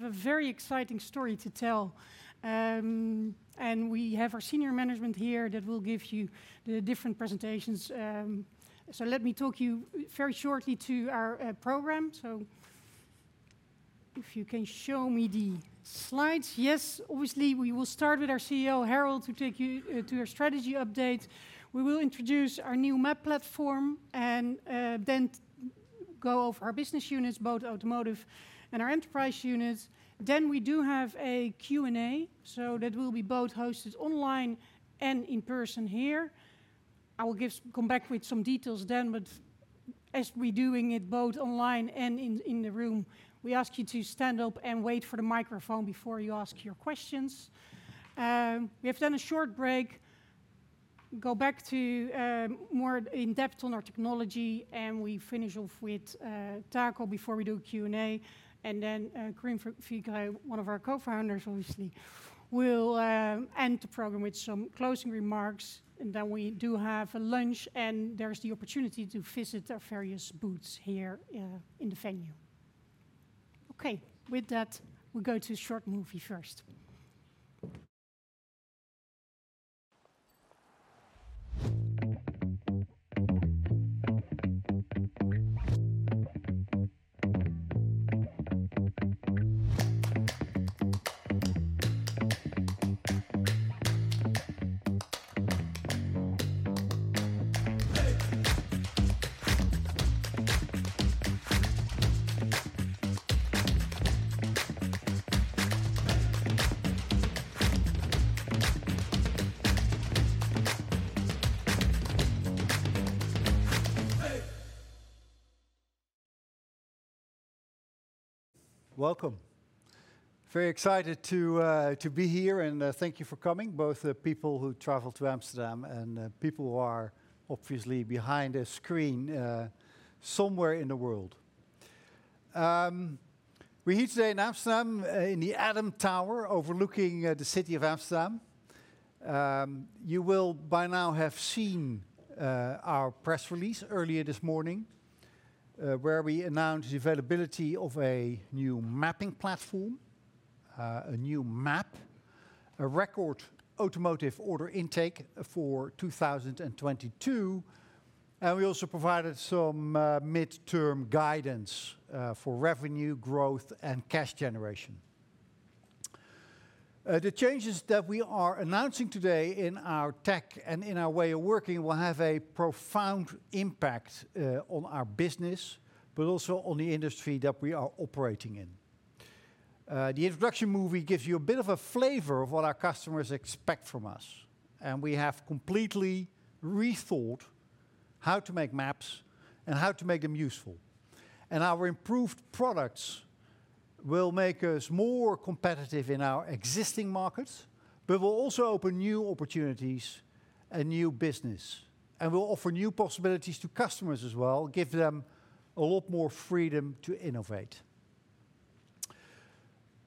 have a very exciting story to tell. We have our senior management here that will give you the different presentations. Let me talk to you very shortly to our program. If you can show me the slides. Yes. Obviously, we will start with our CEO, Harold, to take you to our strategy update. We will introduce our new map platform and then go over our business units, both automotive and our enterprise units. We do have a Q&A, so that will be both hosted online and in person here. I will come back with some details then, but as we're doing it both online and in the room, we ask you to stand up and wait for the microphone before you ask your questions. We have a short break. Go back to more in-depth on our technology, and we finish off with Taco before we do a Q&A. Corinne Vigreux, one of our co-founders, obviously, will end the program with some closing remarks. We do have a lunch, and there's the opportunity to visit our various booths here in the venue. Okay. With that, we'll go to short movie first. Welcome. Very excited to be here, and thank you for coming, both the people who traveled to Amsterdam and people who are obviously behind a screen, somewhere in the world. We're here today in Amsterdam, in the A'DAM Tower, overlooking the city of Amsterdam. You will by now have seen our press release earlier this morning, where we announced the availability of a new mapping platform, a new map, a record automotive order intake for 2022, and we also provided some midterm guidance for revenue growth and cash generation. The changes that we are announcing today in our tech and in our way of working will have a profound impact on our business, but also on the industry that we are operating in. The introduction movie gives you a bit of a flavor of what our customers expect from us, and we have completely rethought how to make maps and how to make them useful. Our improved products will make us more competitive in our existing markets but will also open new opportunities and new business, and will offer new possibilities to customers as well, give them a lot more freedom to innovate.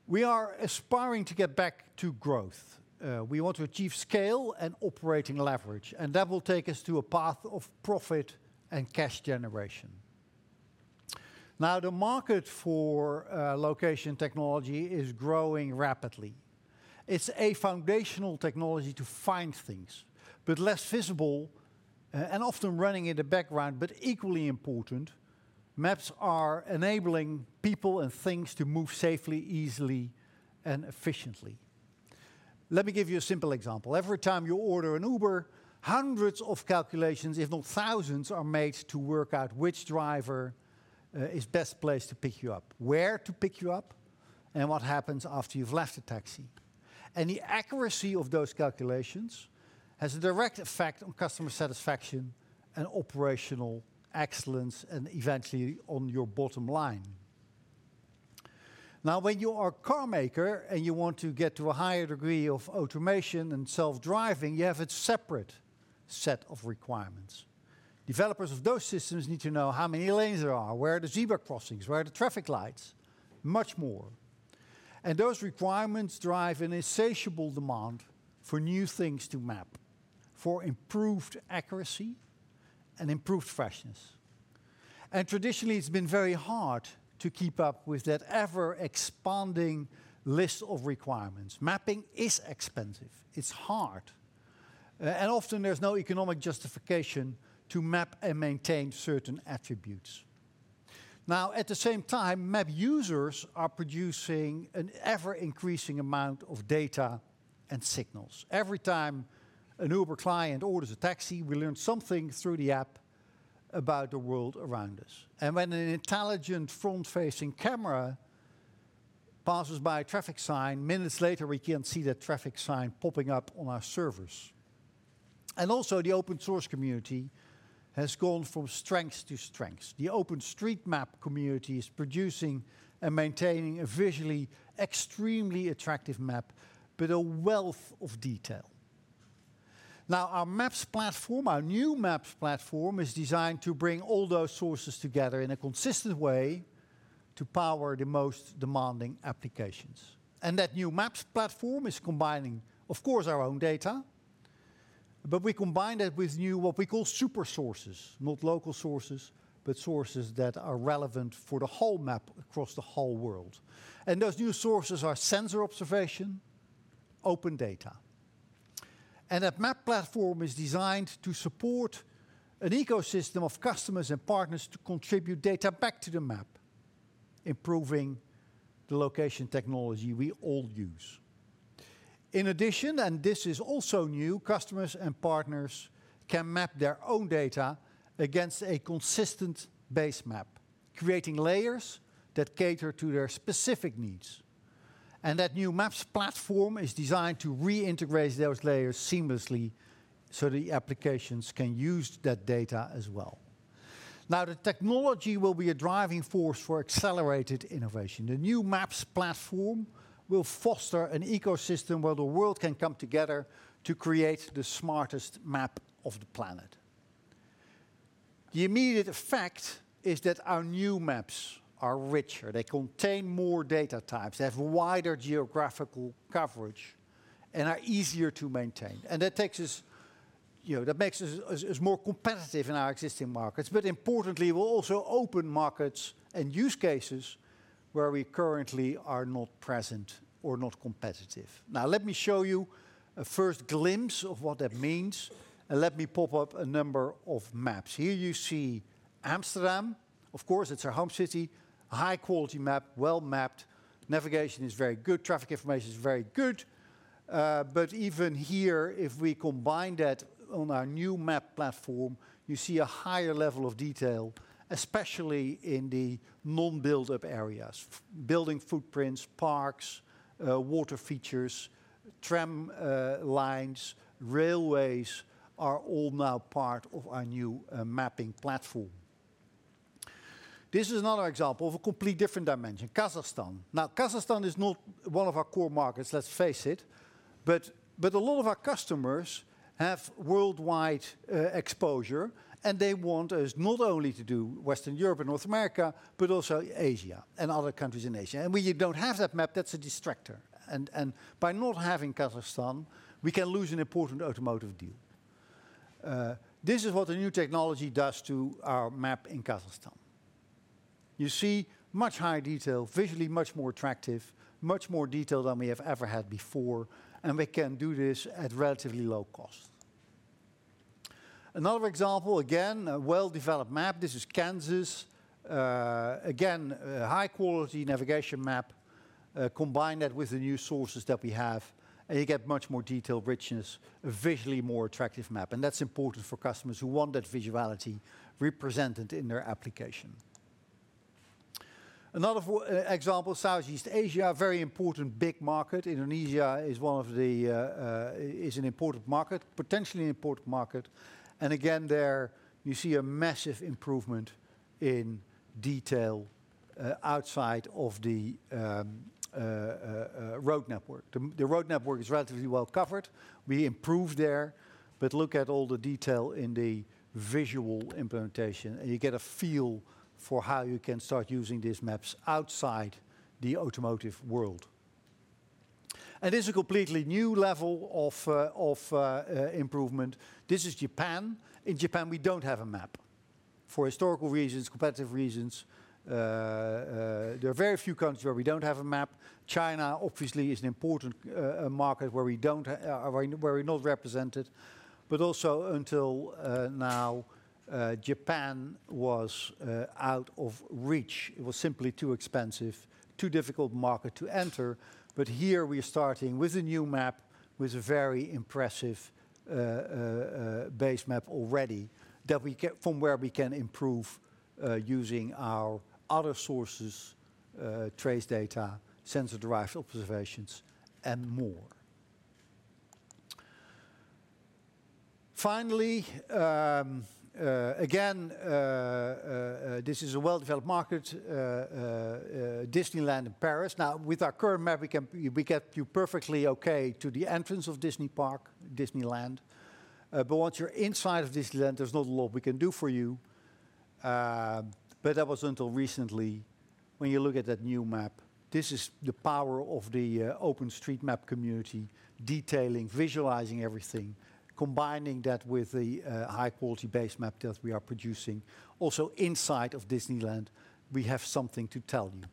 We are aspiring to get back to growth. We want to achieve scale and operating leverage, and that will take us to a path of profit and cash generation. Now, the market for location technology is growing rapidly. It's a foundational technology to find things, but less visible and often running in the background, but equally important, maps are enabling people and things to move safely, easily, and efficiently. Let me give you a simple example. Every time you order an Uber, hundreds of calculations, if not thousands, are made to work out which driver is best placed to pick you up, where to pick you up, and what happens after you've left the taxi. The accuracy of those calculations has a direct effect on customer satisfaction and operational excellence, and eventually on your bottom line. Now, when you are a car maker and you want to get to a higher degree of automation and self-driving, you have a separate set of requirements. Developers of those systems need to know how many lanes there are, where are the zebra crossings, where are the traffic lights, much more. Those requirements drive an insatiable demand for new things to map, for improved accuracy and improved freshness. Traditionally, it's been very hard to keep up with that ever-expanding list of requirements. Mapping is expensive, it's hard, and often there's no economic justification to map and maintain certain attributes. Now, at the same time, map users are producing an ever-increasing amount of data and signals. Every time an Uber client orders a taxi, we learn something through the app about the world around us. When an intelligent front-facing camera passes by a traffic sign, minutes later, we can see that traffic sign popping up on our servers. Also, the open source community has gone from strength to strength. The OpenStreetMap community is producing and maintaining a visually extremely attractive map with a wealth of detail. Now, our maps platform, our new maps platform, is designed to bring all those sources together in a consistent way to power the most demanding applications. That new Maps platform is combining, of course, our own data. But we combine that with new, what we call super sources, not local sources, but sources that are relevant for the whole map across the whole world. Those new sources are sensor observation, open data. That Maps platform is designed to support an ecosystem of customers and partners to contribute data back to the map, improving the location technology we all use. In addition, and this is also new, customers and partners can map their own data against a consistent base map, creating layers that cater to their specific needs. That new Maps platform is designed to reintegrate those layers seamlessly so the applications can use that data as well. Now, the technology will be a driving force for accelerated innovation. The new maps platform will foster an ecosystem where the world can come together to create the smartest map of the planet. The immediate effect is that our new maps are richer. They contain more data types, they have wider geographical coverage, and are easier to maintain. That takes us, you know, that makes us more competitive in our existing markets. Importantly, we'll also open markets and use cases where we currently are not present or not competitive. Now, let me show you a first glimpse of what that means, and let me pop up a number of maps. Here you see Amsterdam. Of course, it's our home city. High quality map, well mapped. Navigation is very good. Traffic information is very good. Even here, if we combine that on our new map platform, you see a higher level of detail, especially in the non-built-up areas. Building footprints, parks, water features, tram lines, railways are all now part of our new mapping platform. This is another example of a completely different dimension. Kazakhstan. Now, Kazakhstan is not one of our core markets, let's face it, but a lot of our customers have worldwide exposure, and they want us not only to do Western Europe and North America, but also Asia and other countries in Asia. When you don't have that map, that's a distractor. By not having Kazakhstan, we can lose an important automotive deal. This is what the new technology does to our map in Kazakhstan. You see much higher detail, visually much more attractive, much more detail than we have ever had before, and we can do this at relatively low cost. Another example, again, a well-developed map. This is Kansas. Again, a high quality navigation map. Combine that with the new sources that we have, and you get much more detail richness, a visually more attractive map. That's important for customers who want that visuality represented in their application. Another example, Southeast Asia, a very important big market. Indonesia is an important market, potentially an important market. Again, there you see a massive improvement in detail, outside of the road network. The road network is relatively well covered. We improve there, but look at all the detail in the visual implementation, and you get a feel for how you can start using these maps outside the automotive world. This is a completely new level of improvement. This is Japan. In Japan, we don't have a map for historical reasons, competitive reasons. There are very few countries where we don't have a map. China, obviously, is an important market where we're not represented. Also, until now, Japan was out of reach. It was simply too expensive, too difficult market to enter. Here we're starting with a new map, with a very impressive base map already from where we can improve using our other sources, trace data, sensor-derived observations, and more. Finally, this is a well-developed market, Disneyland Paris. Now, with our current map, we get you perfectly okay to the entrance of Disneyland Park. Once you're inside of Disneyland, there's not a lot we can do for you. That was until recently. When you look at that new map, this is the power of the OpenStreetMap community detailing, visualizing everything, combining that with the high quality base map that we are producing. Also inside of Disneyland, we have something to tell you.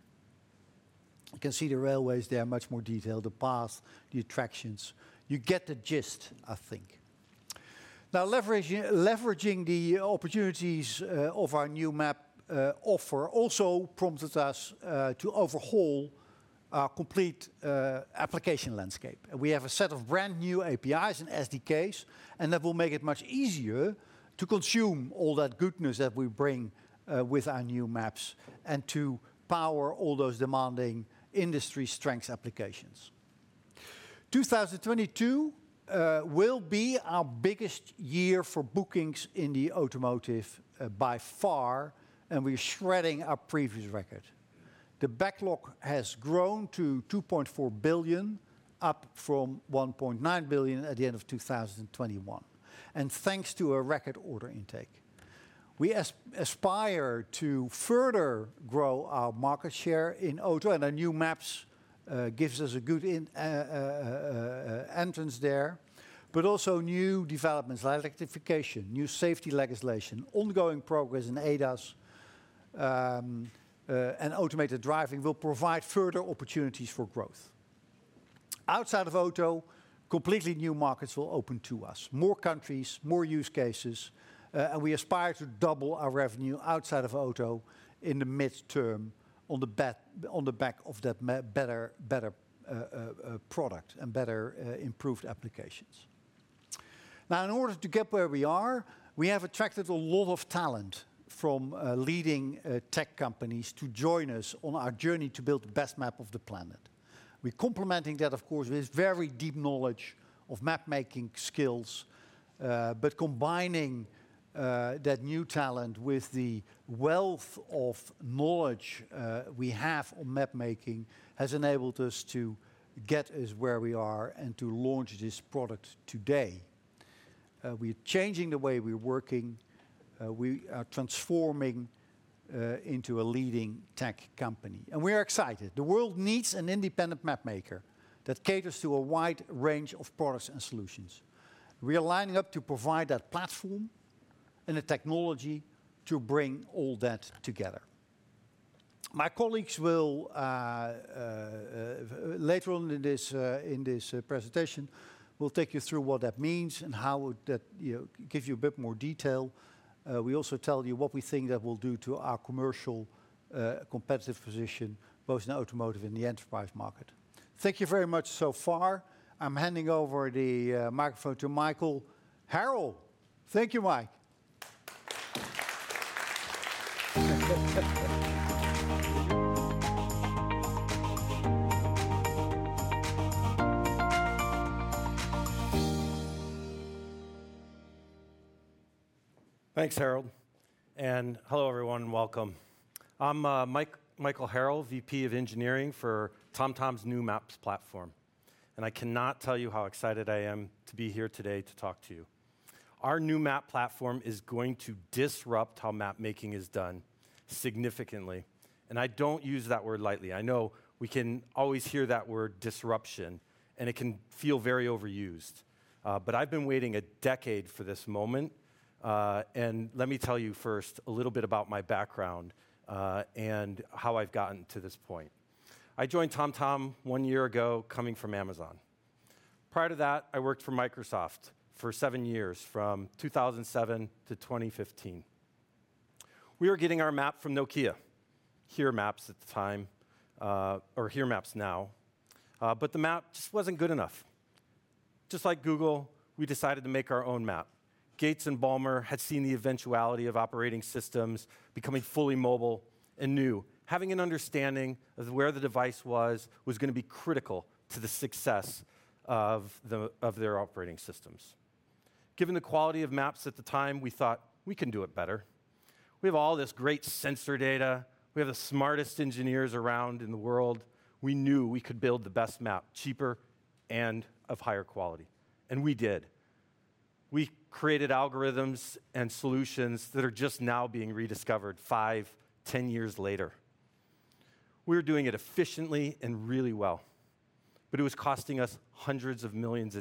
You can see the railways there, much more detailed. The paths, the attractions. You get the gist, I think. Now, leveraging the opportunities of our new map offering also prompted us to overhaul our complete application landscape. We have a set of brand-new APIs and SDKs, and that will make it much easier to consume all that goodness that we bring with our new maps and to power all those demanding industry strengths applications. 2022 will be our biggest year for bookings in the automotive by far, and we're shredding our previous record. The backlog has grown to 2.4 billion, up from 1.9 billion at the end of 2021, and thanks to a record order intake. We aspire to further grow our market share in auto, and our new maps gives us a good entrance there. New developments like electrification, new safety legislation, ongoing progress in ADAS and automated driving will provide further opportunities for growth. Outside of auto, completely new markets will open to us. More countries, more use cases, and we aspire to double our revenue outside of auto in the midterm on the back of that better product and better improved applications. Now, in order to get where we are, we have attracted a lot of talent from leading tech companies to join us on our journey to build the best map of the planet. We're complementing that, of course, with very deep knowledge of mapmaking skills, but combining that new talent with the wealth of knowledge we have on mapmaking has enabled us to get us where we are and to launch this product today. We're changing the way we're working. We are transforming into a leading tech company, and we are excited. The world needs an independent mapmaker that caters to a wide range of products and solutions. We are lining up to provide that platform and the technology to bring all that together. My colleagues will later on in this presentation take you through what that means and how would that, you know, give you a bit more detail. We also tell you what we think that will do to our commercial competitive position, both in the automotive and the enterprise market. Thank you very much so far. I'm handing over the microphone to Michael Harrell. Thank you, Mike. Thanks, Harold. Hello, everyone, and welcome. I'm Michael Harrell, VP of Engineering for TomTom's new Maps platform, and I cannot tell you how excited I am to be here today to talk to you. Our new map platform is going to disrupt how mapmaking is done significantly, and I don't use that word lightly. I know we can always hear that word disruption, and it can feel very overused. I've been waiting a decade for this moment. Let me tell you first a little bit about my background, and how I've gotten to this point. I joined TomTom one year ago, coming from Amazon. Prior to that, I worked for Microsoft for seven years, from 2007 to 2015. We were getting our map from Nokia HERE Maps at the time, or HERE Maps now. The map just wasn't good enough. Just like Google, we decided to make our own map. Gates and Ballmer had seen the eventuality of operating systems becoming fully mobile and new. Having an understanding of where the device was was gonna be critical to the success of the, of their operating systems. Given the quality of maps at the time, we thought, "We can do it better." We have all this great sensor data. We have the smartest engineers around in the world. We knew we could build the best map cheaper and of higher quality, and we did. We created algorithms and solutions that are just now being rediscovered five, 10 years later. We were doing it efficiently and really well, but it was costing us hundreds of millions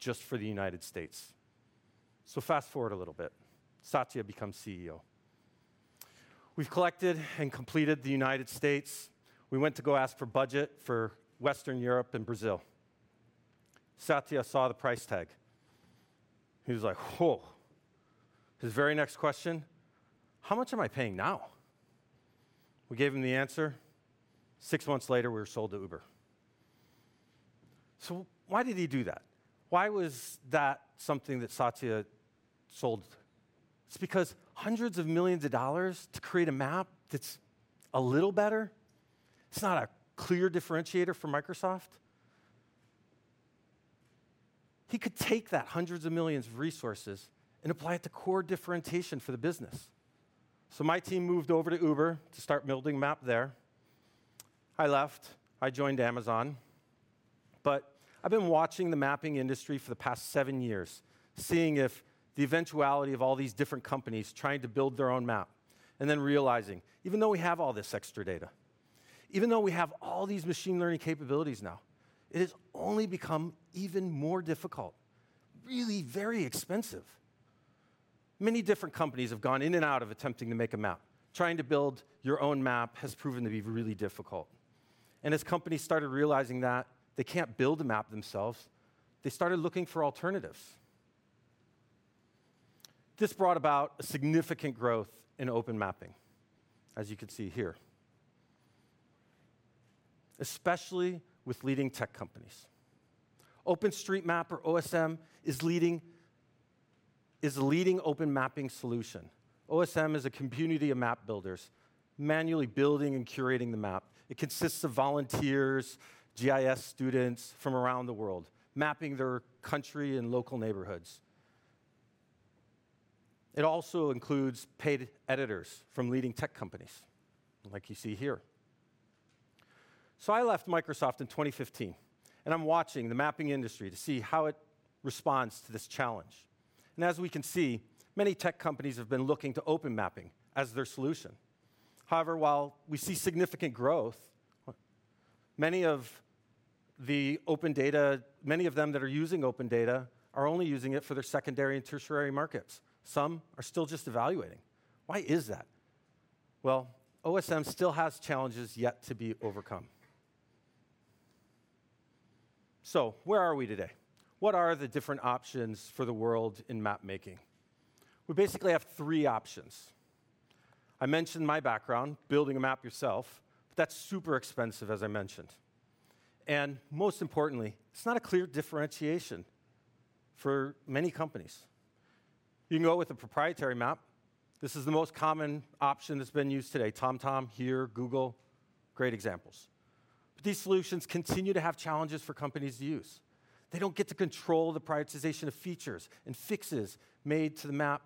just for the United States. Fast-forward a little bit. Satya becomes CEO. We've collected and completed the United States. We went to go ask for budget for Western Europe and Brazil. Satya saw the price tag. He was like, "Whoa." His very next question. "How much am I paying now?" We gave him the answer. Six months later, we were sold to Uber. Why did he do that? Why was that something that Satya sold? It's because hundreds of millions to create a map that's a little better, it's not a clear differentiator for Microsoft. He could take that hundreds of millions of resources and apply it to core differentiation for the business. My team moved over to Uber to start building a map there. I left, I joined Amazon, but I've been watching the mapping industry for the past seven years, seeing the inevitability of all these different companies trying to build their own map and then realizing even though we have all this extra data, even though we have all these machine learning capabilities now, it has only become even more difficult. Really very expensive. Many different companies have gone in and out of attempting to make a map. Trying to build your own map has proven to be really difficult. As companies started realizing that they can't build a map themselves, they started looking for alternatives. This brought about a significant growth in open mapping, as you can see here, especially with leading tech companies. OpenStreetMap is the leading open mapping solution. OpenStreetMap is a community of map builders manually building and curating the map. It consists of volunteers, GIS students from around the world mapping their country and local neighborhoods. It also includes paid editors from leading tech companies, like you see here. I left Microsoft in 2015, and I'm watching the mapping industry to see how it responds to this challenge. As we can see, many tech companies have been looking to open mapping as their solution. However, while we see significant growth, many of them that are using open data are only using it for their secondary and tertiary markets. Some are still just evaluating. Why is that? Well, OpenStreetMap still has challenges yet to be overcome. Where are we today? What are the different options for the world in mapmaking? We basically have three options. I mentioned my background, building a map yourself. That's super expensive, as I mentioned. Most importantly, it's not a clear differentiation for many companies. You can go with a proprietary map. This is the most common option that's been used today. TomTom, HERE, Google, great examples. These solutions continue to have challenges for companies to use. They don't get to control the prioritization of features and fixes made to the map.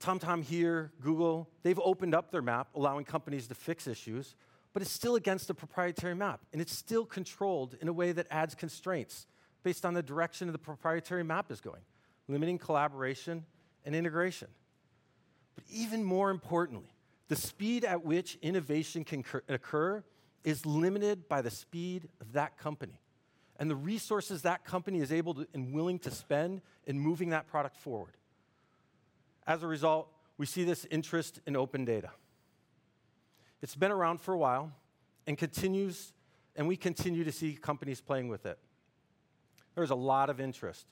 TomTom, HERE, Google, they've opened up their map, allowing companies to fix issues, but it's still against a proprietary map, and it's still controlled in a way that adds constraints based on the direction of the proprietary map is going, limiting collaboration and integration. Even more importantly, the speed at which innovation can occur is limited by the speed of that company and the resources that company is able to and willing to spend in moving that product forward. As a result, we see this interest in open data. It's been around for a while and continues, and we continue to see companies playing with it. There's a lot of interest,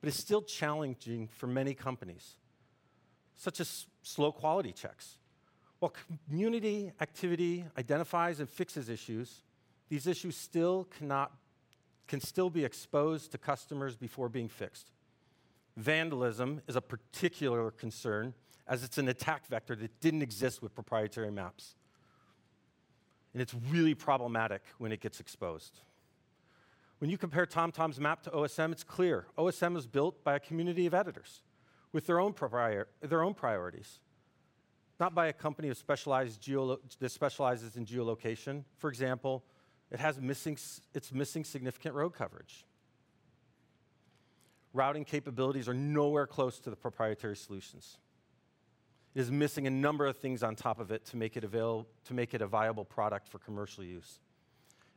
but it's still challenging for many companies, such as slow quality checks. While community activity identifies and fixes issues, these issues can still be exposed to customers before being fixed. Vandalism is a particular concern as it's an attack vector that didn't exist with proprietary maps, and it's really problematic when it gets exposed. When you compare TomTom's map to OpenStreetMap, it's clear OpenStreetMap is built by a community of editors with their own priorities, not by a company that specializes in geolocation. For example, it's missing significant road coverage. Routing capabilities are nowhere close to the proprietary solutions. It is missing a number of things on top of it to make it a viable product for commercial use.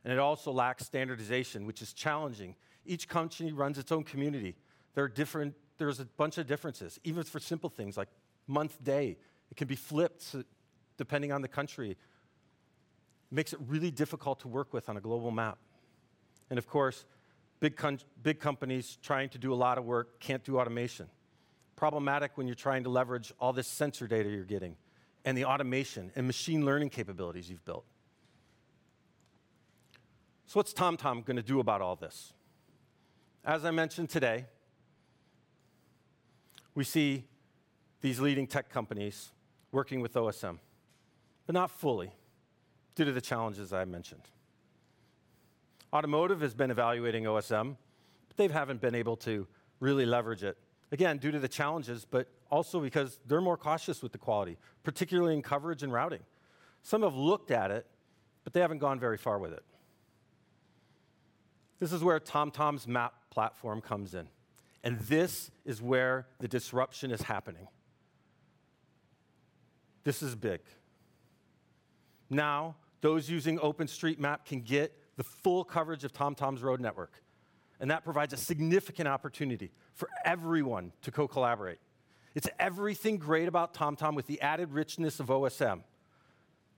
It also lacks standardization, which is challenging. Each country runs its own community. There are different. There's a bunch of differences, even for simple things like month, day. It can be flipped depending on the country. Makes it really difficult to work with on a global map. Of course, big companies trying to do a lot of work can't do automation. Problematic when you're trying to leverage all this sensor data you're getting and the automation and machine learning capabilities you've built. What's TomTom gonna do about all this? As I mentioned today, we see these leading tech companies working with OpenStreetMap, but not fully due to the challenges I mentioned. Automotive has been evaluating OpenStreetMap, but they haven't been able to really leverage it, again, due to the challenges, but also because they're more cautious with the quality, particularly in coverage and routing. Some have looked at it, but they haven't gone very far with it. This is where TomTom Maps platform comes in, and this is where the disruption is happening. This is big. Now, those using OpenStreetMap can get the full coverage of TomTom's road network, and that provides a significant opportunity for everyone to co-collaborate. It's everything great about TomTom with the added richness of OpenStreetMap.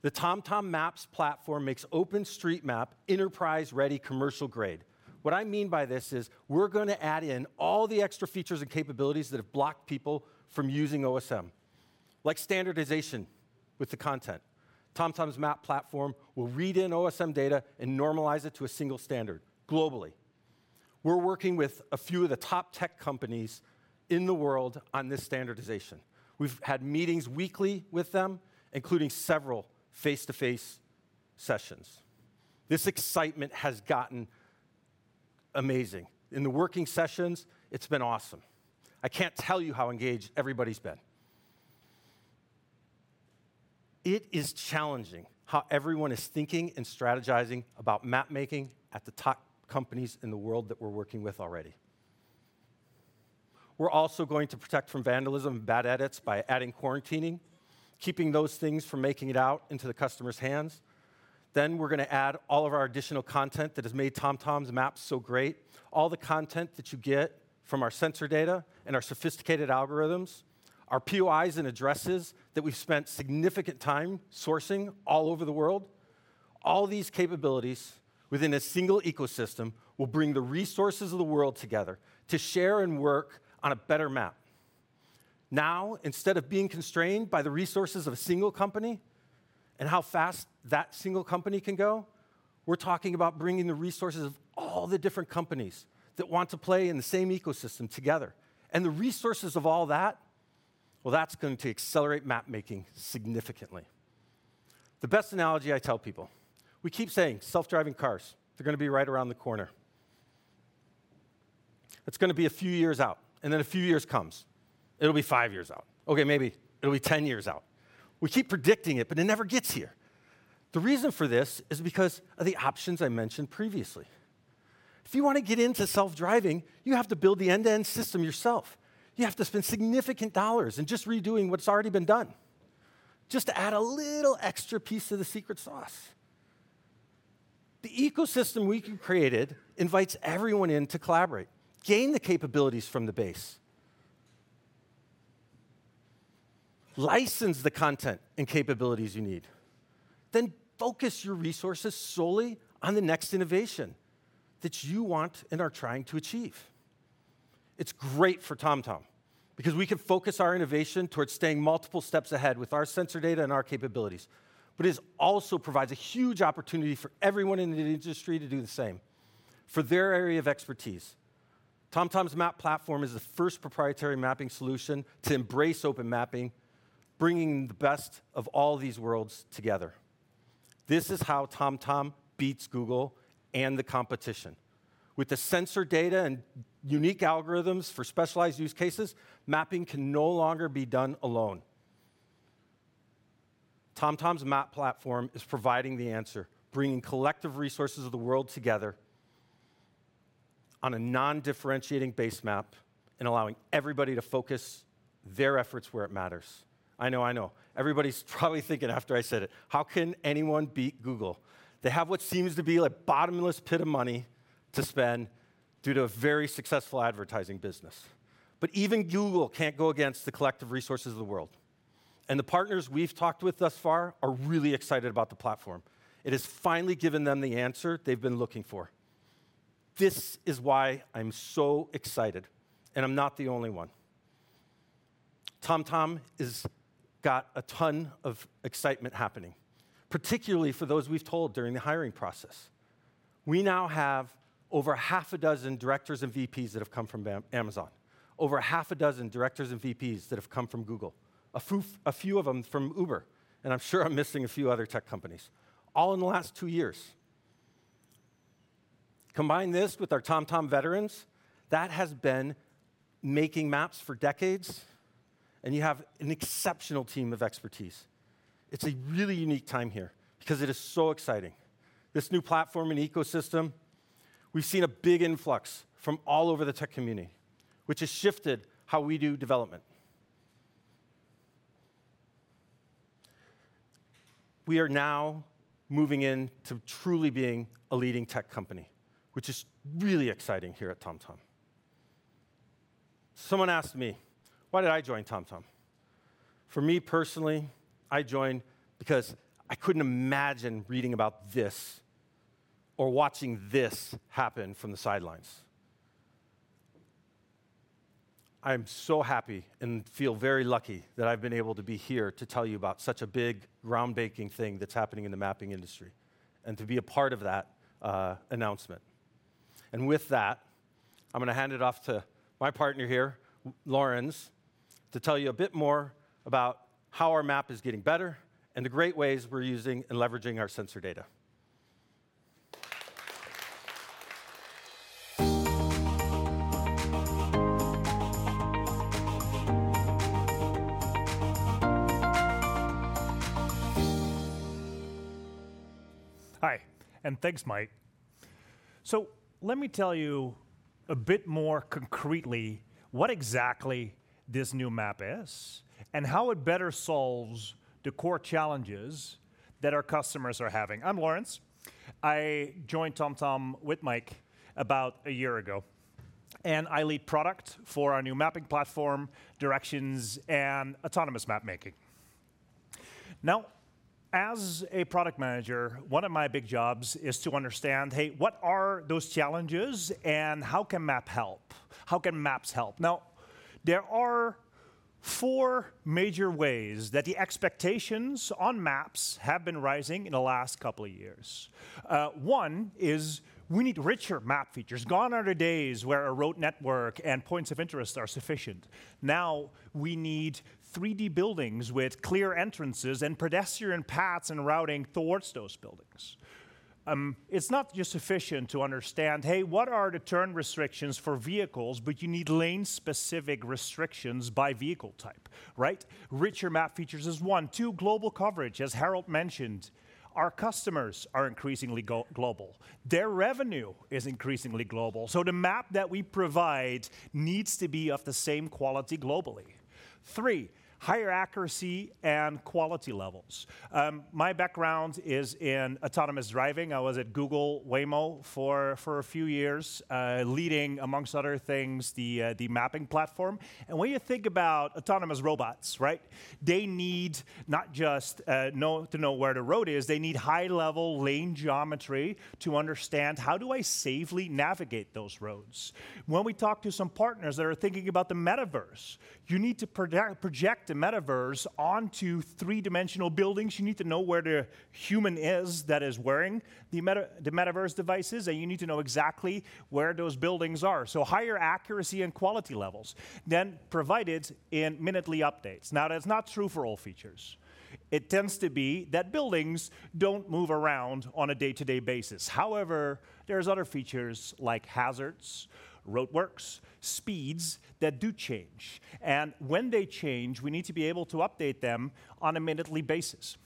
The TomTom Maps platform makes OpenStreetMap enterprise-ready, commercial-grade. What I mean by this is we're gonna add in all the extra features and capabilities that have blocked people from using OpenStreetMap, like standardization with the content. TomTom's map platform will read in OpenStreetMap data and normalize it to a single standard globally. We're working with a few of the top tech companies in the world on this standardization. We've had meetings weekly with them, including several face-to-face sessions. This excitement has gotten amazing. In the working sessions, it's been awesome. I can't tell you how engaged everybody's been. It is challenging how everyone is thinking and strategizing about mapmaking at the top companies in the world that we're working with already. We're also going to protect from vandalism and bad edits by adding quarantining, keeping those things from making it out into the customer's hands. We're gonna add all of our additional content that has made TomTom's maps so great. All the content that you get from our sensor data and our sophisticated algorithms, our POIs and addresses that we've spent significant time sourcing all over the world. All these capabilities within a single ecosystem will bring the resources of the world together to share and work on a better map. Now, instead of being constrained by the resources of a single company and how fast that single company can go, we're talking about bringing the resources of all the different companies that want to play in the same ecosystem together. The resources of all that, well, that's going to accelerate mapmaking significantly. The best analogy I tell people, we keep saying self-driving cars, they're gonna be right around the corner. It's gonna be a few years out, and then a few years comes. It'll be five years out. Okay, maybe it'll be 10 years out. We keep predicting it, but it never gets here. The reason for this is because of the options I mentioned previously. If you wanna get into self-driving, you have to build the end-to-end system yourself. You have to spend significant dollars in just redoing what's already been done just to add a little extra piece to the secret sauce. The ecosystem we created invites everyone in to collaborate, gain the capabilities from the base, license the content and capabilities you need, then focus your resources solely on the next innovation that you want and are trying to achieve. It's great for TomTom because we can focus our innovation towards staying multiple steps ahead with our sensor data and our capabilities. It also provides a huge opportunity for everyone in the industry to do the same for their area of expertise. TomTom's map platform is the first proprietary mapping solution to embrace open mapping, bringing the best of all these worlds together. This is how TomTom beats Google and the competition. With the sensor data and unique algorithms for specialized use cases, mapping can no longer be done alone. TomTom's map platform is providing the answer, bringing collective resources of the world together on a non-differentiating base map and allowing everybody to focus their efforts where it matters. I know, I know. Everybody's probably thinking after I said it, how can anyone beat Google? They have what seems to be a bottomless pit of money to spend due to a very successful advertising business. Even Google can't go against the collective resources of the world, and the partners we've talked with thus far are really excited about the platform. It has finally given them the answer they've been looking for. This is why I'm so excited, and I'm not the only one. TomTom got a ton of excitement happening, particularly for those we've told during the hiring process. We now have over half a dozen directors and VPs that have come from Amazon, over half a dozen directors and VPs that have come from Google, a few of them from Uber, and I'm sure I'm missing a few other tech companies, all in the last two years. Combine this with our TomTom veterans that has been making maps for decades, and you have an exceptional team of expertise. It's a really unique time here because it is so exciting. This new platform and ecosystem, we've seen a big influx from all over the tech community, which has shifted how we do development. We are now moving in to truly being a leading tech company, which is really exciting here at TomTom. Someone asked me, why did I join TomTom? For me personally, I joined because I couldn't imagine reading about this or watching this happen from the sidelines. I'm so happy and feel very lucky that I've been able to be here to tell you about such a big, groundbreaking thing that's happening in the mapping industry and to be a part of that, announcement. With that, I'm gonna hand it off to my partner here, Laurens, to tell you a bit more about how our map is getting better and the great ways we're using and leveraging our sensor data. Hi, and thanks, Mike. Let me tell you a bit more concretely what exactly this new map is and how it better solves the core challenges that our customers are having. I'm Laurens. I joined TomTom with Mike about a year ago, and I lead product for our new mapping platform, directions, and autonomous map making. Now, as a product manager, one of my big jobs is to understand, hey, what are those challenges and how can map help? How can maps help? Now, there are four major ways that the expectations on maps have been rising in the last couple of years. One is we need richer map features. Gone are the days where a road network and points of interest are sufficient. Now we need 3D buildings with clear entrances and pedestrian paths and routing towards those buildings. It's not just sufficient to understand, hey, what are the turn restrictions for vehicles? You need lane-specific restrictions by vehicle type, right? Richer map features is one. Two, global coverage. As Harold mentioned, our customers are increasingly go-global. Their revenue is increasingly global, so the map that we provide needs to be of the same quality globally. Three, higher accuracy and quality levels. My background is in autonomous driving. I was at Google Waymo for a few years, leading, amongst other things, the mapping platform. When you think about autonomous robots, right, they need not just to know where the road is. They need high-level lane geometry to understand, how do I safely navigate those roads? When we talk to some partners that are thinking about the Metaverse, you need to project the Metaverse onto three-dimensional buildings. You need to know where the human is that is wearing the Metaverse devices, and you need to know exactly where those buildings are, so higher accuracy and quality levels. Provided in minutely updates. Now, that's not true for all features. It tends to be that buildings don't move around on a day-to-day basis. However, there's other features like hazards, roadworks, speeds that do change, and when they change, we need to be able to update them on a minutely basis.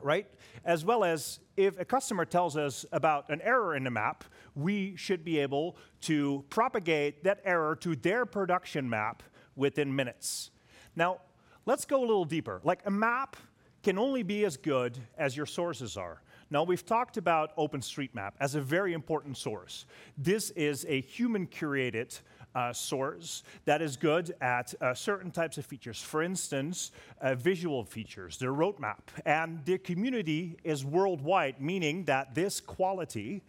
Right? As well as if a customer tells us about an error in a map, we should be able to propagate that error to their production map within minutes. Now, let's go a little deeper. Like, a map can only be as good as your sources are. Now, we've talked about OpenStreetMap as a very important source. This is a human-curated source that is good at certain types of features. For instance, visual features, their roadmap, and their community is worldwide, meaning that this quality,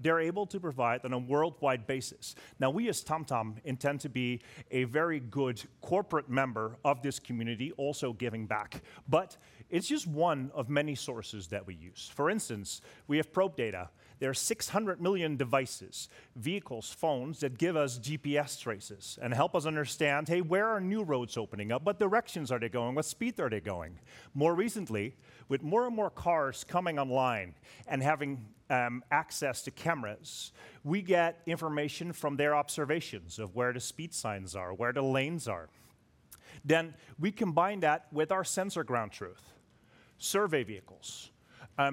they're able to provide on a worldwide basis. Now, we as TomTom intend to be a very good corporate member of this community also giving back, but it's just one of many sources that we use. For instance, we have probe data. There are 600 million devices, vehicles, phones that give us GPS traces and help us understand, hey, where are new roads opening up? What directions are they going? What speed are they going? More recently, with more and more cars coming online and having access to cameras, we get information from their observations of where the speed signs are, where the lanes are. We combine that with our sensor ground truth, survey vehicles,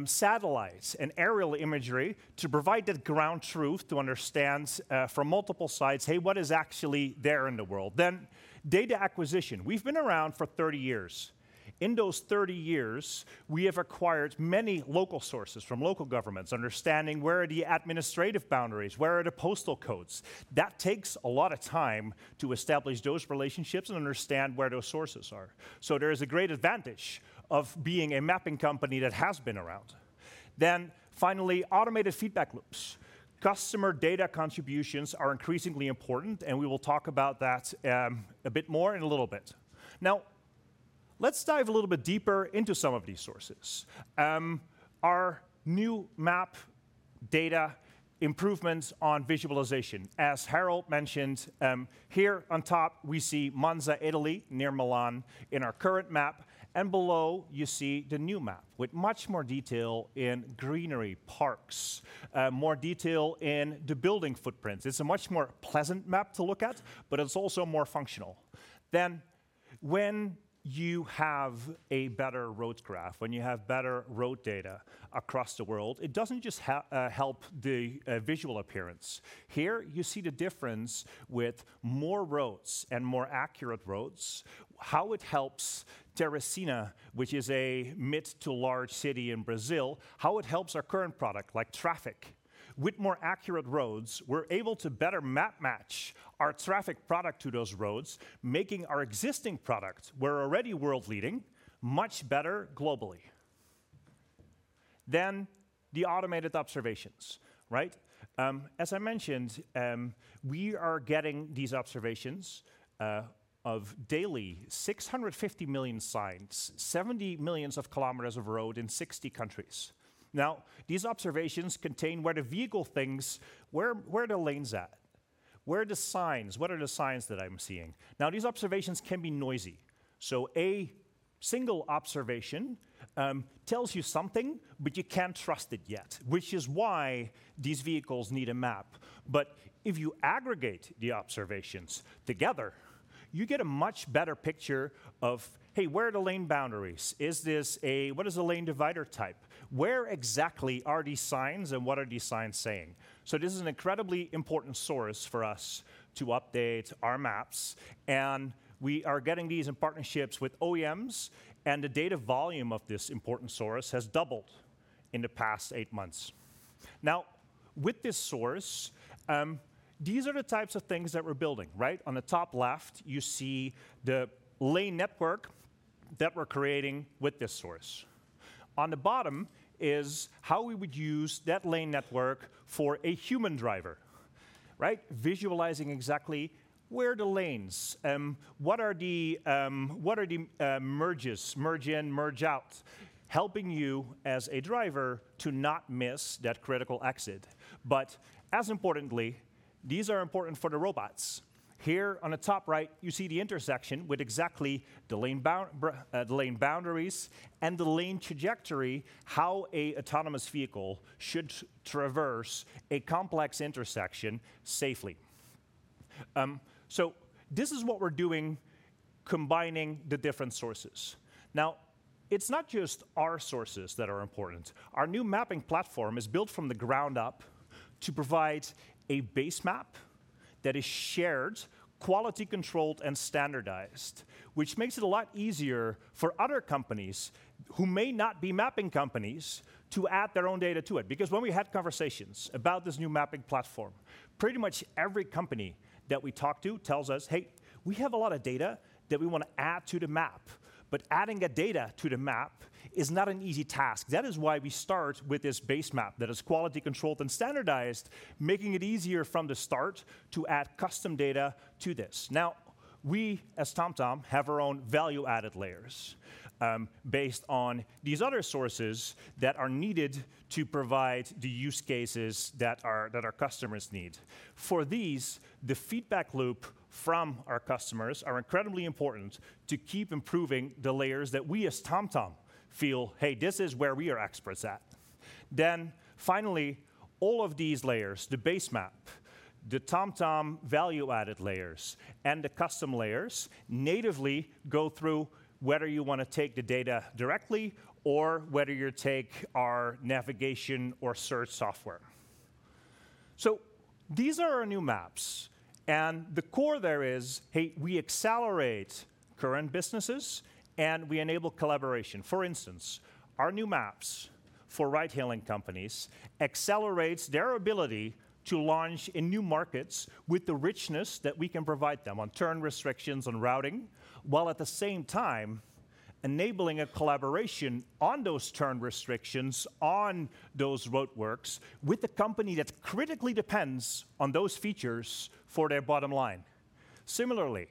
satellites, and aerial imagery to provide the ground truth to understand from multiple sites, hey, what is actually there in the world? Data acquisition. We've been around for 30 years. In those 30 years, we have acquired many local sources from local governments understanding where are the administrative boundaries, where are the postal codes. That takes a lot of time to establish those relationships and understand where those sources are. There is a great advantage of being a mapping company that has been around. Finally, automated feedback loops. Customer data contributions are increasingly important, and we will talk about that, a bit more in a little bit. Now, let's dive a little bit deeper into some of these sources. Our new map data improvements on visualization. As Harold mentioned, here on top we see Monza, Italy, near Milan in our current map, and below you see the new map with much more detail in greenery, parks, more detail in the building footprints. It's a much more pleasant map to look at, but it's also more functional. When you have a better road graph, when you have better road data across the world, it doesn't just help the visual appearance. Here you see the difference with more roads and more accurate roads, how it helps Teresina, which is a mid to large city in Brazil, how it helps our current product like traffic. With more accurate roads, we're able to better map match our traffic product to those roads, making our existing product, we're already world-leading, much better globally. The automated observations, right? As I mentioned, we are getting these observations of daily 650 million signs, 70 million kilometers of road in 60 countries. These observations contain where the vehicle thinks where the lanes at, where are the signs, what are the signs that I'm seeing. These observations can be noisy, so a single observation tells you something, but you can't trust it yet, which is why these vehicles need a map. If you aggregate the observations together, you get a much better picture of, hey, where are the lane boundaries? What is a lane divider type? Where exactly are these signs and what are these signs saying? This is an incredibly important source for us to update our maps, and we are getting these in partnerships with OEMs, and the data volume of this important source has doubled in the past eight months. Now, with this source, these are the types of things that we're building, right? On the top left, you see the lane network that we're creating with this source. On the bottom is how we would use that lane network for a human driver, right? Visualizing exactly where the lanes, what are the merges, merge in, merge out, helping you as a driver to not miss that critical exit. As importantly, these are important for the robots. Here on the top right, you see the intersection with exactly the lane boundaries and the lane trajectory, how an autonomous vehicle should traverse a complex intersection safely. This is what we're doing, combining the different sources. Now, it's not just our sources that are important. Our new mapping platform is built from the ground up to provide a base map that is shared, quality controlled, and standardized, which makes it a lot easier for other companies who may not be mapping companies to add their own data to it. Because when we had conversations about this new mapping platform, pretty much every company that we talk to tells us, "Hey, we have a lot of data that we wanna add to the map." Adding data to the map is not an easy task. That is why we start with this base map that is quality controlled and standardized, making it easier from the start to add custom data to this. Now, we as TomTom have our own value-added layers, based on these other sources that are needed to provide the use cases that our customers need. For these, the feedback loop from our customers are incredibly important to keep improving the layers that we as TomTom feel, hey, this is where we are experts at. Finally, all of these layers, the base map The TomTom value-added layers and the custom layers natively go through whether you wanna take the data directly or whether you take our navigation or search software. These are our new maps, and the core there is, hey, we accelerate current businesses and we enable collaboration. For instance, our new maps for ride-hailing companies accelerates their ability to launch in new markets with the richness that we can provide them on turn restrictions, on routing, while at the same time enabling a collaboration on those turn restrictions, on those roadworks with the company that critically depends on those features for their bottom line. Similarly,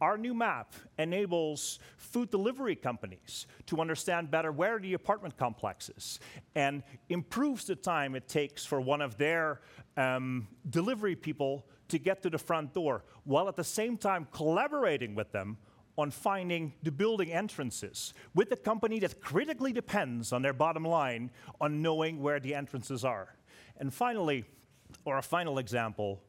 our new map enables food delivery companies to understand better where are the apartment complexes and improves the time it takes for one of their delivery people to get to the front door, while at the same time collaborating with them on finding the building entrances with a company that critically depends on their bottom line on knowing where the entrances are. Finally, or a final example,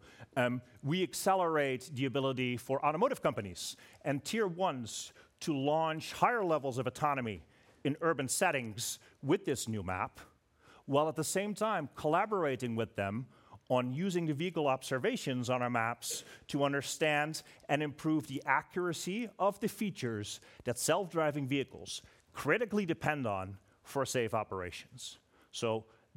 we accelerate the ability for automotive companies and tier ones to launch higher levels of autonomy in urban settings with this new map, while at the same time collaborating with them on using the vehicle observations on our maps to understand and improve the accuracy of the features that self-driving vehicles critically depend on for safe operations.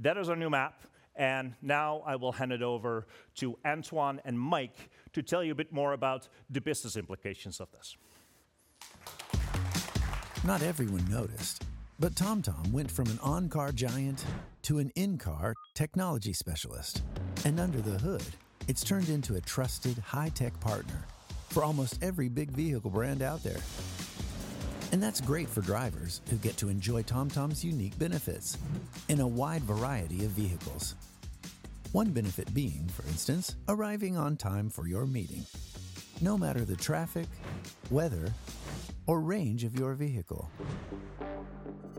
That is our new map, and now I will hand it over to Antoine and Mike to tell you a bit more about the business implications of this. Not everyone noticed, but TomTom went from an on-car giant to an in-car technology specialist. Under the hood, it's turned into a trusted high-tech partner for almost every big vehicle brand out there. That's great for drivers who get to enjoy TomTom's unique benefits in a wide variety of vehicles. One benefit being, for instance, arriving on time for your meeting, no matter the traffic, weather, or range of your vehicle.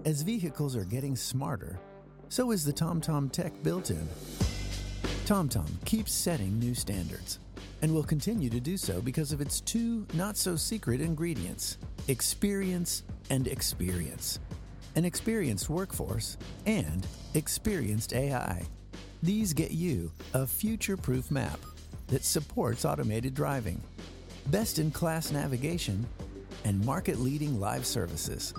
As vehicles are getting smarter, so is the TomTom tech built in. TomTom keeps setting new standards and will continue to do so because of its two not so secret ingredients, experience and experience. An experienced workforce and experienced AI. These get you a future-proof map that supports automated driving, best-in-class navigation, and market-leading live services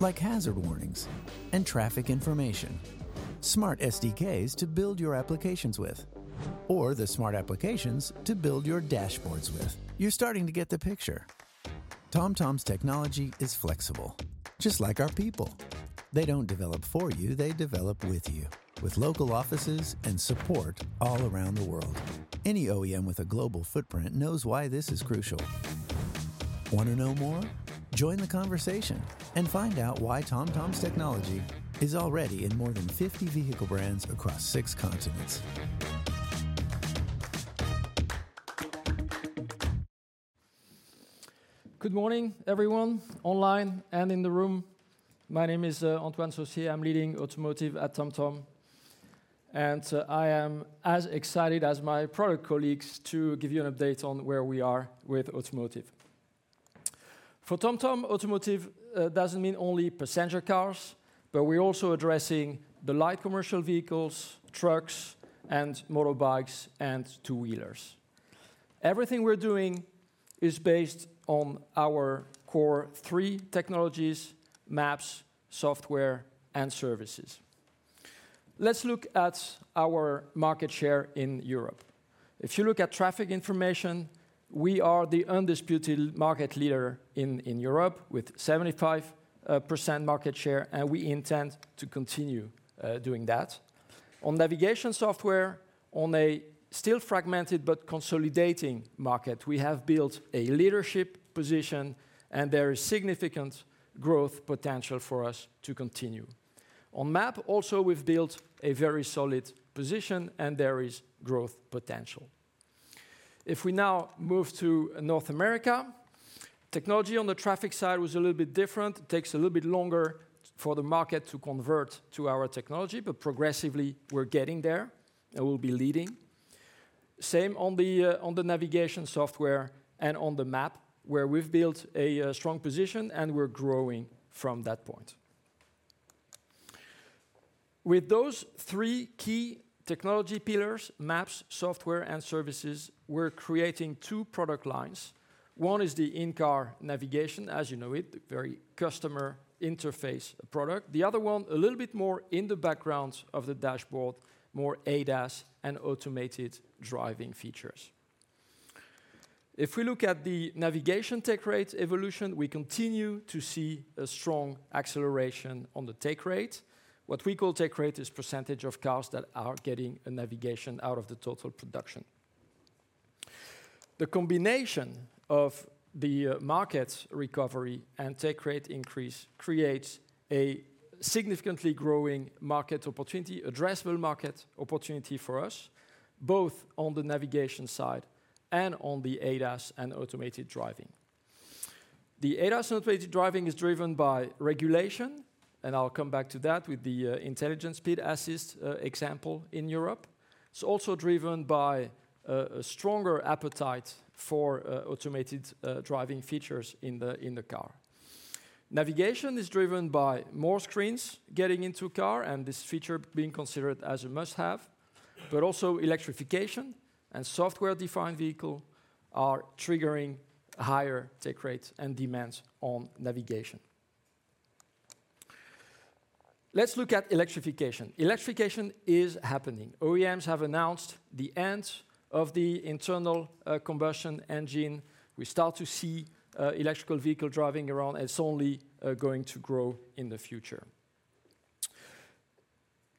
like hazard warnings and traffic information, smart SDKs to build your applications with or the smart applications to build your dashboards with. You're starting to get the picture. TomTom's technology is flexible, just like our people. They don't develop for you, they develop with you, with local offices and support all around the world. Any OEM with a global footprint knows why this is crucial. Wanna know more? Join the conversation and find out why TomTom's technology is already in more than 50 vehicle brands across six continents. Good morning, everyone online and in the room. My name is Antoine Saucier. I'm leading automotive at TomTom, and I am as excited as my product colleagues to give you an update on where we are with automotive. For TomTom, automotive doesn't mean only passenger cars, but we're also addressing the light commercial vehicles, trucks, and motorbikes and two wheelers. Everything we're doing is based on our core three technologies: maps, software, and services. Let's look at our market share in Europe. If you look at traffic information, we are the undisputed market leader in Europe with 75% market share, and we intend to continue doing that. On navigation software on a still fragmented but consolidating market, we have built a leadership position and there is significant growth potential for us to continue. On maps also, we've built a very solid position and there is growth potential. If we now move to North America, technology on the traffic side was a little bit different. It takes a little bit longer for the market to convert to our technology, but progressively we're getting there and we'll be leading. Same on the navigation software and on the map where we've built a strong position and we're growing from that point. With those three key technology pillars, maps, software, and services, we're creating two product lines. One is the in-car navigation as you know it, the very customer interface product. The other one, a little bit more in the background of the dashboard, more ADAS and automated driving features. If we look at the navigation take rate evolution, we continue to see a strong acceleration on the take rate. What we call take rate is percentage of cars that are getting a navigation out of the total production. The combination of the market recovery and take rate increase creates a significantly growing market opportunity, addressable market opportunity for us, both on the navigation side and on the ADAS and automated driving. The ADAS automated driving is driven by regulation, and I'll come back to that with the Intelligent Speed Assist example in Europe. It's also driven by a stronger appetite for automated driving features in the car. Navigation is driven by more screens getting into car and this feature being considered as a must-have, but also electrification and software-defined vehicle are triggering higher take rates and demands on navigation. Let's look at electrification. Electrification is happening. OEMs have announced the end of the internal combustion engine. We start to see electric vehicle driving around, and it's only going to grow in the future.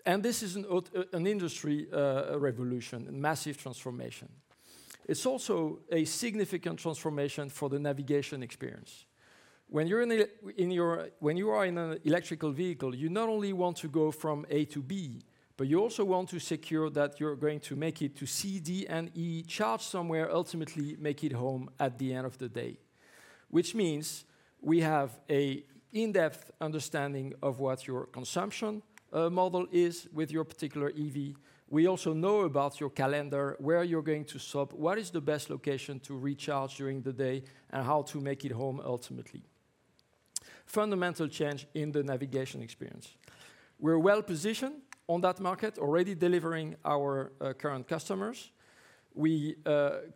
This is an industry revolution, a massive transformation. It's also a significant transformation for the navigation experience. When you are in an electric vehicle, you not only want to go from A to B, but you also want to ensure that you're going to make it to C, D, and E, charge somewhere, ultimately make it home at the end of the day, which means we have an in-depth understanding of what your consumption model is with your particular EV. We also know about your calendar, where you're going to stop, what is the best location to recharge during the day, and how to make it home ultimately. Fundamental change in the navigation experience. We're well-positioned on that market, already delivering to our current customers. We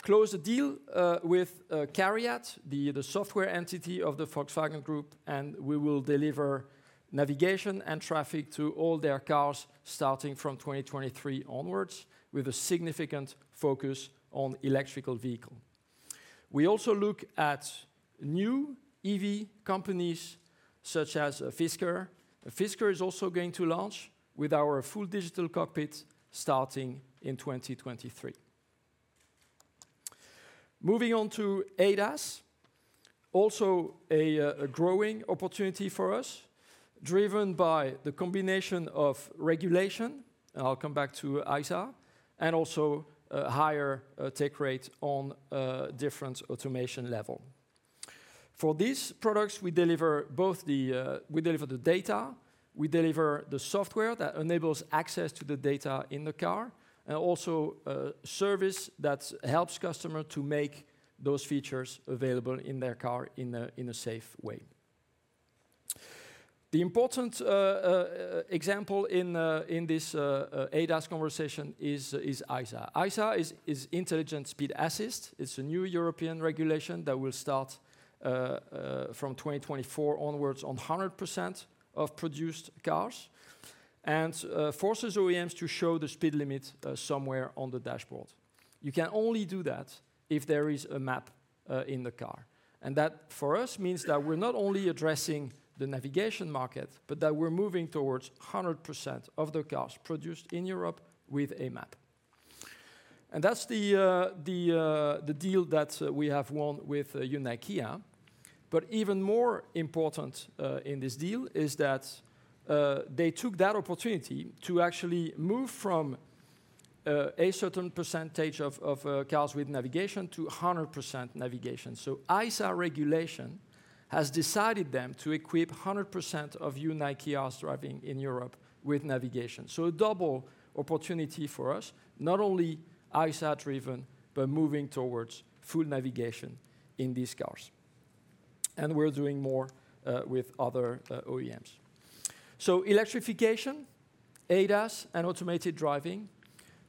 closed a deal with CARIAD, the software entity of the Volkswagen Group, and we will deliver navigation and traffic to all their cars starting from 2023 onwards with a significant focus on electric vehicle. We also look at new EV companies such as Fisker. Fisker is also going to launch with our full digital cockpit starting in 2023. Moving on to ADAS. Also a growing opportunity for us, driven by the combination of regulation, and I'll come back to ISA, and also higher take rates on a different automation level. For these products, we deliver both the data, the software that enables access to the data in the car, and also a service that helps customer to make those features available in their car in a safe way. The important example in this ADAS conversation is ISA. ISA is Intelligent Speed Assist. It's a new European regulation that will start from 2024 onwards on 100% of produced cars and forces OEMs to show the speed limit somewhere on the dashboard. You can only do that if there is a map in the car. That, for us, means that we're not only addressing the navigation market, but that we're moving towards 100% of the cars produced in Europe with a map. That's the deal that we have won with Hyundai and Kia. Even more important in this deal is that they took that opportunity to actually move from a certain percentage of cars with navigation to a 100% navigation. ISA regulation requires them to equip 100% of Hyundai and Kia's vehicles in Europe with navigation. A double opportunity for us, not only ISA-driven, but moving towards full navigation in these cars. We're doing more with other OEMs. Electrification, ADAS, and automated driving.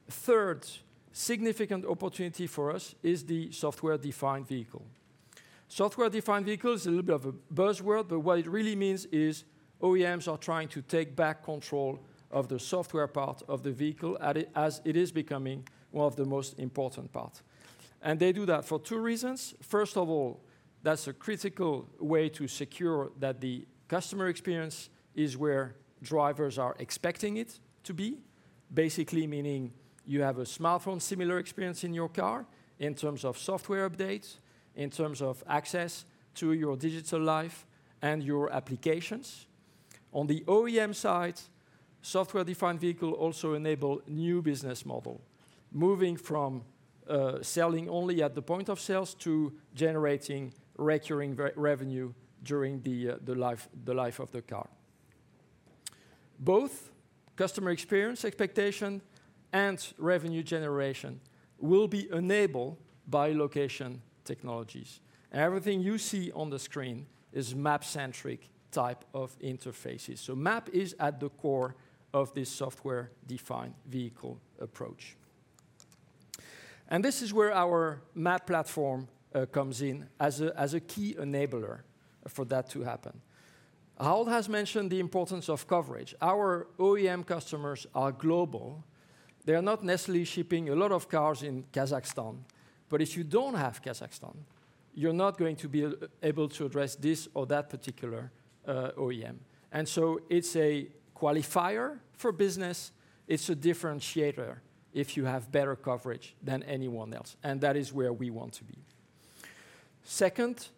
Third significant opportunity for us is the software-defined vehicle. Software-defined vehicle is a little bit of a buzzword, but what it really means is OEMs are trying to take back control of the software part of the vehicle as it is becoming one of the most important part. They do that for two reasons. First of all, that's a critical way to secure that the customer experience is where drivers are expecting it to be. Basically meaning you have a smartphone similar experience in your car in terms of software updates, in terms of access to your digital life and your applications. On the OEM side, software-defined vehicle also enable new business model. Moving from selling only at the point of sales to generating recurring revenue during the life of the car. Both customer experience expectation and revenue generation will be enabled by location technologies. Everything you see on the screen is map-centric type of interfaces. Map is at the core of this software-defined vehicle approach. This is where our map platform comes in as a key enabler for that to happen. Harold has mentioned the importance of coverage. Our OEM customers are global. They are not necessarily shipping a lot of cars in Kazakhstan. If you don't have Kazakhstan, you're not going to be able to address this or that particular OEM. It's a qualifier for business. It's a differentiator if you have better coverage than anyone else, and that is where we want to be. Second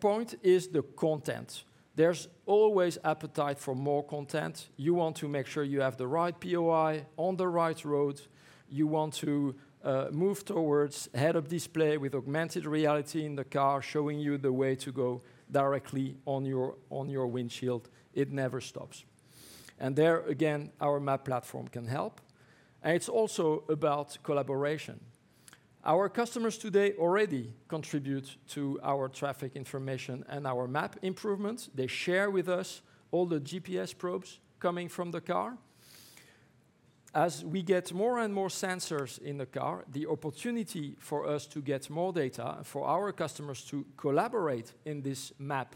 point is the content. There's always appetite for more content. You want to make sure you have the right POI on the right road. You want to move towards head-up display with augmented reality in the car, showing you the way to go directly on your windshield. It never stops. There again, our map platform can help. It's also about collaboration. Our customers today already contribute to our traffic information and our map improvements. They share with us all the GPS probes coming from the car. As we get more and more sensors in the car, the opportunity for us to get more data, for our customers to collaborate in this map,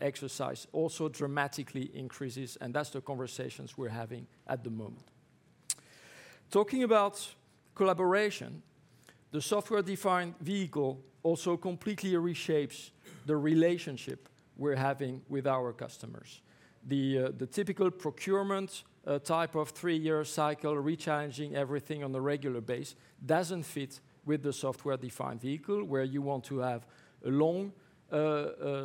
exercise also dramatically increases, and that's the conversations we're having at the moment. Talking about collaboration, the software-defined vehicle also completely reshapes the relationship we're having with our customers. The typical procurement type of three-year cycle, recharging everything on a regular basis doesn't fit with the software-defined vehicle, where you want to have a long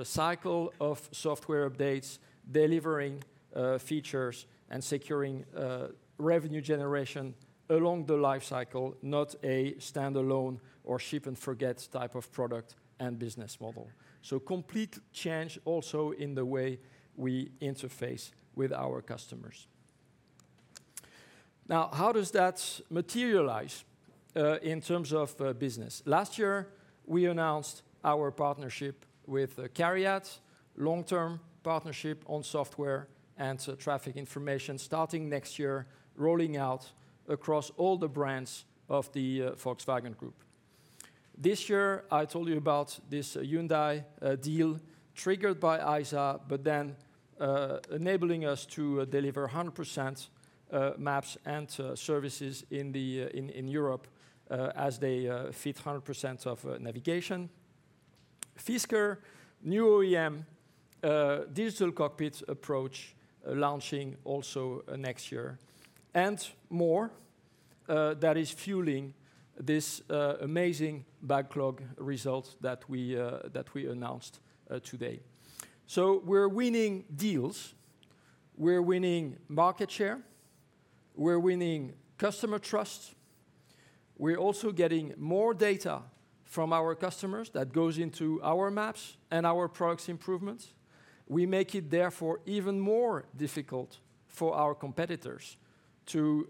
cycle of software updates, delivering features and securing revenue generation along the life cycle, not a standalone or ship-and-forget type of product and business model. Complete change also in the way we interface with our customers. Now, how does that materialize, in terms of, business? Last year, we announced our partnership with CARIAD, long-term partnership on software and traffic information starting next year, rolling out across all the brands of the Volkswagen Group. This year, I told you about this Hyundai deal triggered by ISA, but then enabling us to deliver 100% maps and services in Europe, as they fit 100% of navigation. Fisker, new OEM digital cockpit approach launching also next year. More that is fueling this amazing backlog result that we announced today. We're winning deals, we're winning market share, we're winning customer trust. We're also getting more data from our customers that goes into our maps and our products improvements. We make it therefore even more difficult for our competitors to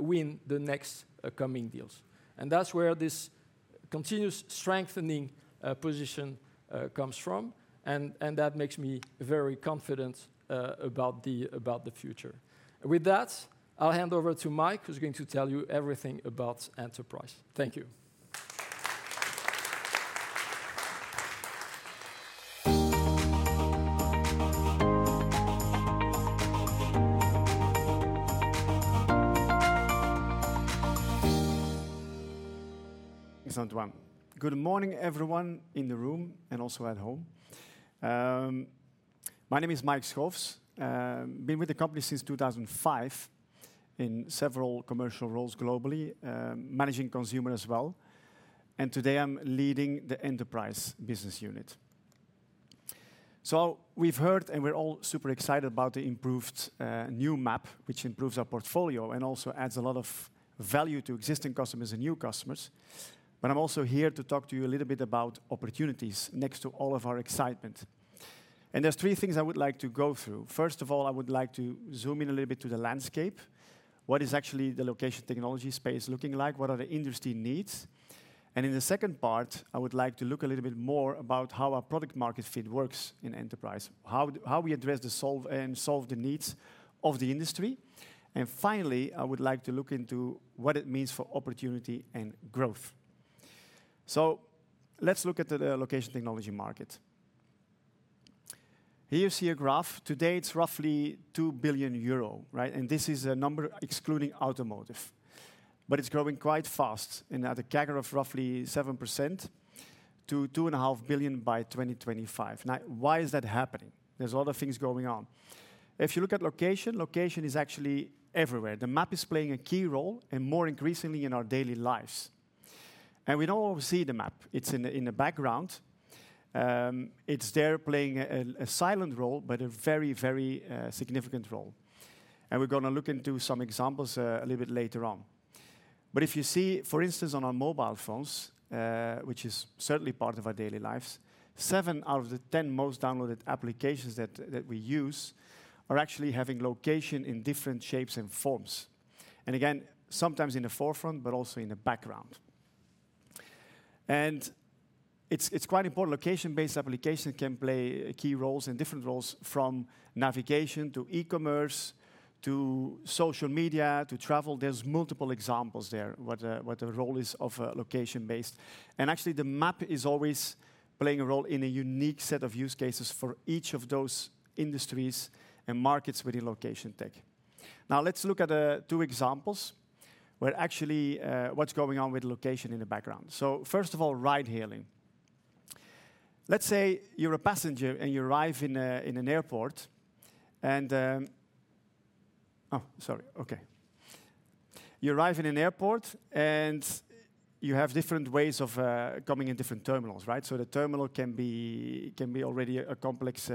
win the next coming deals. That's where this continuous strengthening position comes from. That makes me very confident about the future. With that, I'll hand over to Mike, who's going to tell you everything about Enterprise. Thank you. Thanks, Antoine. Good morning, everyone in the room and also at home. My name is Mike Schoofs. Been with the company since 2005 in several commercial roles globally, managing consumer as well. Today I'm leading the enterprise business unit. We've heard and we're all super excited about the improved new map, which improves our portfolio and also adds a lot of value to existing customers and new customers. I'm also here to talk to you a little bit about opportunities next to all of our excitement. There's three things I would like to go through. First of all, I would like to zoom in a little bit to the landscape. What is actually the location technology space looking like? What are the industry needs? In the second part, I would like to look a little bit more about how our product market fit works in enterprise. How we address and solve the needs of the industry. Finally, I would like to look into what it means for opportunity and growth. Let's look at the location technology market. Here you see a graph. Today, it's roughly 2 billion euro, right? This is a number excluding automotive. It's growing quite fast at a CAGR of roughly 7% to 2.5 billion by 2025. Now, why is that happening? There's a lot of things going on. If you look at location is actually everywhere. The map is playing a key role and more increasingly in our daily lives. We don't see the map. It's in the background. It's there playing a silent role, but a very significant role. We're gonna look into some examples a little bit later on. If you see, for instance, on our mobile phones, which is certainly part of our daily lives, seven out of the 10 most downloaded applications that we use are actually having location in different shapes and forms. Again, sometimes in the forefront, but also in the background. It's quite important. Location-based applications can play key roles and different roles from navigation to e-commerce, to social media, to travel. There's multiple examples there, what the role is of a location-based. Actually, the map is always playing a role in a unique set of use cases for each of those industries and markets within location tech. Now let's look at two examples where actually what's going on with location in the background. First of all, ride hailing. Let's say you're a passenger, and you arrive in an airport, and you have different ways of coming in different terminals, right? The terminal can be already a complex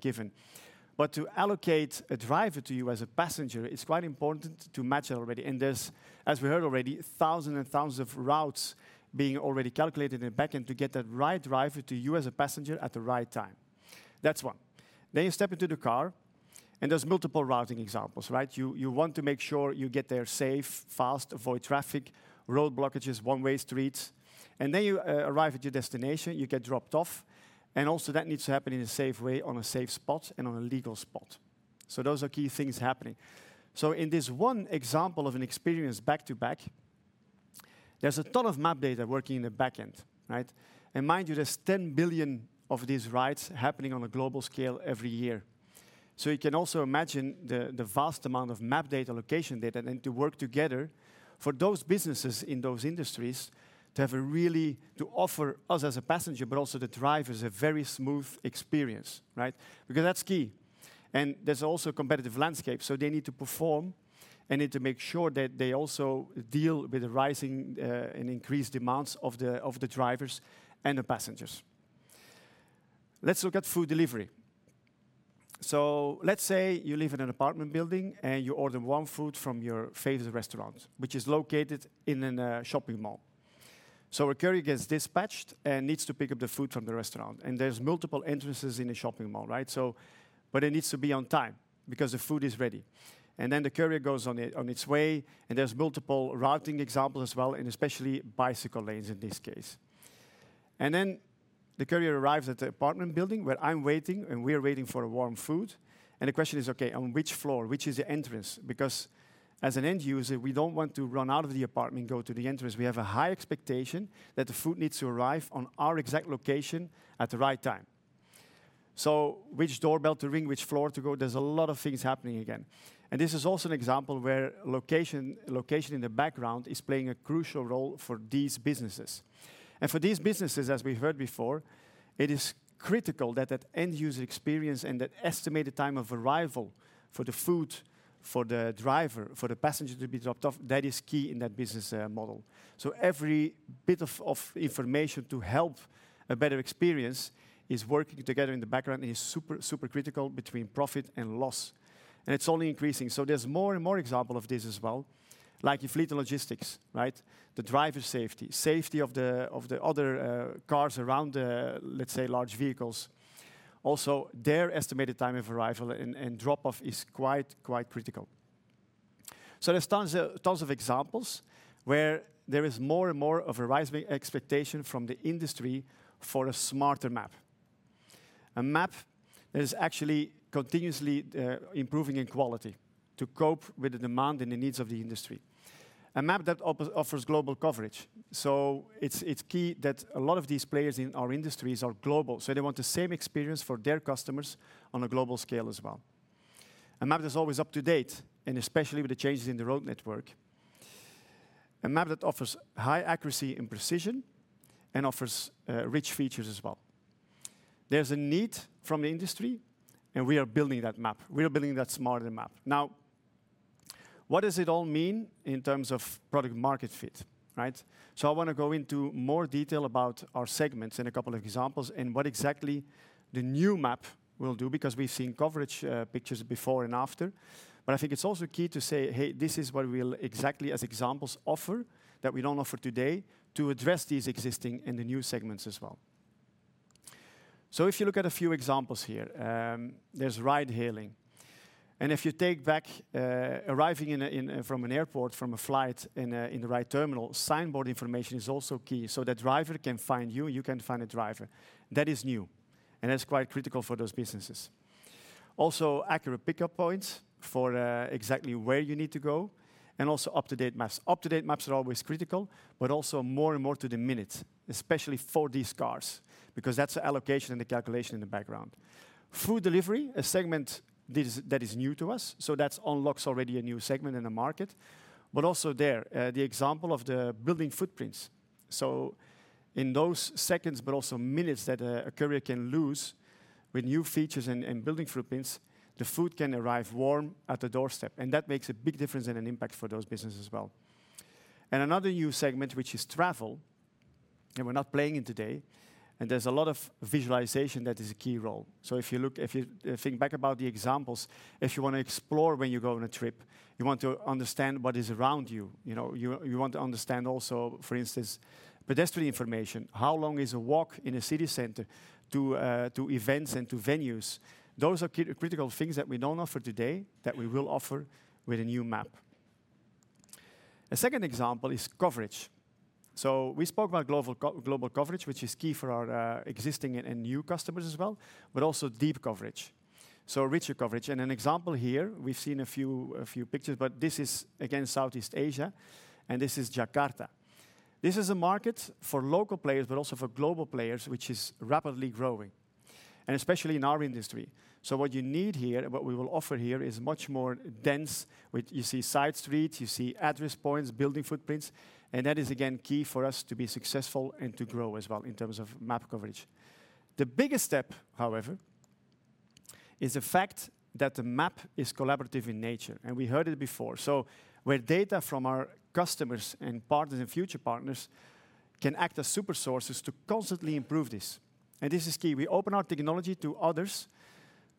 given. But to allocate a driver to you as a passenger, it's quite important to match already. There's, as we heard already, thousands and thousands of routes being already calculated in backend to get that right driver to you as a passenger at the right time. That's one. You step into the car, and there's multiple routing examples, right? You want to make sure you get there safe, fast, avoid traffic, road blockages, one-way streets. You arrive at your destination, you get dropped off. That needs to happen in a safe way, on a safe spot, and on a legal spot. Those are key things happening. In this one example of an experience back to back, there's a ton of map data working in the back end, right? Mind you, there's 10 billion of these rides happening on a global scale every year. You can also imagine the vast amount of map data, location data, and to work together for those businesses in those industries to offer us as a passenger, but also the drivers, a very smooth experience, right? Because that's key. There's also competitive landscape, so they need to perform and need to make sure that they also deal with the rising and increased demands of the drivers and the passengers. Let's look at food delivery. Let's say you live in an apartment building, and you order warm food from your favorite restaurant, which is located in a shopping mall. A courier gets dispatched and needs to pick up the food from the restaurant, and there's multiple entrances in a shopping mall, right? It needs to be on time because the food is ready. Then the courier goes on its way, and there's multiple routing examples as well, and especially bicycle lanes in this case. Then the courier arrives at the apartment building where I'm waiting, and we're waiting for a warm food. The question is, okay, on which floor? Which is the entrance? Because as an end user, we don't want to run out of the apartment and go to the entrance. We have a high expectation that the food needs to arrive on our exact location at the right time. Which doorbell to ring, which floor to go? There's a lot of things happening again. This is also an example where location in the background is playing a crucial role for these businesses. For these businesses, as we heard before, it is critical that that end user experience and that estimated time of arrival for the food, for the driver, for the passenger to be dropped off, that is key in that business model. Every bit of information to help a better experience is working together in the background is super critical between profit and loss. It's only increasing. There's more and more example of this as well. Like in fleet and logistics, right? The driver's safety. Safety of the other cars around the, let's say, large vehicles. Also, their estimated time of arrival and drop off is quite critical. There's tons of examples where there is more and more of a rising expectation from the industry for a smarter map. A map that is actually continuously improving in quality to cope with the demand and the needs of the industry. A map that offers global coverage, so it's key that a lot of these players in our industries are global, so they want the same experience for their customers on a global scale as well. A map that's always up to date, and especially with the changes in the road network. A map that offers high accuracy and precision and offers rich features as well. There's a need from the industry, and we are building that map. We are building that smarter map. Now, what does it all mean in terms of product market fit, right? I wanna go into more detail about our segments and a couple of examples and what exactly the new map will do because we've seen coverage pictures before and after. I think it's also key to say, 'Hey, this is what we'll exactly as examples offer that we don't offer today to address these existing and the new segments as well.' If you look at a few examples here, there's ride hailing. If you take back arriving from an airport, from a flight in the right terminal, signboard information is also key so the driver can find you can find a driver. That is new, and that's quite critical for those businesses. Also accurate pickup points for exactly where you need to go and also up-to-date maps. Up-to-date maps are always critical, but also more and more to the minute, especially for these cars, because that's the allocation and the calculation in the background. Food delivery, a segment that is new to us, unlocks already a new segment in the market. Also there, the example of the building footprints. In those seconds but also minutes that a courier can lose with new features and building footprints, the food can arrive warm at the doorstep, and that makes a big difference and an impact for those businesses as well. Another new segment, which is travel, we're not playing it today, and there's a lot of visualization that plays a key role. If you think back about the examples, if you wanna explore when you go on a trip, you want to understand what is around you. You know, you want to understand also, for instance, pedestrian information. How long is a walk in a city center to events and to venues? Those are critical things that we don't offer today that we will offer with a new map. A second example is coverage. We spoke about global coverage, which is key for our existing and new customers as well, but also deep coverage. Richer coverage. An example here, we've seen a few pictures, but this is again Southeast Asia, and this is Jakarta. This is a market for local players but also for global players, which is rapidly growing, and especially in our industry. What you need here, and what we will offer here, is much more dense. When you see side streets, you see address points, building footprints, and that is, again, key for us to be successful and to grow as well in terms of map coverage. The biggest step, however, is the fact that the map is collaborative in nature, and we heard it before. Where data from our customers and partners and future partners can act as super sources to constantly improve this. This is key. We open our technology to others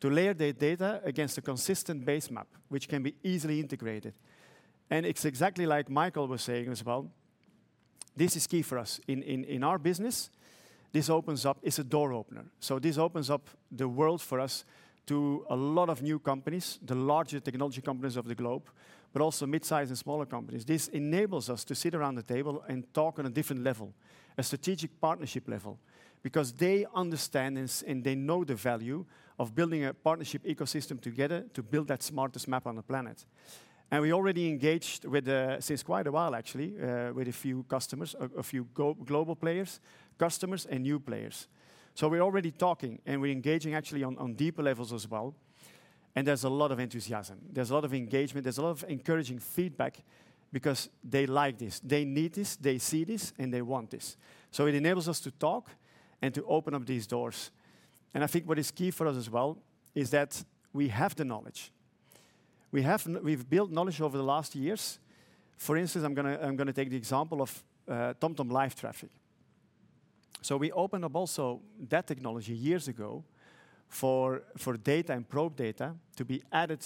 to layer their data against a consistent base map, which can be easily integrated. It's exactly like Michael was saying as well. This is key for us in our business. This opens up, it's a door opener. This opens up the world for us to a lot of new companies, the larger technology companies of the globe, but also mid-size and smaller companies. This enables us to sit around the table and talk on a different level, a strategic partnership level, because they understand this and they know the value of building a partnership ecosystem together to build that smartest map on the planet. We already engaged with since quite a while actually with a few customers, a few global players, customers and new players. We're already talking, and we're engaging actually on deeper levels as well. There's a lot of enthusiasm. There's a lot of engagement. There's a lot of encouraging feedback because they like this, they need this, they see this, and they want this. It enables us to talk and to open up these doors. I think what is key for us as well is that we have the knowledge. We've built knowledge over the last years. For instance, I'm gonna take the example of TomTom Traffic. We opened up also that technology years ago for data and probe data to be added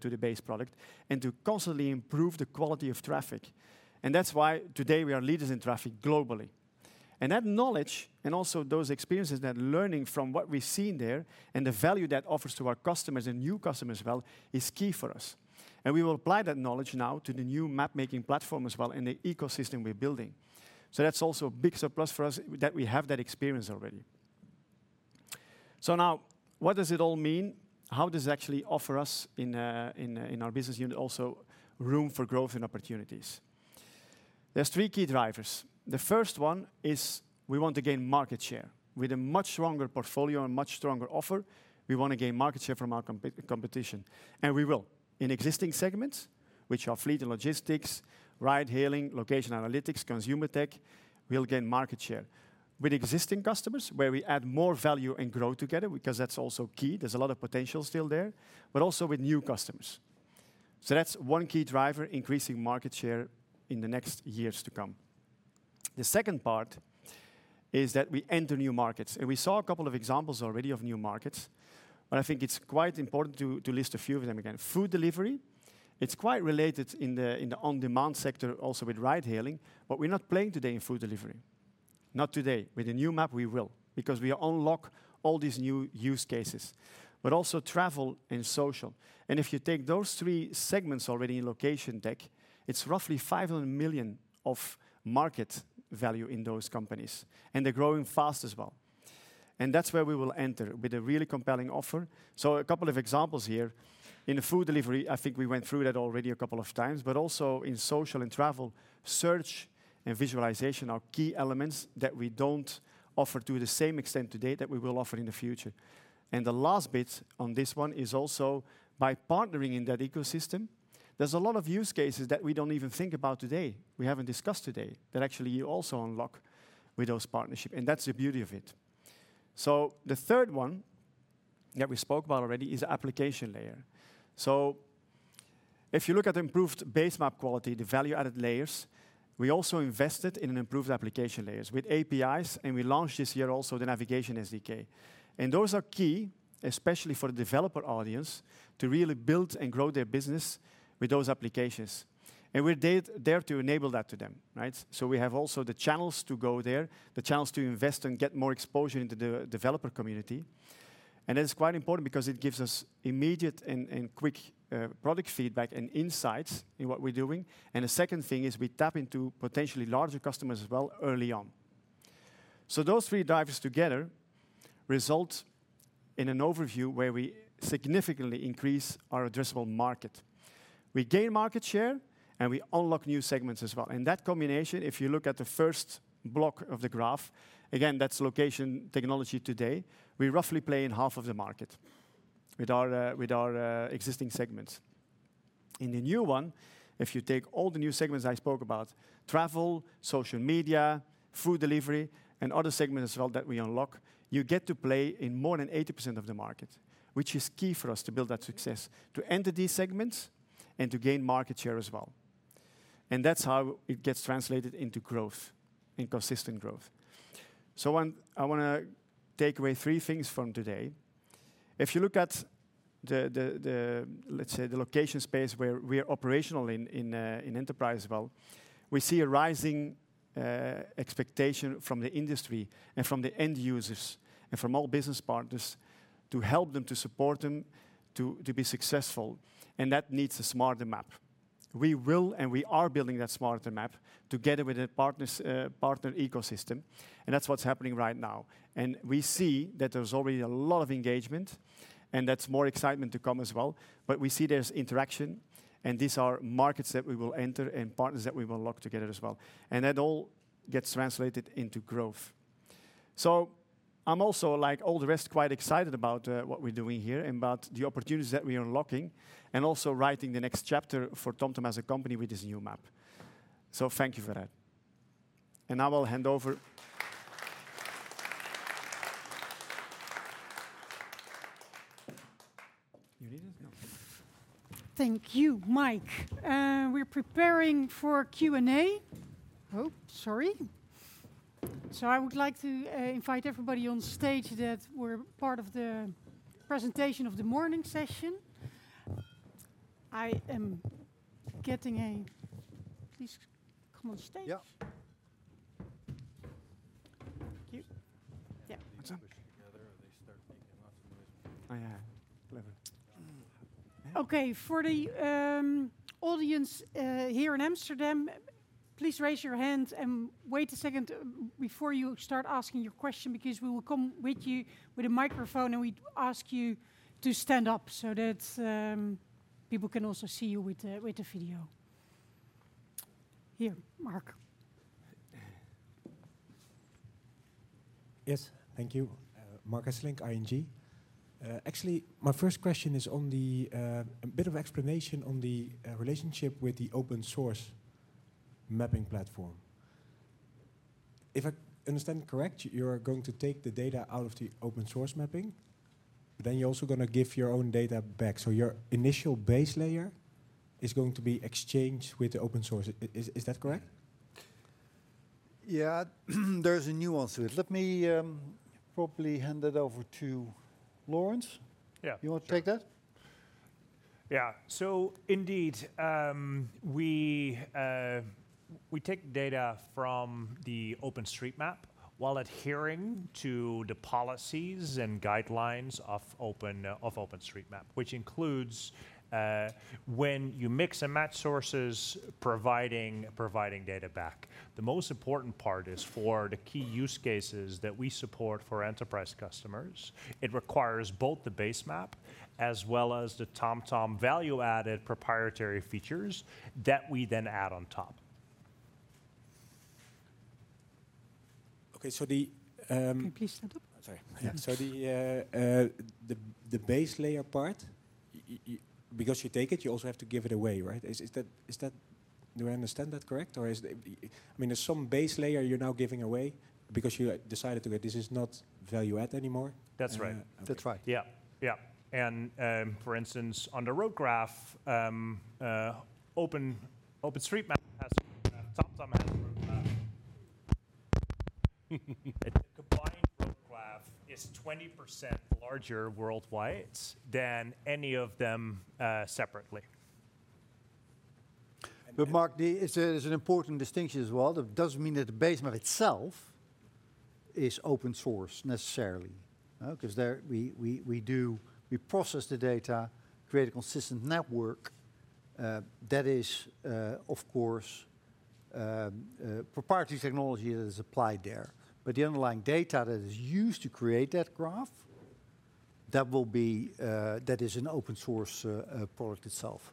to the base product and to constantly improve the quality of traffic. That's why today we are leaders in traffic globally. That knowledge and also those experiences, that learning from what we've seen there and the value that offers to our customers and new customers well, is key for us. We will apply that knowledge now to the new map-making platform as well in the ecosystem we're building. That's also a big surplus for us that we have that experience already. Now what does it all mean? How does it actually offer us in our business unit also room for growth and opportunities? There's three key drivers. The first one is we want to gain market share. With a much stronger portfolio and much stronger offer, we wanna gain market share from our competition, and we will. In existing segments, which are fleet and logistics, ride hailing, location analytics, consumer tech, we'll gain market share. With existing customers, where we add more value and grow together, because that's also key, there's a lot of potential still there, but also with new customers. So that's one key driver, increasing market share in the next years to come. The second part is that we enter new markets, and we saw a couple of examples already of new markets, but I think it's quite important to list a few of them again. Food delivery, it's quite related in the on-demand sector also with ride hailing, but we're not playing today in food delivery. Not today. With the new map, we will because we unlock all these new use cases. Also travel and social. If you take those three segments already in location tech, it's roughly 500 million of market value in those companies, and they're growing fast as well. That's where we will enter with a really compelling offer. A couple of examples here. In food delivery, I think we went through that already a couple of times, but also in social and travel, search and visualization are key elements that we don't offer to the same extent today that we will offer in the future. The last bit on this one is also by partnering in that ecosystem, there's a lot of use cases that we don't even think about today, we haven't discussed today, that actually you also unlock with those partnership. That's the beauty of it. The third one that we spoke about already is application layer. If you look at the improved base map quality, the value-added layers, we also invested in improved application layers with APIs, and we launched this year also the Navigation SDK. Those are key, especially for the developer audience, to really build and grow their business with those applications. We're there to enable that to them, right? We have also the channels to go there, the channels to invest and get more exposure into the developer community. That's quite important because it gives us immediate and quick product feedback and insights in what we're doing. The second thing is we tap into potentially larger customers as well early on. Those three drivers together result in an overview where we significantly increase our addressable market. We gain market share, and we unlock new segments as well. That combination, if you look at the first block of the graph, again, that's location technology today. We roughly play in half of the market with our existing segments. In the new one, if you take all the new segments I spoke about, travel, social media, food delivery and other segments as well that we unlock, you get to play in more than 80% of the market, which is key for us to build that success, to enter these segments and to gain market share as well. That's how it gets translated into growth, in consistent growth. I wanna take away three things from today. If you look at, let's say, the location space where we are operational in enterprise as well, we see a rising expectation from the industry and from the end users and from all business partners to help them, to support them to be successful. That needs a smarter map. We are building that smarter map together with the partners, partner ecosystem. That's what's happening right now. We see that there's already a lot of engagement, and there's more excitement to come as well. We see there's interaction, and these are markets that we will enter and partners that we will unlock together as well. That all gets translated into growth. I'm also, like all the rest, quite excited about what we're doing here and about the opportunities that we are unlocking and also writing the next chapter for TomTom as a company with this new map. Thank you for that. Now I'll hand over. Thank you, Mike. We're preparing for Q&A. I would like to invite everybody on stage that were part of the presentation of the morning session. Please come on stage. Yeah. Thank you. Yeah. What's up? They push together, and they start making lots of noise. Oh, yeah. Clever. Okay. For the audience here in Amsterdam, please raise your hand and wait a second before you start asking your question because we will come to you with a microphone, and we ask you to stand up so that people can also see you with the video. Here, Marc Yes. Thank you. Marc Hesselink, ING. Actually, my first question is on a bit of explanation on the relationship with the open source mapping platform. If I understand correct, you're going to take the data out of the open source mapping, then you're also gonna give your own data back. So your initial base layer is going to be exchanged with open source. Is that correct? Yeah. There's a nuance to it. Let me probably hand it over to Laurens Feenstra. Yeah, sure. You wanna take that? Yeah. Indeed, we take data from the OpenStreetMap while adhering to the policies and guidelines of OpenStreetMap, which includes when you mix and match sources providing data back. The most important part is for the key use cases that we support for enterprise customers. It requires both the base map as well as the TomTom value-added proprietary features that we then add on top. Okay. Can you please stand up? Sorry. Yeah. The base layer part, because you take it, you also have to give it away, right? Is that? Do I understand that correct? Or is, I mean, there's some base layer you're now giving away because you decided that this is not value add anymore. That's right. That's right. Yeah. For instance, on the road graph, OpenStreetMap, a combined road graph, is 20% larger worldwide than any of them, separately. Marc, it's an important distinction as well. That doesn't mean that the base map itself is open source necessarily, 'cause we process the data, create a consistent network that is, of course, proprietary technology that is applied there. The underlying data that is used to create that graph that is an open source product itself.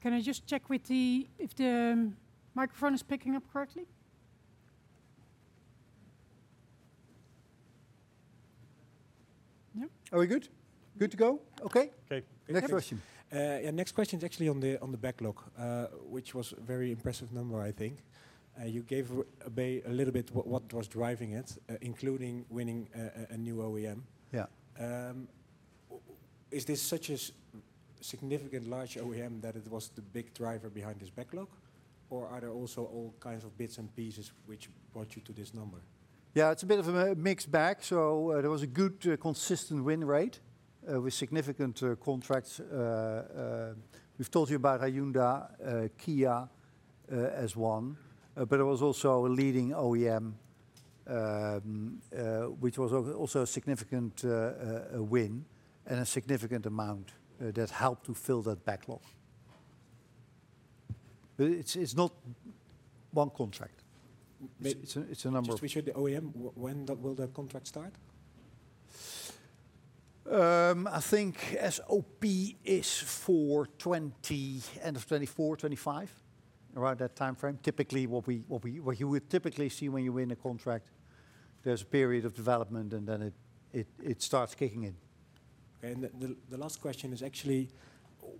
Can I just check if the microphone is picking up correctly? Yeah. Are we good? Good to go? Okay. Okay. Next question. Yeah, next question is actually on the backlog, which was a very impressive number, I think. You gave a little bit what was driving it, including winning a new OEM. Yeah. Was this such a significant large OEM that it was the big driver behind this backlog, or are there also all kinds of bits and pieces which brought you to this number? Yeah, it's a bit of a mixed bag. There was a good, consistent win rate with significant contracts. We've told you about Hyundai, Kia, as one, but it was also a leading OEM, which was also a significant win and a significant amount that helped to fill that backlog. It's not one contract. But It's a number of. Just to be sure, the OEM, when will the contract start? I think SOP is for 2020 end of 2024, 2025, around that timeframe. Typically, what you would typically see when you win a contract, there's a period of development and then it starts kicking in. Okay. The last question is actually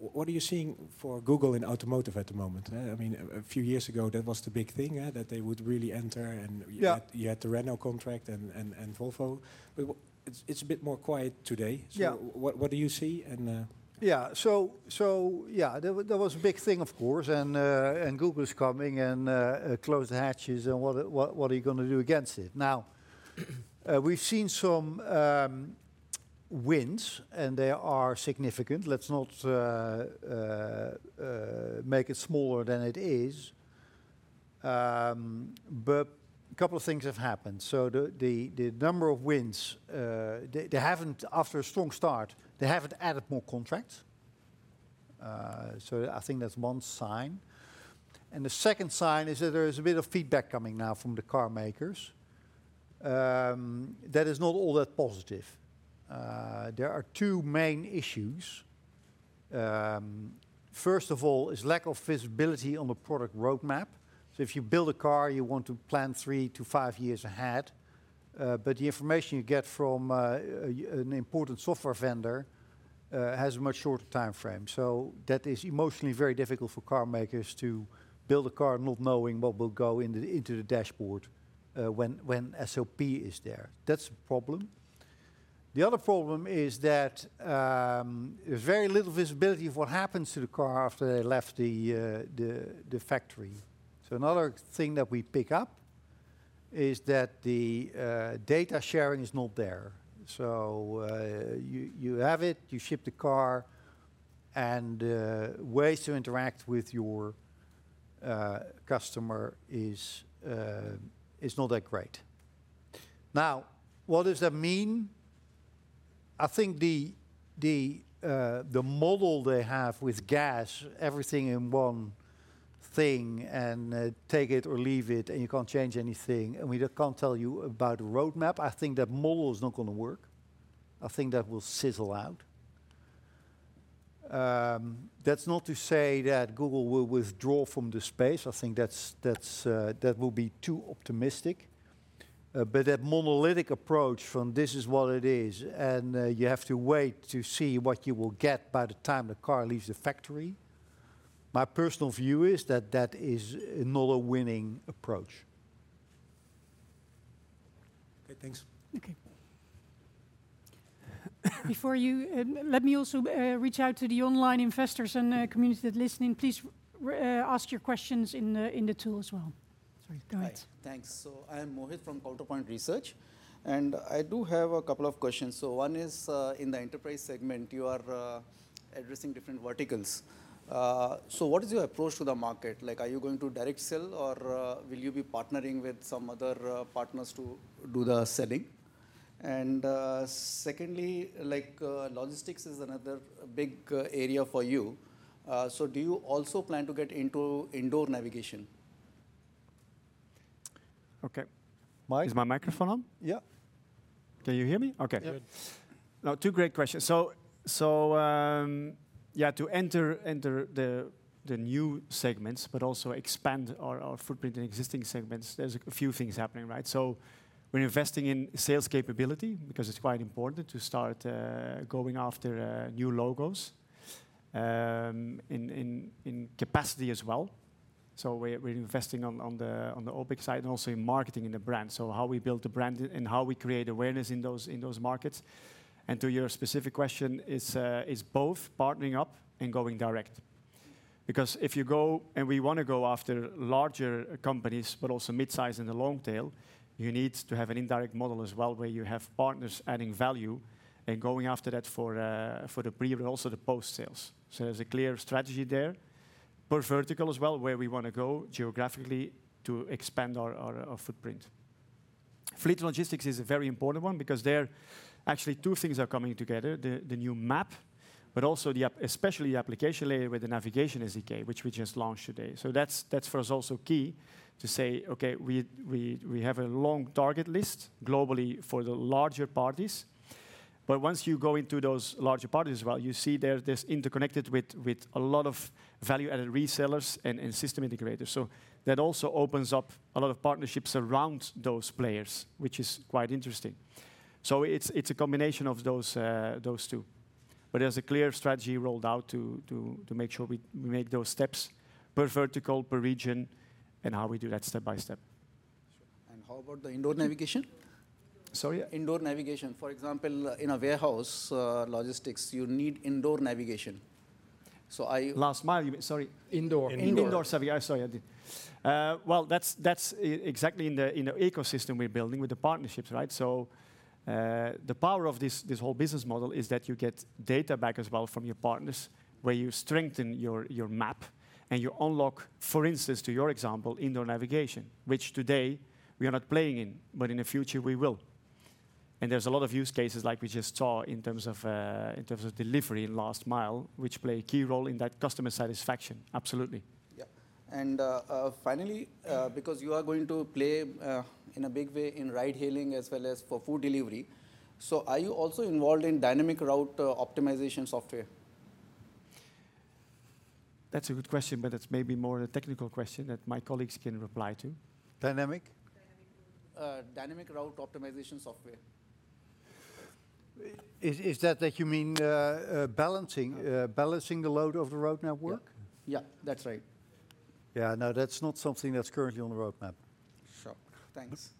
what are you seeing for Google in automotive at the moment? I mean, a few years ago, that was the big thing, yeah, that they would really enter and. Yeah You had the Renault contract and Volvo. It's a bit more quiet today. Yeah. What do you see and That was a big thing, of course, and Google's coming and close the hatches and what are you gonna do against it? Now, we've seen some wins, and they are significant. Let's not make it smaller than it is. A couple of things have happened. After a strong start, they haven't added more contracts. I think that's one sign. The second sign is that there is a bit of feedback coming now from the carmakers that is not all that positive. There are two main issues. First of all is lack of visibility on the product roadmap. If you build a car, you want to plan three to five years ahead, but the information you get from an important software vendor has a much shorter timeframe. That is emotionally very difficult for carmakers to build a car not knowing what will go into the dashboard when SOP is there. That's a problem. The other problem is that there's very little visibility of what happens to the car after they left the factory. Another thing that we pick up is that the data sharing is not there. You have it, you ship the car, and ways to interact with your customer is not that great. Now, what does that mean? I think the model they have with GAS, everything in one thing, and take it or leave it, and you can't change anything, and we can't tell you about the roadmap. I think that model is not gonna work. I think that will sizzle out. That's not to say that Google will withdraw from the space. I think that will be too optimistic. That monolithic approach from this is what it is, and you have to wait to see what you will get by the time the car leaves the factory. My personal view is that that is not a winning approach. Okay, thanks. Okay. Before you, let me also reach out to the online investors and community that are listening. Please ask your questions in the tool as well. Sorry. Go ahead. Hi. Thanks. I am Mohit from Counterpoint Research, and I do have a couple of questions. One is, in the enterprise segment, you are addressing different verticals. What is your approach to the market? Like, are you going to direct sell or will you be partnering with some other partners to do the selling? And secondly, like, logistics is another big area for you, so do you also plan to get into indoor navigation? Okay. Mike? Is my microphone on? Yeah. Can you hear me? Okay. Good. No, two great questions. Yeah, to enter the new segments but also expand our footprint in existing segments, there's a few things happening, right? We're investing in sales capability because it's quite important to start going after new logos in capacity as well, so we're investing on the OpEx side and also in marketing and the brand, so how we build the brand and how we create awareness in those markets. To your specific question, it's both partnering up and going direct. Because if you go, and we wanna go after larger companies but also midsize and the long tail, you need to have an indirect model as well, where you have partners adding value and going after that for the pre but also the post-sales. There's a clear strategy there. Per vertical as well, where we wanna go geographically to expand our footprint. Fleet logistics is a very important one because there are actually two things coming together, the new map, but also especially the application layer with the Navigation SDK, which we just launched today. That's for us also key to say, "Okay, we have a long target list globally for the larger parties," but once you go into those larger parties as well, you see they're interconnected with a lot of value-added resellers and system integrators. That also opens up a lot of partnerships around those players, which is quite interesting. It's a combination of those two. There's a clear strategy rolled out to make sure we make those steps per vertical, per region, and how we do that step-by-step. Sure. How about the indoor navigation? Sorry? Indoor navigation. For example, in a warehouse, logistics, you need indoor navigation. Are you Last mile, you mean? Sorry. Indoor. Indoor. Indoor navigation. Sorry, I did. Well, that's exactly in the ecosystem we're building with the partnerships, right? The power of this whole business model is that you get data back as well from your partners, where you strengthen your map and you unlock, for instance, in your example, indoor navigation, which today we are not playing in, but in the future we will. There's a lot of use cases like we just saw in terms of delivery and last mile, which play a key role in that customer satisfaction. Absolutely. Finally, because you are going to play in a big way in ride hailing as well as for food delivery, so are you also involved in dynamic route optimization software? That's a good question, but it's maybe more a technical question that my colleagues can reply to. Dynamic? Dynamic route optimization. Dynamic route optimization software. Is that like you mean balancing the load of the road network? Yeah. Yeah. That's right. Yeah, no, that's not something that's currently on the roadmap. Sure. Thanks.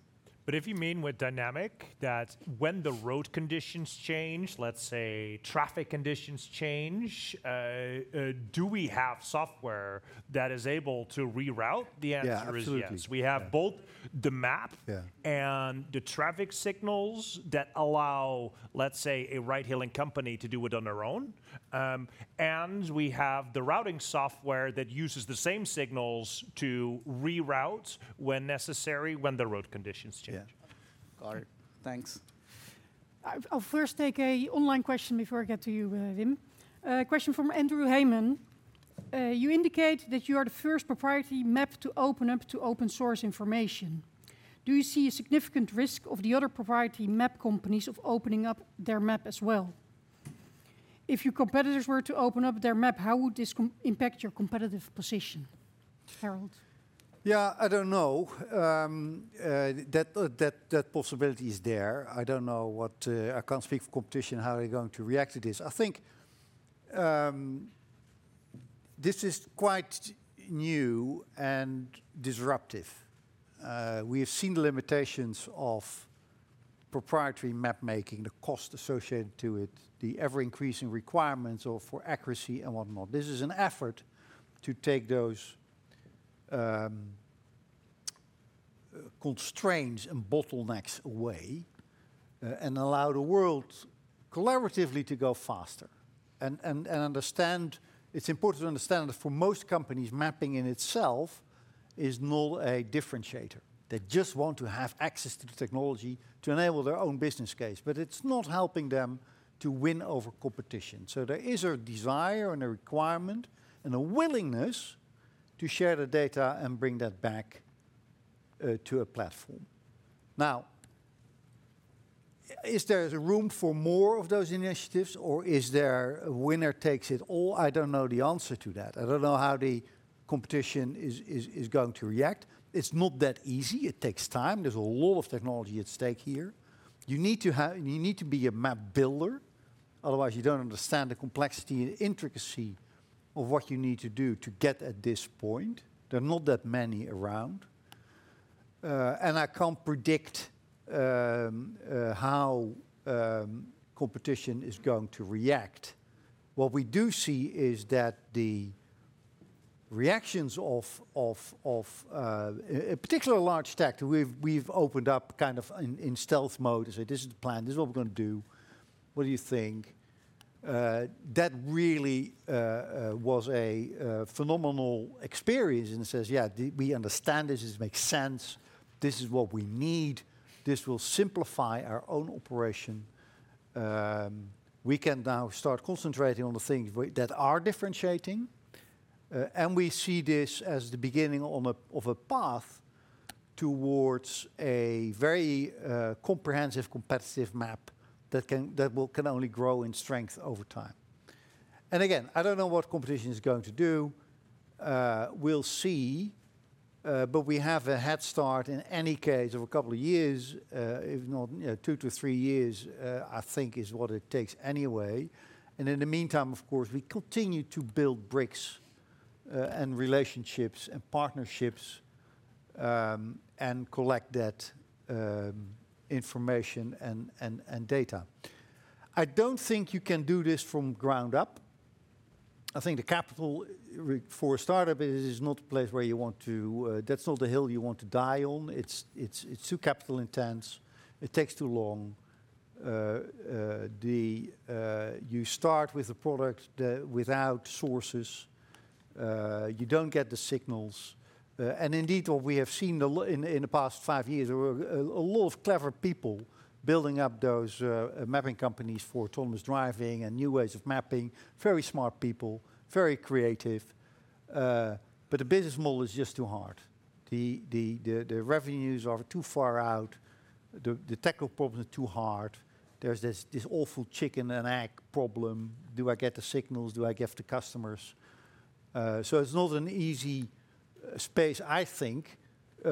If you mean with dynamic that when the road conditions change, let's say traffic conditions change, do we have software that is able to reroute? The answer is yes. Yeah, absolutely. Yeah. We have both the map. Yeah The traffic signals that allow, let's say, a ride hailing company to do it on their own. We have the routing software that uses the same signals to reroute when necessary when the road conditions change. Yeah. Got it. Thanks. I'll first take an online question before I get to you, Wim. A question from Andrew Hayman. You indicate that you are the first proprietary map to open up to open source information. Do you see a significant risk of the other proprietary map companies of opening up their map as well? If your competitors were to open up their map, how would this impact your competitive position? Harold? Yeah, I don't know. That possibility is there. I don't know what, I can't speak for competition, how they're going to react to this. I think, this is quite new and disruptive. We have seen the limitations of proprietary mapmaking, the cost associated to it, the ever-increasing requirements for accuracy and whatnot. This is an effort to take those, constraints and bottlenecks away, and allow the world collaboratively to go faster. It's important to understand that for most companies, mapping in itself is not a differentiator. They just want to have access to the technology to enable their own business case, but it's not helping them to win over competition. There is a desire and a requirement and a willingness to share the data and bring that back, to a platform. Now, is there room for more of those initiatives, or is there a winner takes it all? I don't know the answer to that. I don't know how the competition is going to react. It's not that easy. It takes time. There's a lot of technology at stake here. You need to be a map builder, otherwise you don't understand the complexity and intricacy of what you need to do to get at this point. There are not that many around. I can't predict how competition is going to react. What we do see is that the reactions of a particular large tech, we've opened up kind of in stealth mode and said, "This is the plan. This is what we're gonna do. What do you think?" That really was a phenomenal experience, and it says, "Yeah, we understand this. This makes sense. This is what we need. This will simplify our own operation. We can now start concentrating on the things that are differentiating." And we see this as the beginning of a path towards a very comprehensive, competitive map that can only grow in strength over time. Again, I don't know what competition is going to do. We'll see. But we have a head start in any case of a couple of years, if not, you know, two to three years, I think is what it takes anyway. In the meantime, of course, we continue to build bricks and relationships and partnerships and collect that information and data. I don't think you can do this from ground up. I think the capital for a startup is not a place where you want to. That's not the hill you want to die on. It's too capital intense. It takes too long. You start with a product without sources. You don't get the signals. And indeed, what we have seen in the past five years, there were a lot of clever people building up those mapping companies for autonomous driving and new ways of mapping. Very smart people, very creative, but the business model is just too hard. The revenues are too far out. The technical problem is too hard. There's this awful chicken-and-egg problem. Do I get the signals? Do I get the customers? It's not an easy space, I think,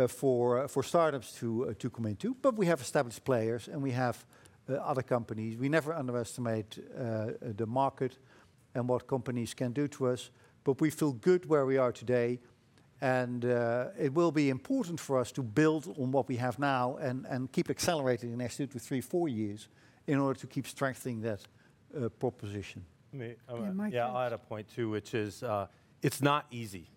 for startups to commit to. We have established players, and we have other companies. We never underestimate the market and what companies can do to us, but we feel good where we are today. It will be important for us to build on what we have now and keep accelerating the next two to three, four years in order to keep strengthening that proposition. May I? Yeah, Mike, yeah. Yeah, I'll add a point too, which is, it's not easy.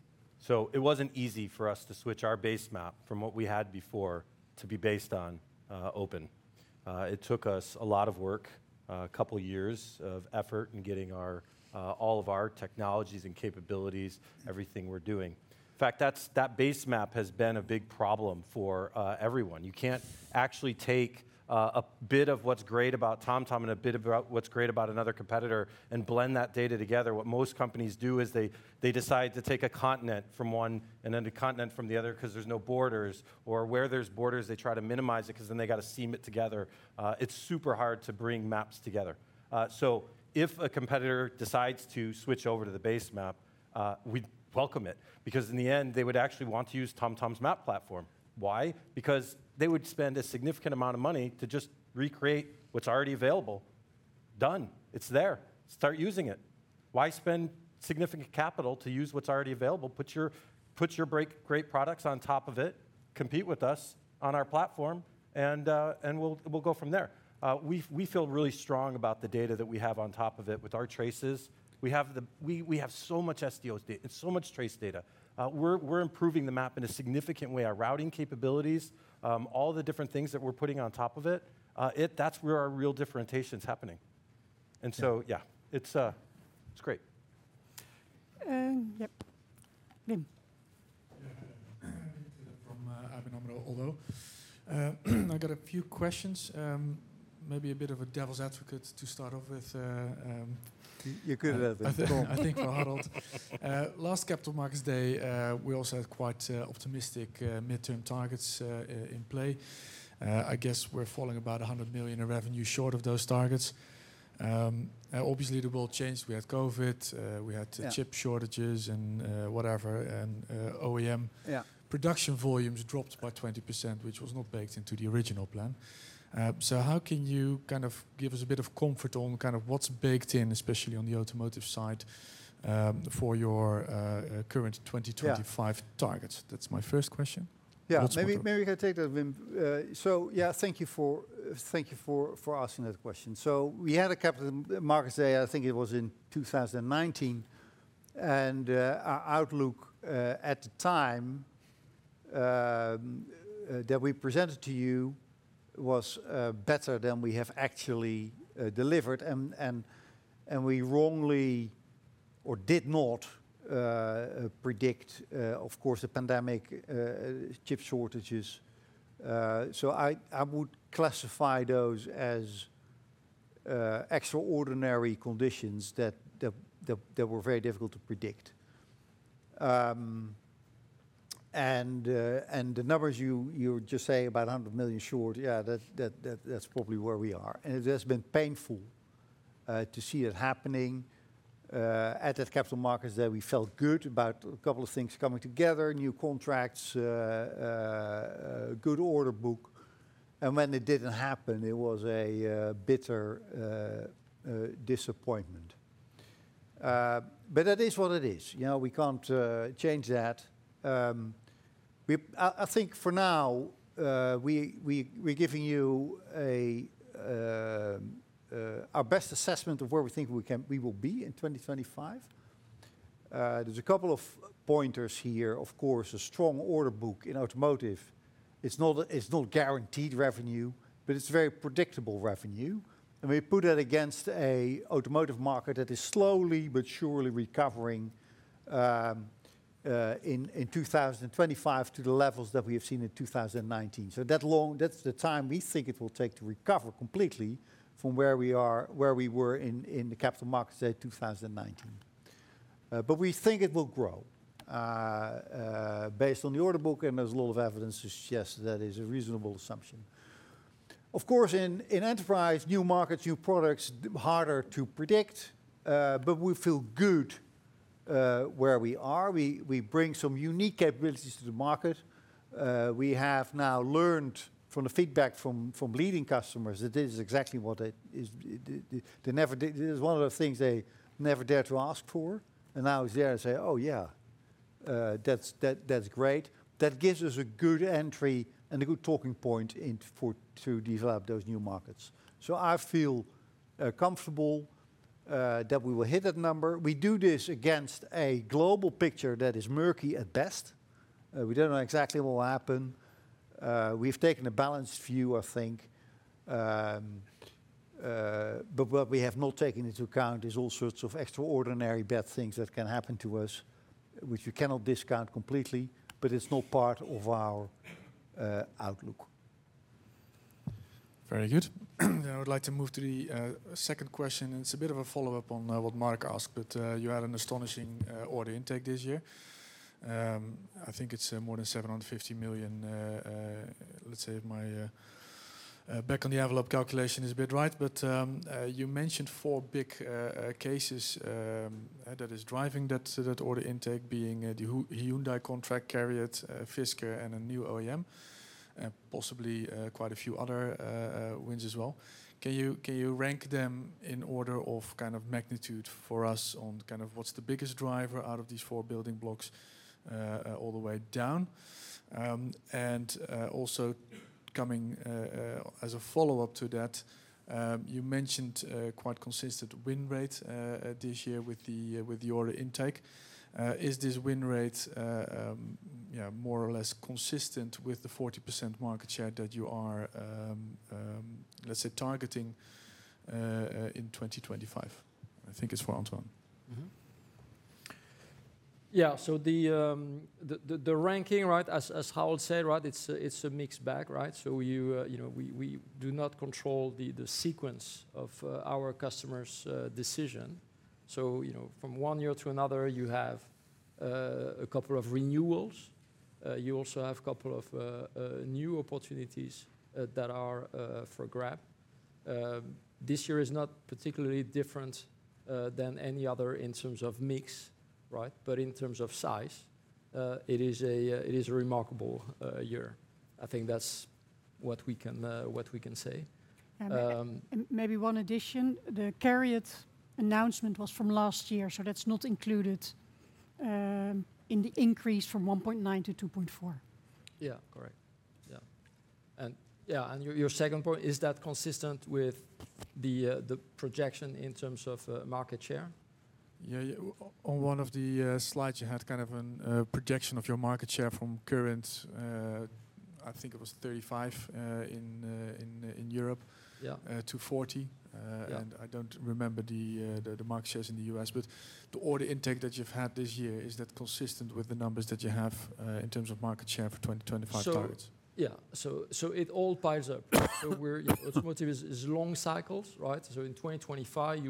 It wasn't easy for us to switch our base map from what we had before to be based on Open. It took us a lot of work, a couple years of effort in getting all of our technologies and capabilities, everything we're doing. In fact, that base map has been a big problem for everyone. You can't actually take a bit of what's great about TomTom and a bit about what's great about another competitor and blend that data together. What most companies do is they decide to take a continent from one and then a continent from the other 'cause there's no borders, or where there's borders, they try to minimize it 'cause then they gotta seam it together. It's super hard to bring maps together. If a competitor decides to switch over to the base map, we'd welcome it because in the end, they would actually want to use TomTom's map platform. Why? Because they would spend a significant amount of money to just recreate what's already available. Done. It's there. Start using it. Why spend significant capital to use what's already available? Put your great products on top of it, compete with us on our platform, and we'll go from there. We feel really strong about the data that we have on top of it with our traces. We have so much FCD data, so much trace data. We're improving the map in a significant way, our routing capabilities, all the different things that we're putting on top of it. That's where our real differentiation's happening. Yeah, it's great. Yep. Wim. Yeah. I'm Wim from ABN AMRO, although I got a few questions, maybe a bit of a devil's advocate to start off with. You could- I think for Harold Goddijn. Last Capital Markets Day, we also had quite optimistic midterm targets in play. I guess we're falling about 100 million in revenue short of those targets. Obviously the world changed. We had COVID, we had Yeah Chip shortages and whatever and OEM Yeah production volumes dropped by 20%, which was not baked into the original plan. How can you kind of give us a bit of comfort on kind of what's baked in, especially on the automotive side, for your current 2025 Yeah Targets? That's my first question. Yeah. Maybe I take that, Wim. Yeah, thank you for asking that question. We had a Capital Markets Day, I think it was in 2019. Our outlook at the time that we presented to you was better than we have actually delivered. We wrongly or did not predict, of course, the pandemic, chip shortages. I would classify those as extraordinary conditions that were very difficult to predict. The numbers you just say about 100 million short, yeah, that's probably where we are. It has been painful to see it happening at that Capital Markets Day. We felt good about a couple of things coming together, new contracts, good order book, and when it didn't happen, it was a bitter disappointment. It is what it is, you know? We can't change that. I think for now, we're giving you our best assessment of where we think we will be in 2025. There's a couple of pointers here. Of course, a strong order book in automotive. It's not guaranteed revenue, but it's very predictable revenue. We put that against a automotive market that is slowly but surely recovering in 2025 to the levels that we have seen in 2019. That's the time we think it will take to recover completely from where we were in the Capital Markets Day 2019. We think it will grow based on the order book, and there's a lot of evidence to suggest that is a reasonable assumption. Of course, in enterprise, new markets, new products, harder to predict. We feel good where we are. We bring some unique capabilities to the market. We have now learned from the feedback from leading customers that this is exactly what it is. They never did. This is one of the things they never dared to ask for, and now they're saying, "Oh, yeah. That's great. That gives us a good entry and a good talking point to develop those new markets. I feel comfortable that we will hit that number. We do this against a global picture that is murky at best. We don't know exactly what will happen. We've taken a balanced view, I think. What we have not taken into account is all sorts of extraordinary bad things that can happen to us, which we cannot discount completely, but it's not part of our outlook. Very good. I would like to move to the second question. It's a bit of a follow-up on what Marc asked, but you had an astonishing order intake this year. I think it's more than 750 million, let's say if my back-of-the-envelope calculation is a bit right. You mentioned four big cases that is driving that order intake, being the Hyundai contract, CARIAD, Fisker, and a new OEM, and possibly quite a few other wins as well. Can you rank them in order of kind of magnitude for us on kind of what's the biggest driver out of these four building blocks all the way down? Also coming as a follow-up to that, you mentioned quite consistent win rate this year with the order intake. Is this win rate yeah more or less consistent with the 40% market share that you are let's say targeting in 2025? I think it's for Antoine. Mm-hmm. The ranking, right? As Harold said, right? It's a mixed bag, right? You know, we do not control the sequence of our customers' decision. You know, from one year to another, you have a couple of renewals. You also have couple of new opportunities that are up for grabs. This year is not particularly different than any other in terms of mix, right? But in terms of size, it is a remarkable year. I think that's what we can say. Maybe one addition. The CARIAD announcement was from last year, so that's not included in the increase from 1.9-2.4. Yeah. Correct. Your second point, is that consistent with the projection in terms of market share? Yeah, yeah. On one of the slides, you had kind of an projection of your market share from current, I think it was 35%, in Europe. Yeah uh, to 40%. Uh Yeah I don't remember the market shares in the U.S. The order intake that you've had this year, is that consistent with the numbers that you have in terms of market share for 2025 targets? It all piles up. We're, you know, automotive is long cycles, right? In 2025,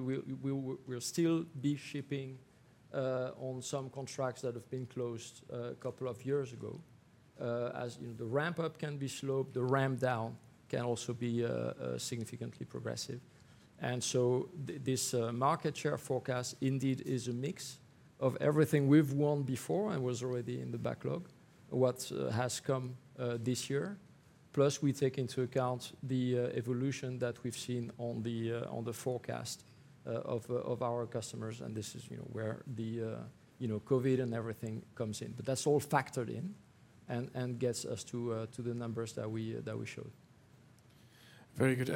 we'll still be shipping on some contracts that have been closed a couple of years ago. As you know, the ramp up can be slow, the ramp down can also be significantly progressive. This market share forecast indeed is a mix of everything we've won before and was already in the backlog, what has come this year. We take into account the evolution that we've seen on the forecast of our customers, and this is, you know, where the, you know, COVID and everything comes in. That's all factored in and gets us to the numbers that we showed. Very good.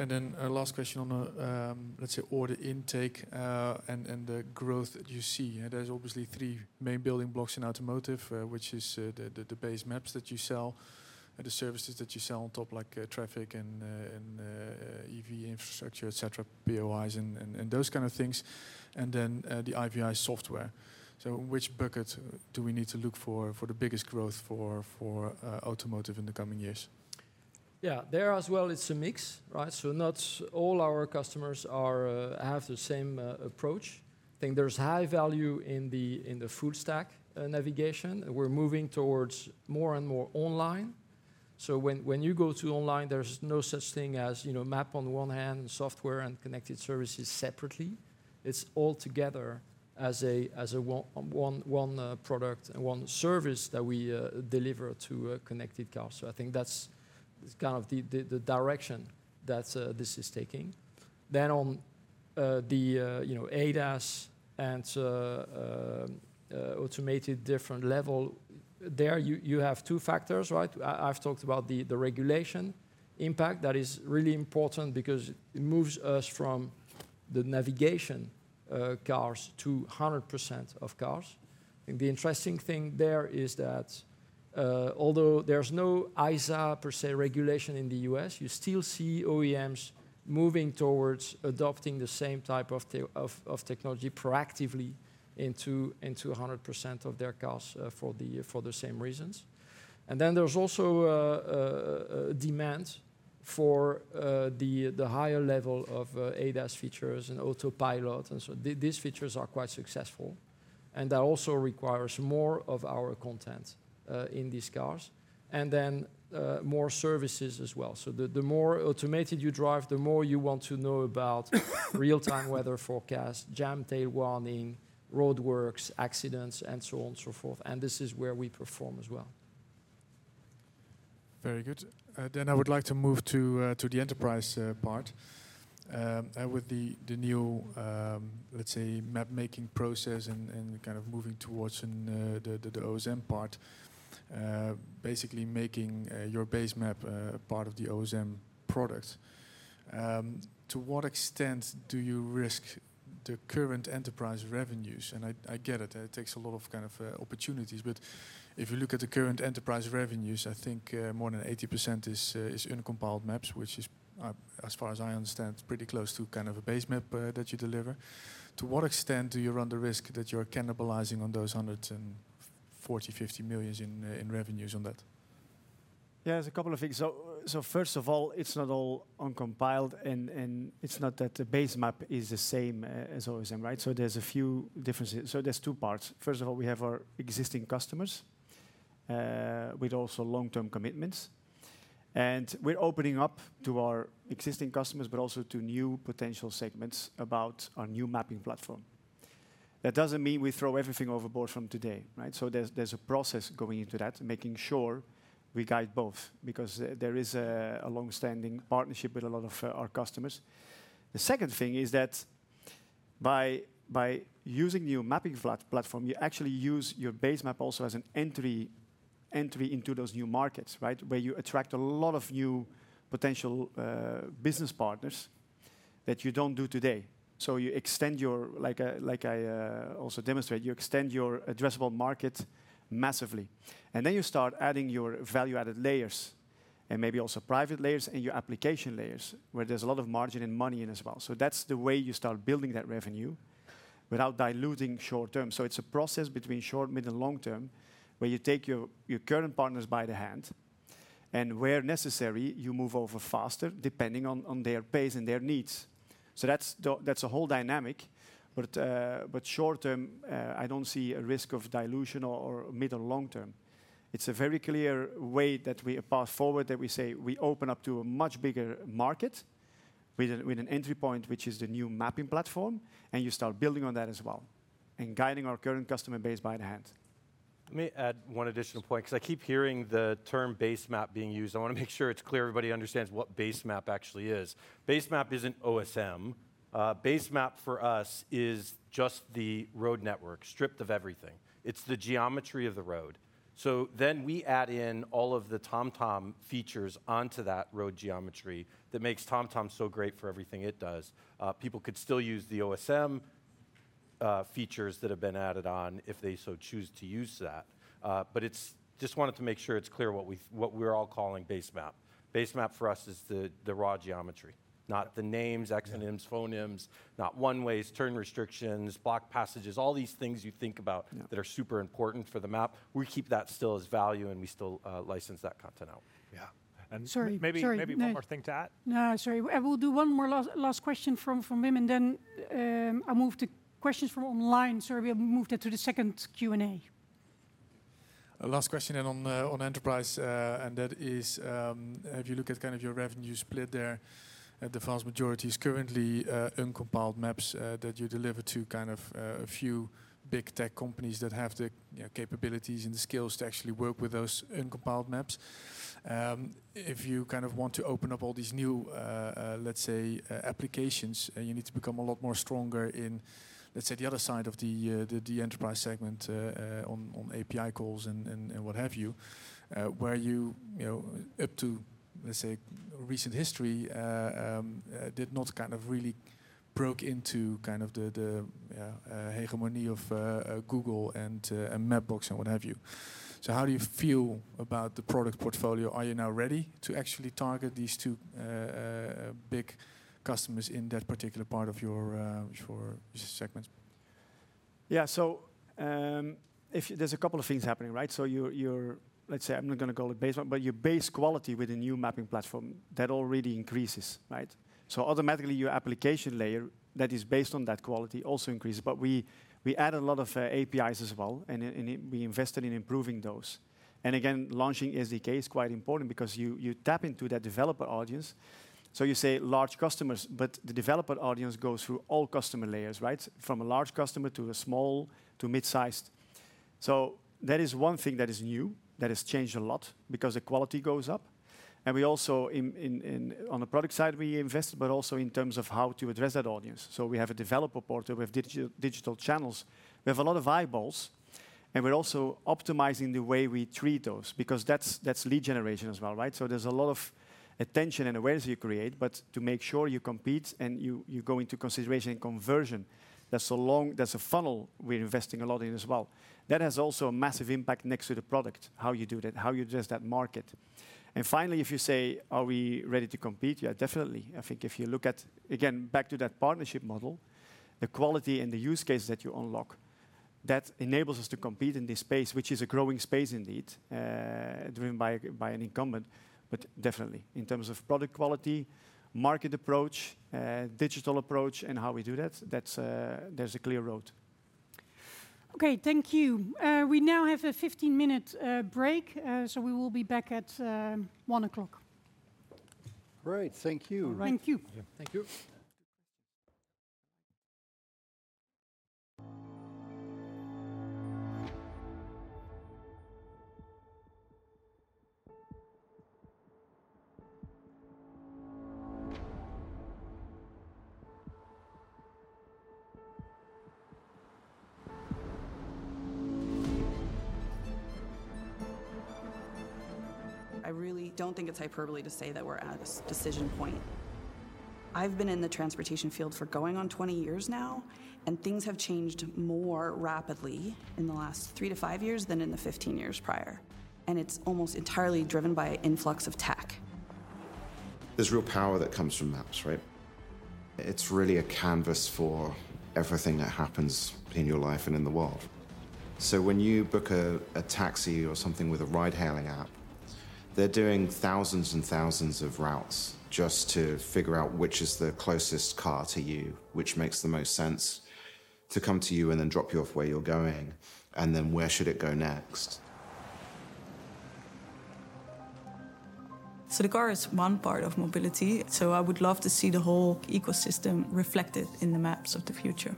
Last question on the, let's say order intake, and the growth that you see. There's obviously three main building blocks in automotive, which is the base maps that you sell and the services that you sell on top, like traffic and EV infrastructure, et cetera, POIs and those kind of things, and then the IVI software. Which bucket do we need to look for the biggest growth for automotive in the coming years? Yeah. There as well, it's a mix, right? Not all our customers have the same approach. I think there's high value in the full stack navigation. We're moving towards more and more online. When you go to online, there's no such thing as, you know, map on one hand and software and connected services separately. It's all together as one product and one service that we deliver to a connected car. I think that's kind of the direction that this is taking. On the ADAS and automated different level, there you have two factors, right? I've talked about the regulation impact. That is really important because it moves us from the navigation cars to 100% of cars. The interesting thing there is that, although there's no ISA per se regulation in the U.S., you still see OEMs moving towards adopting the same type of technology proactively into 100% of their cars, for the same reasons. Then there's also demand for the higher level of ADAS features and autopilot. These features are quite successful, and that also requires more of our content in these cars, and then more services as well. The more automated you drive, the more you want to know about real-time weather forecast, jam tail warning, roadworks, accidents, and so on and so forth. This is where we perform as well. Very good. I would like to move to the enterprise part. With the new, let's say, map-making process and kind of moving towards the OpenStreetMap part, basically making your base map a part of the OpenStreetMap product. To what extent do you risk the current enterprise revenues? I get it. It takes a lot of kind of opportunities. If you look at the current enterprise revenues, I think more than 80% is uncompiled maps, which is, as far as I understand, pretty close to kind of a base map that you deliver. To what extent do you run the risk that you're cannibalizing on those 140 million-150 million in revenues on that? Yeah, there's a couple of things. First of all, it's not all uncompiled and it's not that the base map is the same as OpenStreetMap, right? There's two parts. First of all, we have our existing customers with also long-term commitments. We're opening up to our existing customers, but also to new potential segments about our new mapping platform. That doesn't mean we throw everything overboard from today, right? There's a process going into that, making sure we guide both, because there is a long-standing partnership with a lot of our customers. The second thing is that by using new mapping platform, you actually use your base map also as an entry into those new markets, right? You attract a lot of new potential business partners that you don't do today. You extend your addressable market massively, like I also demonstrate. Then you start adding your value-added layers and maybe also private layers and your application layers where there's a lot of margin and money in as well. That's the way you start building that revenue without diluting short term. It's a process between short, mid, and long term, where you take your current partners by the hand, and where necessary, you move over faster, depending on their pace and their needs. That's a whole dynamic. Short term, I don't see a risk of dilution or mid or long term. It's a very clear way that we. A path forward that we say we open up to a much bigger market with an entry point, which is the new mapping platform, and you start building on that as well and guiding our current customer base by the hand. Let me add one additional point, 'cause I keep hearing the term base map being used. I wanna make sure it's clear everybody understands what base map actually is. Base map isn't OpenStreetMap. Base map for us is just the road network stripped of everything. It's the geometry of the road. So then we add in all of the TomTom features onto that road geometry that makes TomTom so great for everything it does. People could still use the OpenStreetMap features that have been added on if they so choose to use that. Just wanted to make sure it's clear what we're all calling base map. Base map for us is the raw geometry, not the names. Yeah exonyms, phonemes, not one-ways, turn restrictions, block passages, all these things you think about. Yeah that are super important for the map. We keep that still as value, and we still license that content out. Yeah. Sorry. No. Maybe one more thing to add. No, sorry. We'll do one more last question from Wim, and then, I'll move to questions from online. Sorry, we have moved it to the second Q&A. A last question on enterprise, and that is, if you look at kind of your revenue split there, the vast majority is currently uncompiled maps that you deliver to kind of a few big tech companies that have the, you know, capabilities and the skills to actually work with those uncompiled maps. If you kind of want to open up all these new, let's say, applications, you need to become a lot more stronger in, let's say, the other side of the enterprise segment, on API calls and what have you. You know, up to, let's say, recent history, did not kind of really broke into kind of the hegemony of Google and Mapbox and what have you. How do you feel about the product portfolio? Are you now ready to actually target these two big customers in that particular part of your segment? Yeah. If there's a couple of things happening, right? Your, let's say I'm not gonna call it baseline, but your base quality with a new mapping platform that already increases, right? Automatically your application layer that is based on that quality also increases. We add a lot of APIs as well. It we invested in improving those. Again, launching SDK is quite important because you tap into that developer audience. You say large customers, but the developer audience goes through all customer layers, right? From a large customer to a small to mid-sized. That is one thing that is new, that has changed a lot because the quality goes up. We also in on the product side, we invest, but also in terms of how to address that audience. We have a developer portal. We have digital channels. We have a lot of eyeballs, and we're also optimizing the way we treat those because that's lead generation as well, right? There's a lot of attention and awareness you create, but to make sure you compete and you go into consideration and conversion, that's a long funnel we are investing a lot in as well. That has also a massive impact next to the product, how you do that, how you address that market. Finally, if you say, are we ready to compete? Yeah, definitely. I think if you look at, again, back to that partnership model, the quality and the use cases that you unlock, that enables us to compete in this space, which is a growing space indeed, driven by an incumbent. Definitely in terms of product quality, market approach, digital approach and how we do that's, there's a clear road. Okay. Thank you. We now have a 15 minute break. We will be back at 1:00 P.M. Great. Thank you. Thank you. Thank you. Good questions. I really don't think it's hyperbole to say that we're at a decision point. I've been in the transportation field for going on 20 years now, and things have changed more rapidly in the last three to five years than in the 15 years prior, and it's almost entirely driven by an influx of tech. There's real power that comes from maps, right? It's really a canvas for everything that happens in your life and in the world. When you book a taxi or something with a ride-hailing app, they're doing thousands and thousands of routes just to figure out which is the closest car to you, which makes the most sense to come to you and then drop you off where you're going, and then where should it go next. The car is one part of mobility, so I would love to see the whole ecosystem reflected in the maps of the future.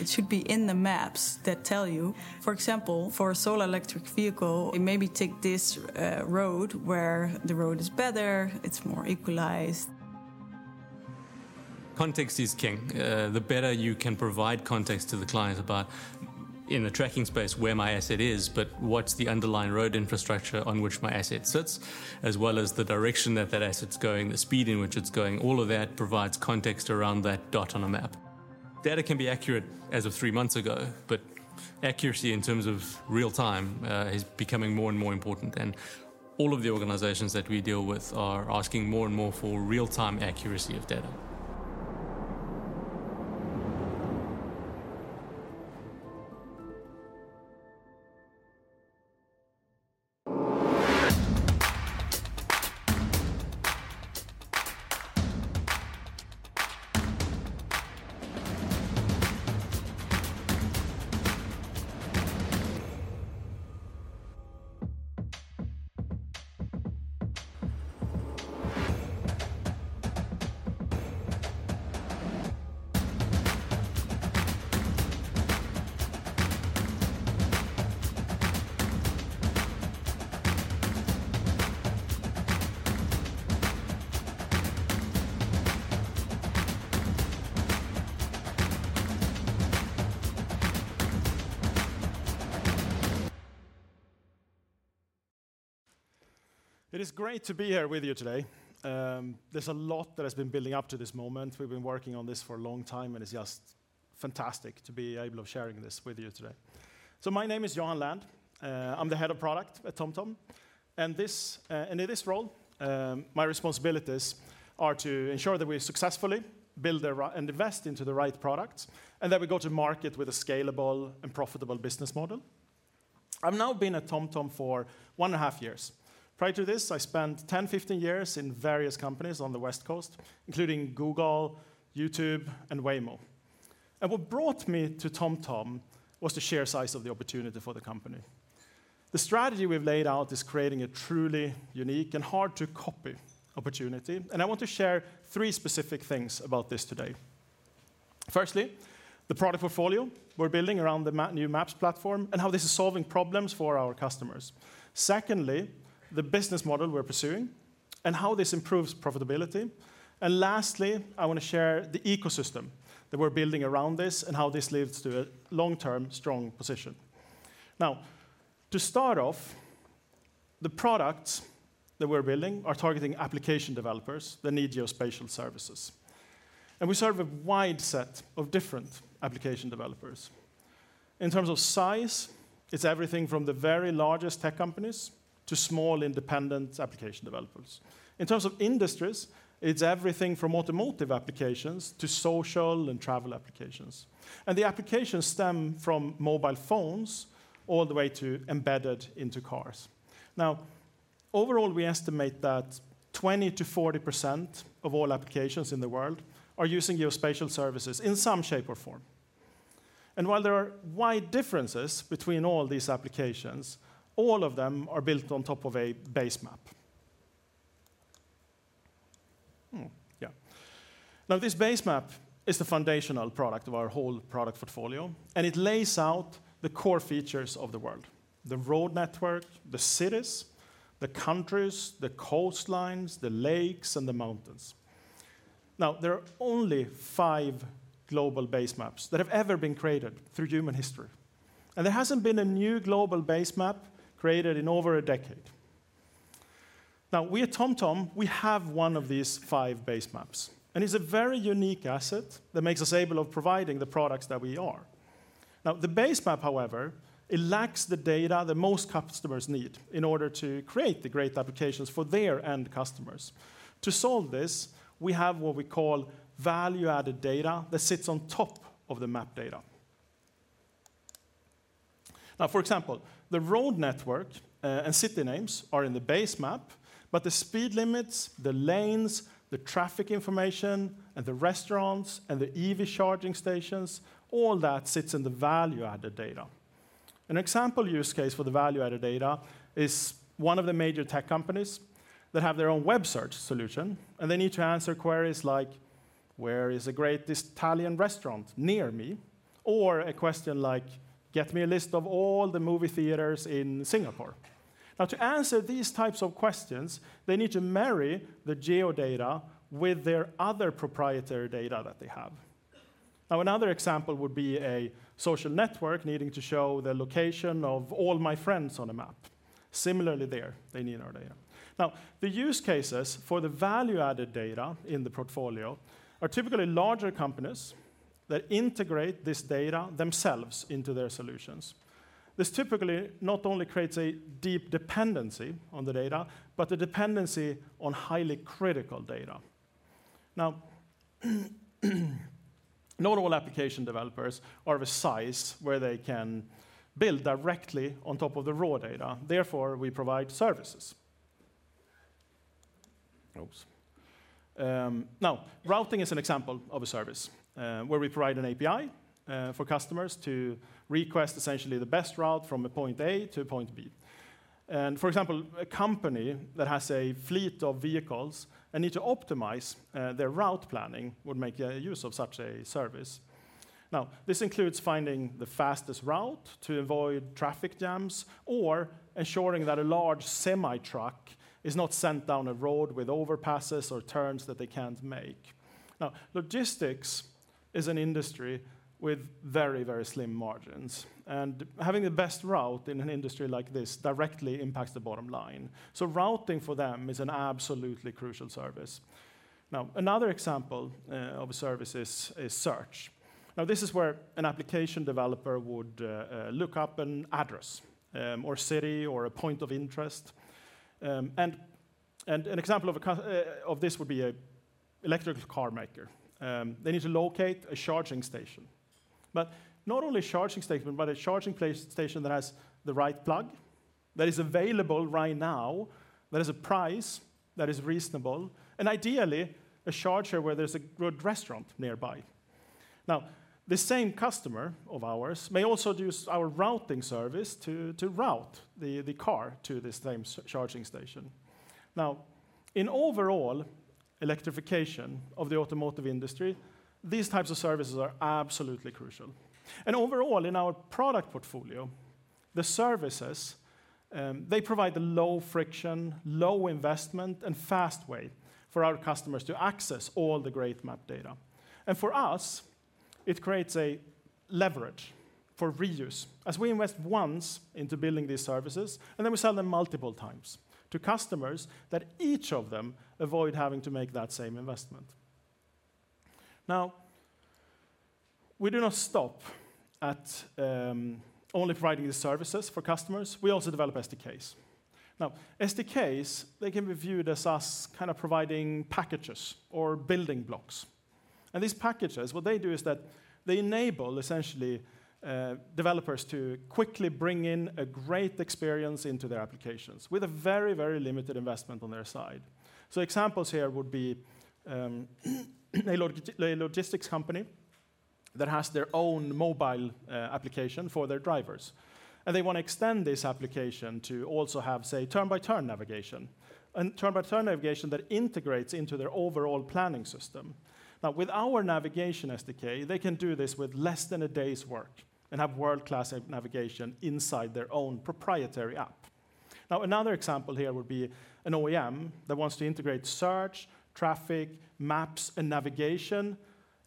It should be in the maps that tell you, for example, for a solar electric vehicle, it maybe take this road where the road is better, it's more equalized. Context is king. The better you can provide context to the client about in the tracking space where my asset is, but what's the underlying road infrastructure on which my asset sits, as well as the direction that that asset's going, the speed in which it's going. All of that provides context around that dot on a map. Data can be accurate as of three months ago, but accuracy in terms of real time is becoming more and more important. All of the organizations that we deal with are asking more and more for real-time accuracy of data. It is great to be here with you today. There's a lot that has been building up to this moment. We've been working on this for a long time, and it's just fantastic to be able to share this with you today. My name is Johan Land. I'm the head of product at TomTom, and in this role, my responsibilities are to ensure that we successfully build the right product and that we go to market with a scalable and profitable business model. I've now been at TomTom for one and a half years. Prior to this, I spent 10-15 years in various companies on the West Coast, including Google, YouTube, and Waymo. What brought me to TomTom was the sheer size of the opportunity for the company. The strategy we've laid out is creating a truly unique and hard to copy opportunity, and I want to share three specific things about this today. Firstly, the product portfolio we're building around the new maps platform and how this is solving problems for our customers. Secondly, the business model we're pursuing and how this improves profitability. Lastly, I want to share the ecosystem that we're building around this and how this leads to a long-term strong position. Now, to start off, the products that we're building are targeting application developers that need geospatial services. We serve a wide set of different application developers. In terms of size, it's everything from the very largest tech companies to small independent application developers. In terms of industries, it's everything from automotive applications to social and travel applications. The applications stem from mobile phones all the way to embedded into cars. Now, overall, we estimate that 20%-40% of all applications in the world are using geospatial services in some shape or form. While there are wide differences between all these applications, all of them are built on top of a base map. Now this base map is the foundational product of our whole product portfolio, and it lays out the core features of the world, the road network, the cities, the countries, the coastlines, the lakes, and the mountains. Now, there are only five global base maps that have ever been created through human history. There hasn't been a new global base map created in over a decade. Now, we at TomTom, we have one of these five base maps, and it's a very unique asset that makes us able to providing the products that we are. Now, the base map, however, it lacks the data that most customers need in order to create the great applications for their end customers. To solve this, we have what we call value-added data that sits on top of the map data. Now, for example, the road network and city names are in the base map, but the speed limits, the lanes, the traffic information, and the restaurants, and the EV charging stations, all that sits in the value-added data. An example use case for the value-added data is one of the major tech companies that have their own web search solution, and they need to answer queries like, where is a great Italian restaurant near me? A question like, get me a list of all the movie theaters in Singapore. Now, to answer these types of questions, they need to marry the geo-data with their other proprietary data that they have. Now, another example would be a social network needing to show the location of all my friends on a map. Similarly there, they need our data. Now, the use cases for the value-added data in the portfolio are typically larger companies that integrate this data themselves into their solutions. This typically not only creates a deep dependency on the data, but a dependency on highly critical data. Now, not all application developers are of a size where they can build directly on top of the raw data, therefore, we provide services. Oops. Now, routing is an example of a service where we provide an API for customers to request essentially the best route from a point A to a point B. For example, a company that has a fleet of vehicles and need to optimize their route planning would make use of such a service. This includes finding the fastest route to avoid traffic jams or ensuring that a large semi-truck is not sent down a road with overpasses or turns that they can't make. Logistics is an industry with very, very slim margins, and having the best route in an industry like this directly impacts the bottom line. Routing for them is an absolutely crucial service. Another example of a service is search. Now, this is where an application developer would look up an address, or city or a point of interest. An example of this would be an electric car maker. They need to locate a charging station. Not only a charging station, but a charging station that has the right plug, that is available right now, that has a price that is reasonable, and ideally, a charger where there's a good restaurant nearby. Now, this same customer of ours may also use our routing service to route the car to the same charging station. Now, in overall electrification of the automotive industry, these types of services are absolutely crucial. Overall, in our product portfolio, the services, they provide a low friction, low investment, and fast way for our customers to access all the great map data. For us, it creates a leverage for reuse as we invest once into building these services, and then we sell them multiple times to customers that each of them avoid having to make that same investment. Now, we do not stop at only providing the services for customers. We also develop SDKs. Now, SDKs, they can be viewed as us kind of providing packages or building blocks. These packages, what they do is that they enable, essentially, developers to quickly bring in a great experience into their applications with a very, very limited investment on their side. Examples here would be a logistics company that has their own mobile application for their drivers, and they wanna extend this application to also have, say, turn-by-turn navigation, and turn-by-turn navigation that integrates into their overall planning system. Now, with our Navigation SDK, they can do this with less than a day's work and have world-class navigation inside their own proprietary app. Now, another example here would be an OEM that wants to integrate search, traffic, maps, and navigation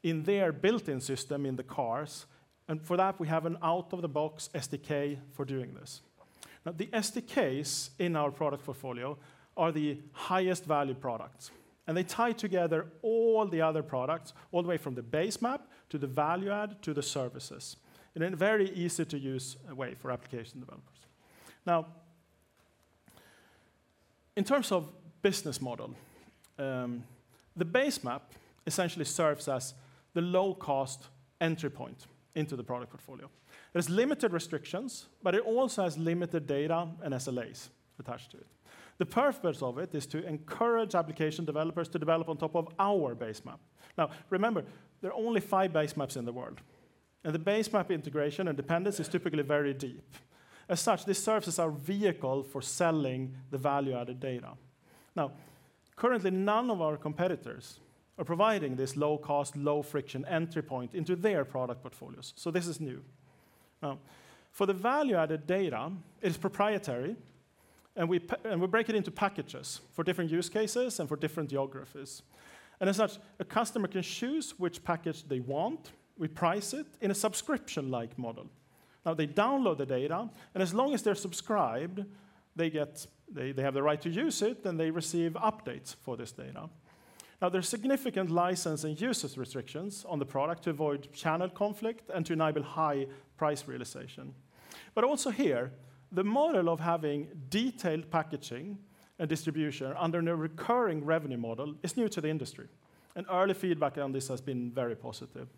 in their built-in system in the cars, and for that, we have an out-of-the-box SDK for doing this. Now, the SDKs in our product portfolio are the highest value products, and they tie together all the other products, all the way from the base map to the value add to the services, in a very easy-to-use way for application developers. Now, in terms of business model, the base map essentially serves as the low-cost entry point into the product portfolio. There's limited restrictions, but it also has limited data and SLAs attached to it. The purpose of it is to encourage application developers to develop on top of our base map. Now, remember, there are only five base maps in the world, and the base map integration and dependence is typically very deep. As such, this serves as our vehicle for selling the value-added data. Now, currently, none of our competitors are providing this low-cost, low-friction entry point into their product portfolios, so this is new. Now, for the value-added data, it is proprietary, and we break it into packages for different use cases and for different geographies. As such, a customer can choose which package they want. We price it in a subscription-like model. They download the data, and as long as they're subscribed, they have the right to use it, and they receive updates for this data. There's significant license and usage restrictions on the product to avoid channel conflict and to enable high price realization. Also here, the model of having detailed packaging and distribution under a recurring revenue model is new to the industry, and early feedback on this has been very positive.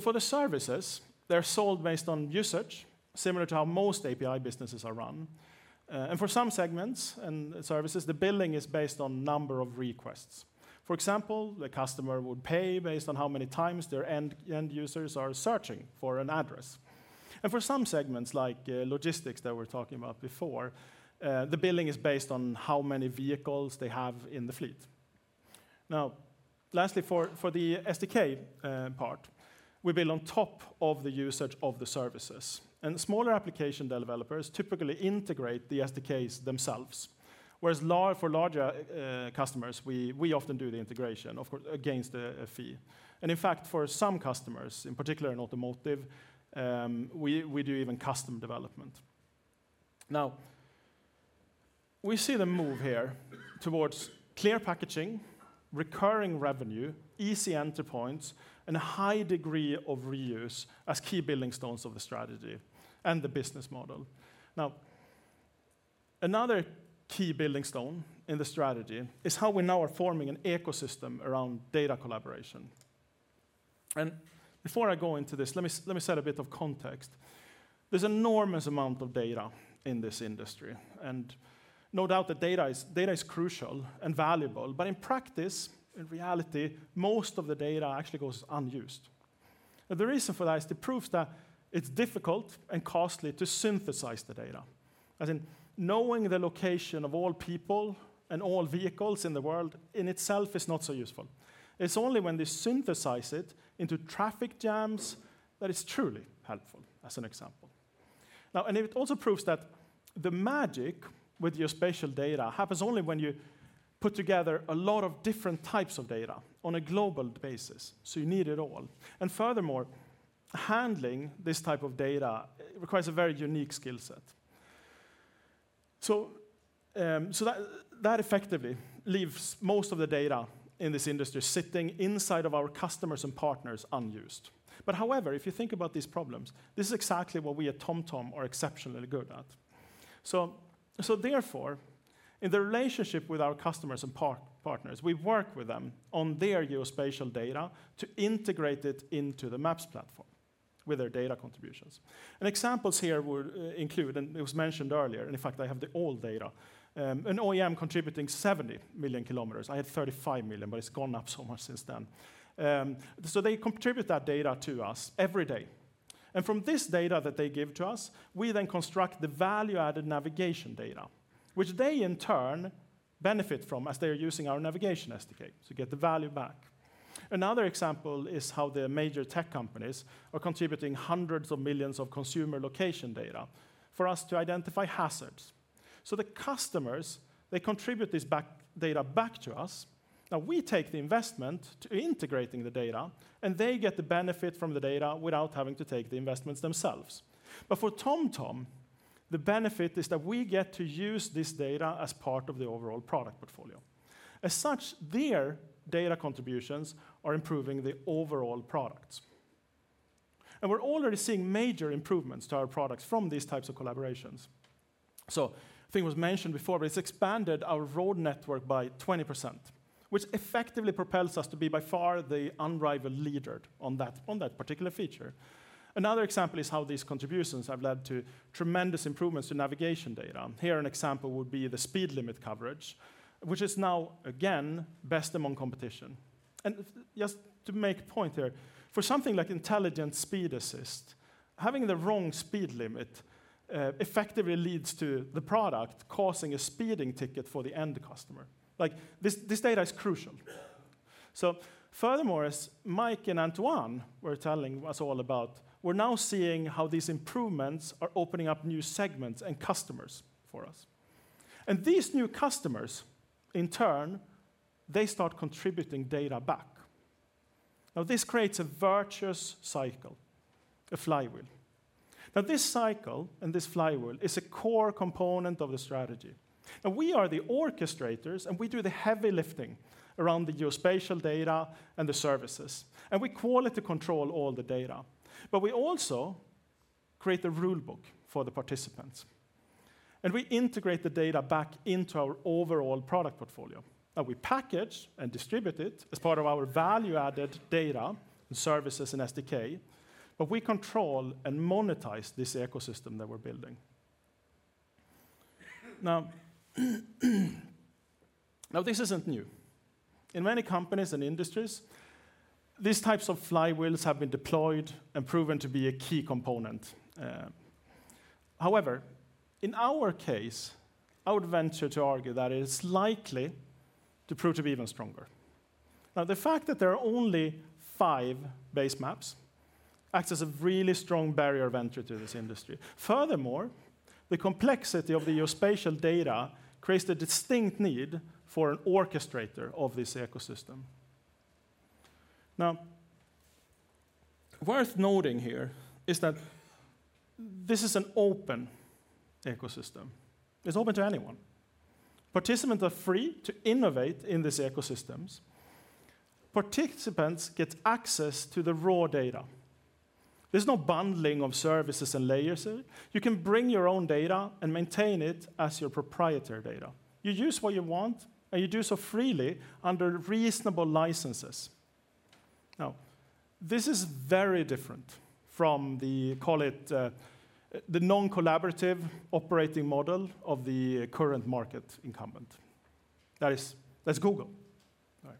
For the services, they're sold based on usage, similar to how most API businesses are run, and for some segments and services, the billing is based on number of requests. For example, the customer would pay based on how many times their end users are searching for an address. For some segments, like, logistics that we were talking about before, the billing is based on how many vehicles they have in the fleet. Lastly, for the SDK part, we build on top of the usage of the services, and smaller application developers typically integrate the SDKs themselves, whereas for larger customers, we often do the integration, of course, against a fee. In fact, for some customers, in particular in automotive, we do even custom development. Now, we see the move here towards clear packaging, recurring revenue, easy entry points, and a high degree of reuse as key building stones of the strategy and the business model. Now, another key building stone in the strategy is how we now are forming an ecosystem around data collaboration. Before I go into this, let me set a bit of context. There's an enormous amount of data in this industry, and no doubt that data is crucial and valuable, but in practice, in reality, most of the data actually goes unused. The reason for that is it proves that it's difficult and costly to synthesize the data. As in, knowing the location of all people and all vehicles in the world in itself is not so useful. It's only when they synthesize it into traffic jams that it's truly helpful, as an example. Now, it also proves that the magic with geospatial data happens only when you put together a lot of different types of data on a global basis, so you need it all. Furthermore, handling this type of data requires a very unique skill set. That effectively leaves most of the data in this industry sitting inside of our customers and partners unused. However, if you think about these problems, this is exactly what we at TomTom are exceptionally good at. Therefore, in the relationship with our customers and partners, we work with them on their geospatial data to integrate it into the maps platform with their data contributions. Examples here would include, and it was mentioned earlier, and in fact, I have the old data, an OEM contributing 70 million kilometers. I had 35 million, but it's gone up so much since then. They contribute that data to us every day. From this data that they give to us, we then construct the value-added navigation data, which they in turn benefit from as they are using our Navigation SDK to get the value back. Another example is how the major tech companies are contributing hundreds of millions of consumer location data for us to identify hazards. The customers, they contribute this back, data back to us. Now, we take the investment to integrating the data, and they get the benefit from the data without having to take the investments themselves. For TomTom, the benefit is that we get to use this data as part of the overall product portfolio. As such, their data contributions are improving the overall products. We're already seeing major improvements to our products from these types of collaborations. I think it was mentioned before, but it's expanded our road network by 20%, which effectively propels us to be by far the unrivaled leader on that, on that particular feature. Another example is how these contributions have led to tremendous improvements in navigation data. Here, an example would be the speed limit coverage, which is now, again, best among competition. Just to make a point here, for something like Intelligent Speed Assist, having the wrong speed limit effectively leads to the product causing a speeding ticket for the end customer. Like, this data is crucial. Furthermore, as Mike and Antoine were telling us all about, we're now seeing how these improvements are opening up new segments and customers for us. These new customers, in turn, they start contributing data back. Now, this creates a virtuous cycle, a flywheel. Now, this cycle and this flywheel is a core component of the strategy. Now, we are the orchestrators, and we do the heavy lifting around the geospatial data and the services, and we quality control all the data. But we also create the rule book for the participants. And we integrate the data back into our overall product portfolio, and we package and distribute it as part of our value-added data and services in SDK, but we control and monetize this ecosystem that we're building. Now, this isn't new. In many companies and industries, these types of flywheels have been deployed and proven to be a key component. However, in our case, I would venture to argue that it is likely to prove to be even stronger. Now, the fact that there are only five base maps acts as a really strong barrier of entry to this industry. Furthermore, the complexity of the geospatial data creates the distinct need for an orchestrator of this ecosystem. Now, worth noting here is that this is an open ecosystem. It's open to anyone. Participants are free to innovate in these ecosystems. Participants get access to the raw data. There's no bundling of services and layers. You can bring your own data and maintain it as your proprietary data. You use what you want, and you do so freely under reasonable licenses. Now, this is very different from the, call it, the non-collaborative operating model of the current market incumbent. That is, that's Google. All right.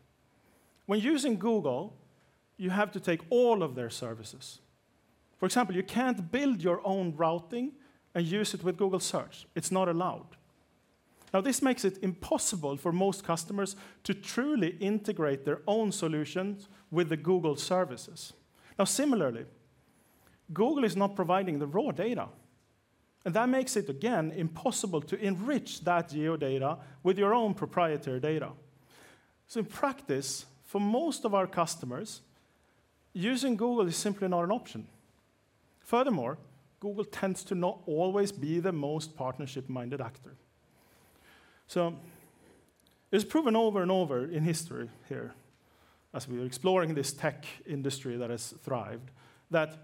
When using Google, you have to take all of their services. For example, you can't build your own routing and use it with Google Search. It's not allowed. Now, this makes it impossible for most customers to truly integrate their own solutions with the Google services. Now, similarly, Google is not providing the raw data, and that makes it, again, impossible to enrich that geo data with your own proprietary data. In practice, for most of our customers, using Google is simply not an option. Furthermore, Google tends to not always be the most partnership-minded actor. It's proven over and over in history here, as we're exploring this tech industry that has thrived, that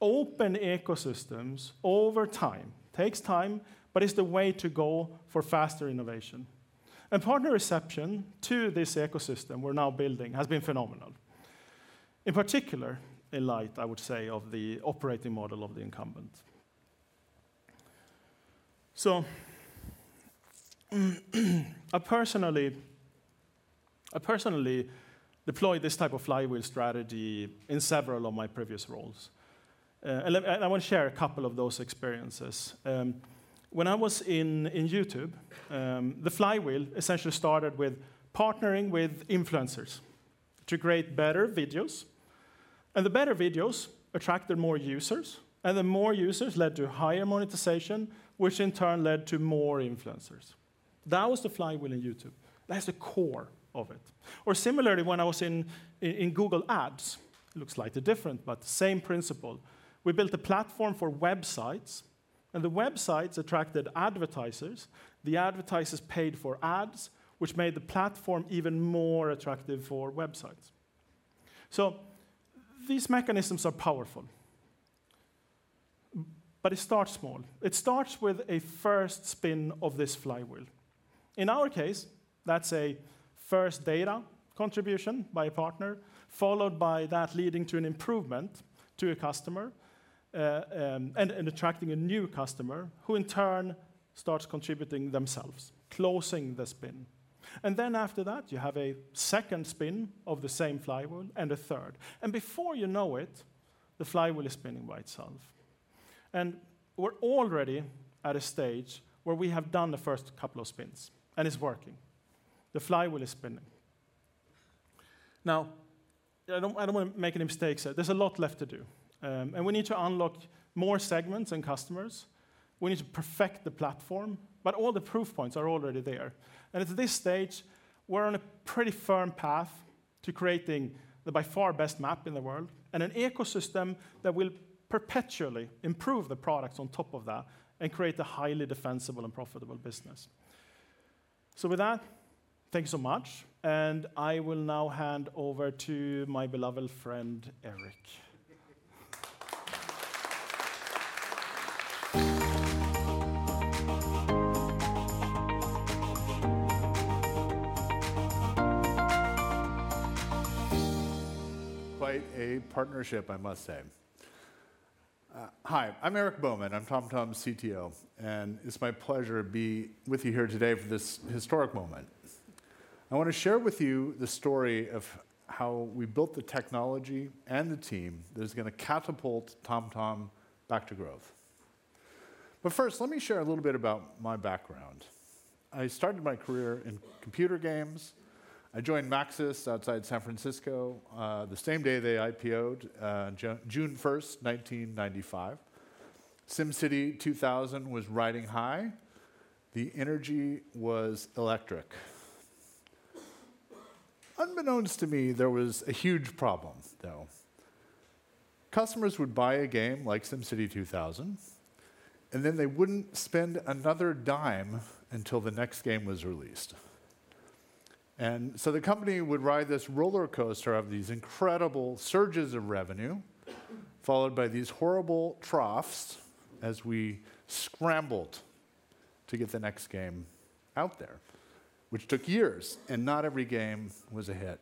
open ecosystems over time, takes time, but is the way to go for faster innovation. Partner reception to this ecosystem we're now building has been phenomenal. In particular, in light, I would say, of the operating model of the incumbent. I personally deployed this type of flywheel strategy in several of my previous roles. I want to share a couple of those experiences. When I was in YouTube, the flywheel essentially started with partnering with influencers to create better videos. The better videos attracted more users, and the more users led to higher monetization, which in turn led to more influencers. That was the flywheel in YouTube. That's the core of it. Similarly, when I was in Google Ads, it looks slightly different, but same principle. We built a platform for websites, and the websites attracted advertisers. The advertisers paid for ads, which made the platform even more attractive for websites. These mechanisms are powerful. It starts small. It starts with a first spin of this flywheel. In our case, that's a first data contribution by a partner, followed by that leading to an improvement to a customer, and attracting a new customer, who in turn starts contributing themselves, closing the spin. After that, you have a second spin of the same flywheel, and a third. Before you know it, the flywheel is spinning by itself. We're already at a stage where we have done the first couple of spins, and it's working. The flywheel is spinning. Now, I don't want to make any mistakes here. There's a lot left to do. We need to unlock more segments and customers. We need to perfect the platform. All the proof points are already there. At this stage, we're on a pretty firm path to creating the by far best map in the world and an ecosystem that will perpetually improve the products on top of that and create a highly defensible and profitable business. With that, thank you so much, and I will now hand over to my beloved friend, Eric. Quite a partnership, I must say. Hi, I'm Eric Bowman. I'm TomTom's CTO, and it's my pleasure to be with you here today for this historic moment. I wanna share with you the story of how we built the technology and the team that is gonna catapult TomTom back to growth. First, let me share a little bit about my background. I started my career in computer games. I joined Maxis outside San Francisco, the same day they IPO'd, June 1st, 1995. SimCity 2000 was riding high. The energy was electric. Unbeknownst to me, there was a huge problem, though. Customers would buy a game like SimCity 2000, and then they wouldn't spend another dime until the next game was released. The company would ride this roller coaster of these incredible surges of revenue, followed by these horrible troughs as we scrambled to get the next game out there, which took years, and not every game was a hit.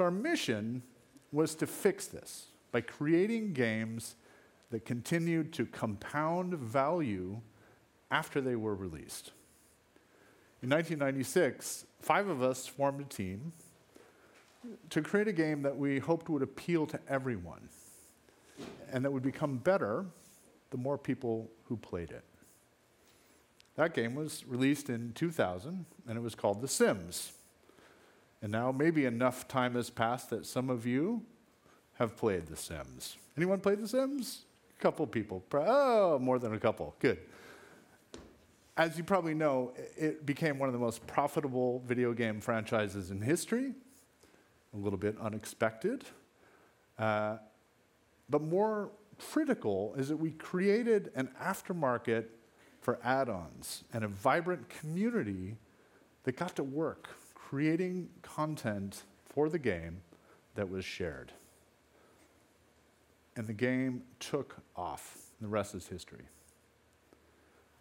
Our mission was to fix this by creating games that continued to compound value after they were released. In 1996, five of us formed a team to create a game that we hoped would appeal to everyone and that would become better the more people who played it. That game was released in 2000, and it was called The Sims. Now maybe enough time has passed that some of you have played The Sims. Anyone played The Sims? A couple people. More than a couple. Good. As you probably know, it became one of the most profitable video game franchises in history. A little bit unexpected. More critical is that we created an aftermarket for add-ons and a vibrant community that got to work creating content for the game that was shared. The game took off. The rest is history.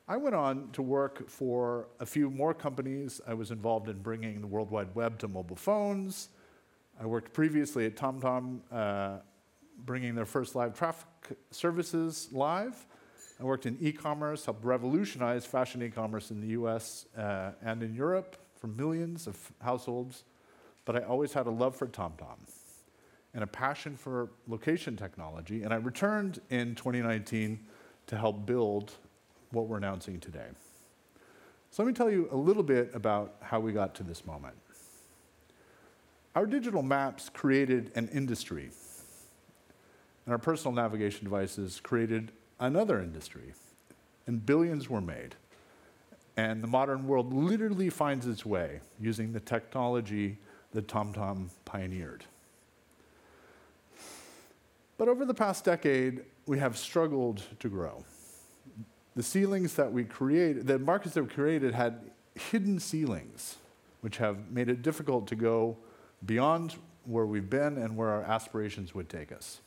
I went on to work for a few more companies. I was involved in bringing the World Wide Web to mobile phones. I worked previously at TomTom, bringing their first live traffic services live. I worked in e-commerce, helped revolutionize fashion e-commerce in the US, and in Europe for millions of households. I always had a love for TomTom and a passion for location technology, and I returned in 2019 to help build what we're announcing today. Let me tell you a little bit about how we got to this moment. Our digital maps created an industry, and our personal navigation devices created another industry, and billions were made. The modern world literally finds its way using the technology that TomTom pioneered. Over the past decade, we have struggled to grow. The markets that we created had hidden ceilings, which have made it difficult to go beyond where we've been and where our aspirations would take us.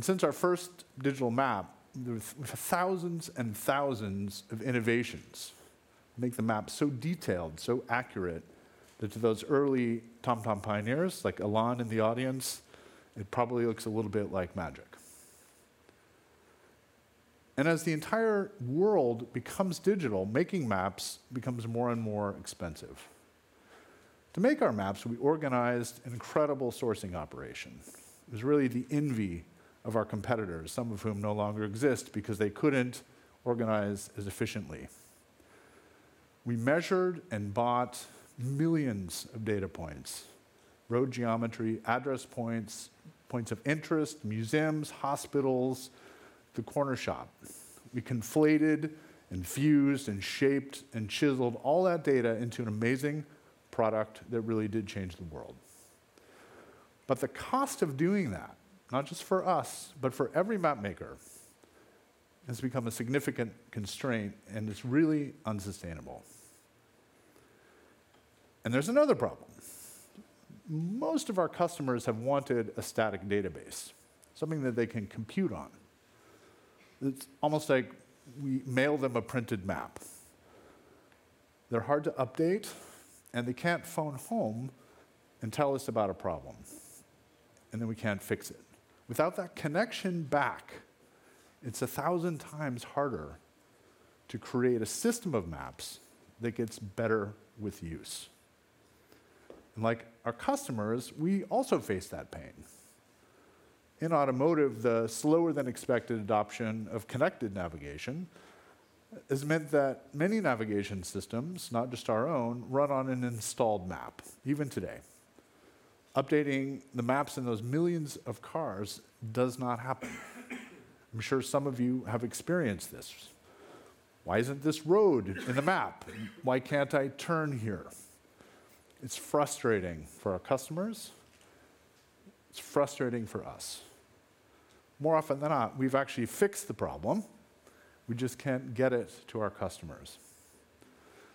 Since our first digital map, there were thousands and thousands of innovations to make the map so detailed, so accurate, that to those early TomTom pioneers, like Alain De Taeye in the audience, it probably looks a little bit like magic. As the entire world becomes digital, making maps becomes more and more expensive. To make our maps, we organized an incredible sourcing operation. It was really the envy of our competitors, some of whom no longer exist because they couldn't organize as efficiently. We measured and bought millions of data points, road geometry, address points of interest, museums, hospitals, the corner shop. We conflated and fused and shaped and chiseled all that data into an amazing product that really did change the world. The cost of doing that, not just for us, but for every mapmaker, has become a significant constraint, and it's really unsustainable. There's another problem. Most of our customers have wanted a static database, something that they can compute on. It's almost like we mail them a printed map. They're hard to update, and they can't phone home and tell us about a problem, and then we can't fix it. Without that connection back, it's 1,000 times harder to create a system of maps that gets better with use. Like our customers, we also face that pain. In automotive, the slower than expected adoption of connected navigation has meant that many navigation systems, not just our own, run on an installed map, even today. Updating the maps in those millions of cars does not happen. I'm sure some of you have experienced this. Why isn't this road in the map? Why can't I turn here? It's frustrating for our customers. It's frustrating for us. More often than not, we've actually fixed the problem. We just can't get it to our customers.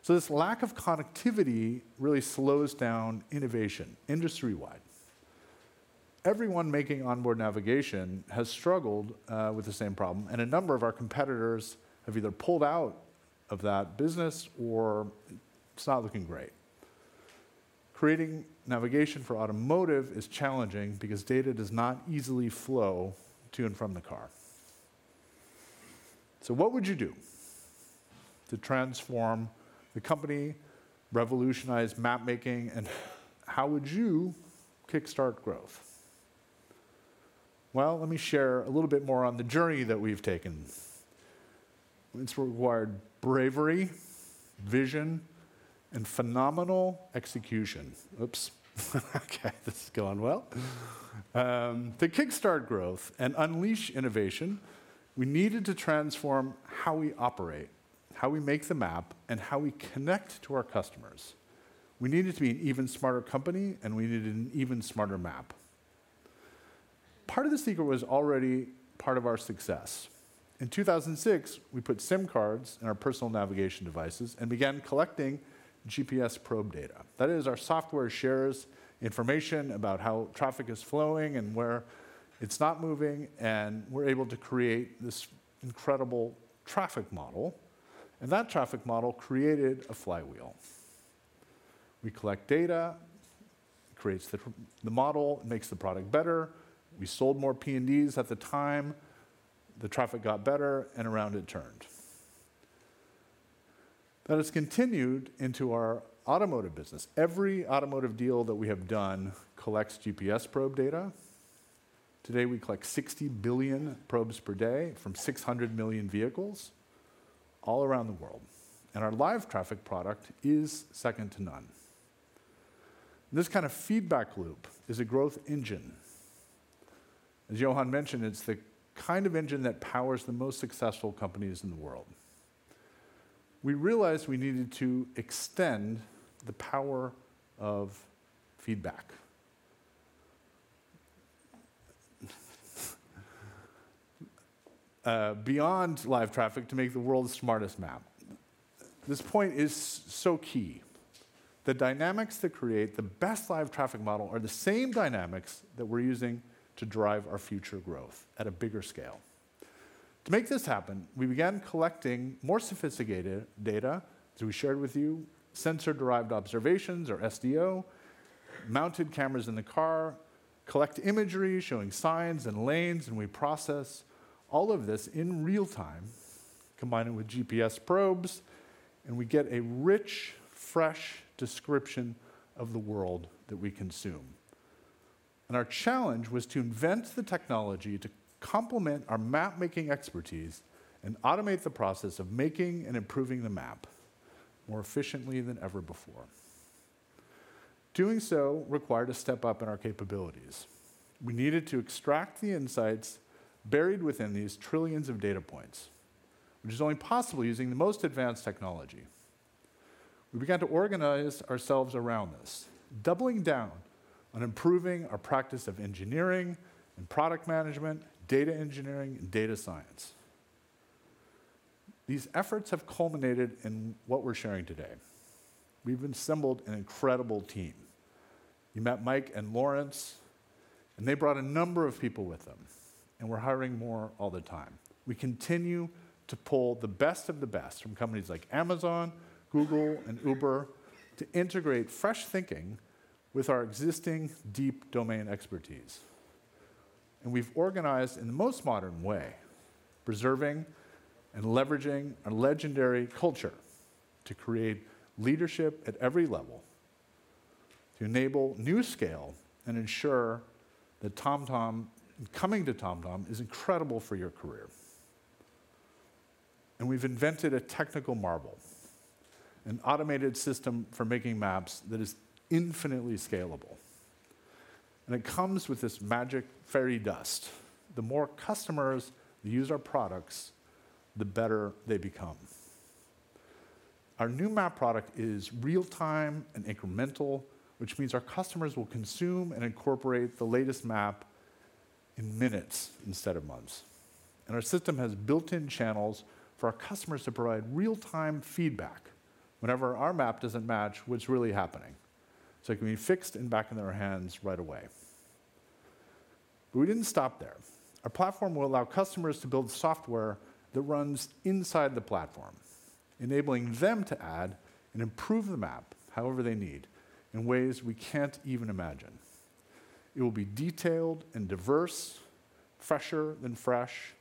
This lack of connectivity really slows down innovation industry-wide. Everyone making onboard navigation has struggled with the same problem, and a number of our competitors have either pulled out of that business or it's not looking great. Creating navigation for automotive is challenging because data does not easily flow to and from the car. What would you do to transform the company, revolutionize mapmaking, and how would you kickstart growth? Well, let me share a little bit more on the journey that we've taken. It's required bravery, vision, and phenomenal execution. Oops. Okay, this is going well. To kickstart growth and unleash innovation, we needed to transform how we operate, how we make the map, and how we connect to our customers. We needed to be an even smarter company, and we needed an even smarter map. Part of the secret was already part of our success. In 2006, we put SIM cards in our personal navigation devices and began collecting GPS probe data. That is, our software shares information about how traffic is flowing and where it's not moving, and we're able to create this incredible traffic model, and that traffic model created a flywheel. We collect data, creates the model, makes the product better. We sold more PNDs at the time. The traffic got better, and around it turned. That has continued into our automotive business. Every automotive deal that we have done collects GPS probe data. Today, we collect 60 billion probes per day from 600 million vehicles all around the world, and our live traffic product is second to none. This kind of feedback loop is a growth engine. As Johan mentioned, it's the kind of engine that powers the most successful companies in the world. We realized we needed to extend the power of feedback beyond live traffic to make the world's smartest map. This point is so key. The dynamics that create the best live traffic model are the same dynamics that we're using to drive our future growth at a bigger scale. To make this happen, we began collecting more sophisticated data, as we shared with you, sensor-derived observations or SDO, mounted cameras in the car, collect imagery showing signs and lanes, and we process all of this in real time, combine it with GPS probes, and we get a rich, fresh description of the world that we consume. Our challenge was to invent the technology to complement our mapmaking expertise and automate the process of making and improving the map more efficiently than ever before. Doing so required a step up in our capabilities. We needed to extract the insights buried within these trillions of data points, which is only possible using the most advanced technology. We began to organize ourselves around this, doubling down on improving our practice of engineering and product management, data engineering, and data science. These efforts have culminated in what we're sharing today. We've assembled an incredible team. You met Mike and Laurens, and they brought a number of people with them, and we're hiring more all the time. We continue to pull the best of the best from companies like Amazon, Google, and Uber to integrate fresh thinking with our existing deep domain expertise. We've organized in the most modern way, preserving and leveraging a legendary culture to create leadership at every level, to enable new scale and ensure that TomTom, coming to TomTom is incredible for your career. We've invented a technical marvel, an automated system for making maps that is infinitely scalable, and it comes with this magic fairy dust. The more customers that use our products, the better they become. Our new map product is real-time and incremental, which means our customers will consume and incorporate the latest map in minutes instead of months. Our system has built-in channels for our customers to provide real-time feedback whenever our map doesn't match what's really happening, so it can be fixed and back in their hands right away. We didn't stop there. Our platform will allow customers to build software that runs inside the platform, enabling them to add and improve the map however they need in ways we can't even imagine. It will be detailed and diverse, fresher than fresh,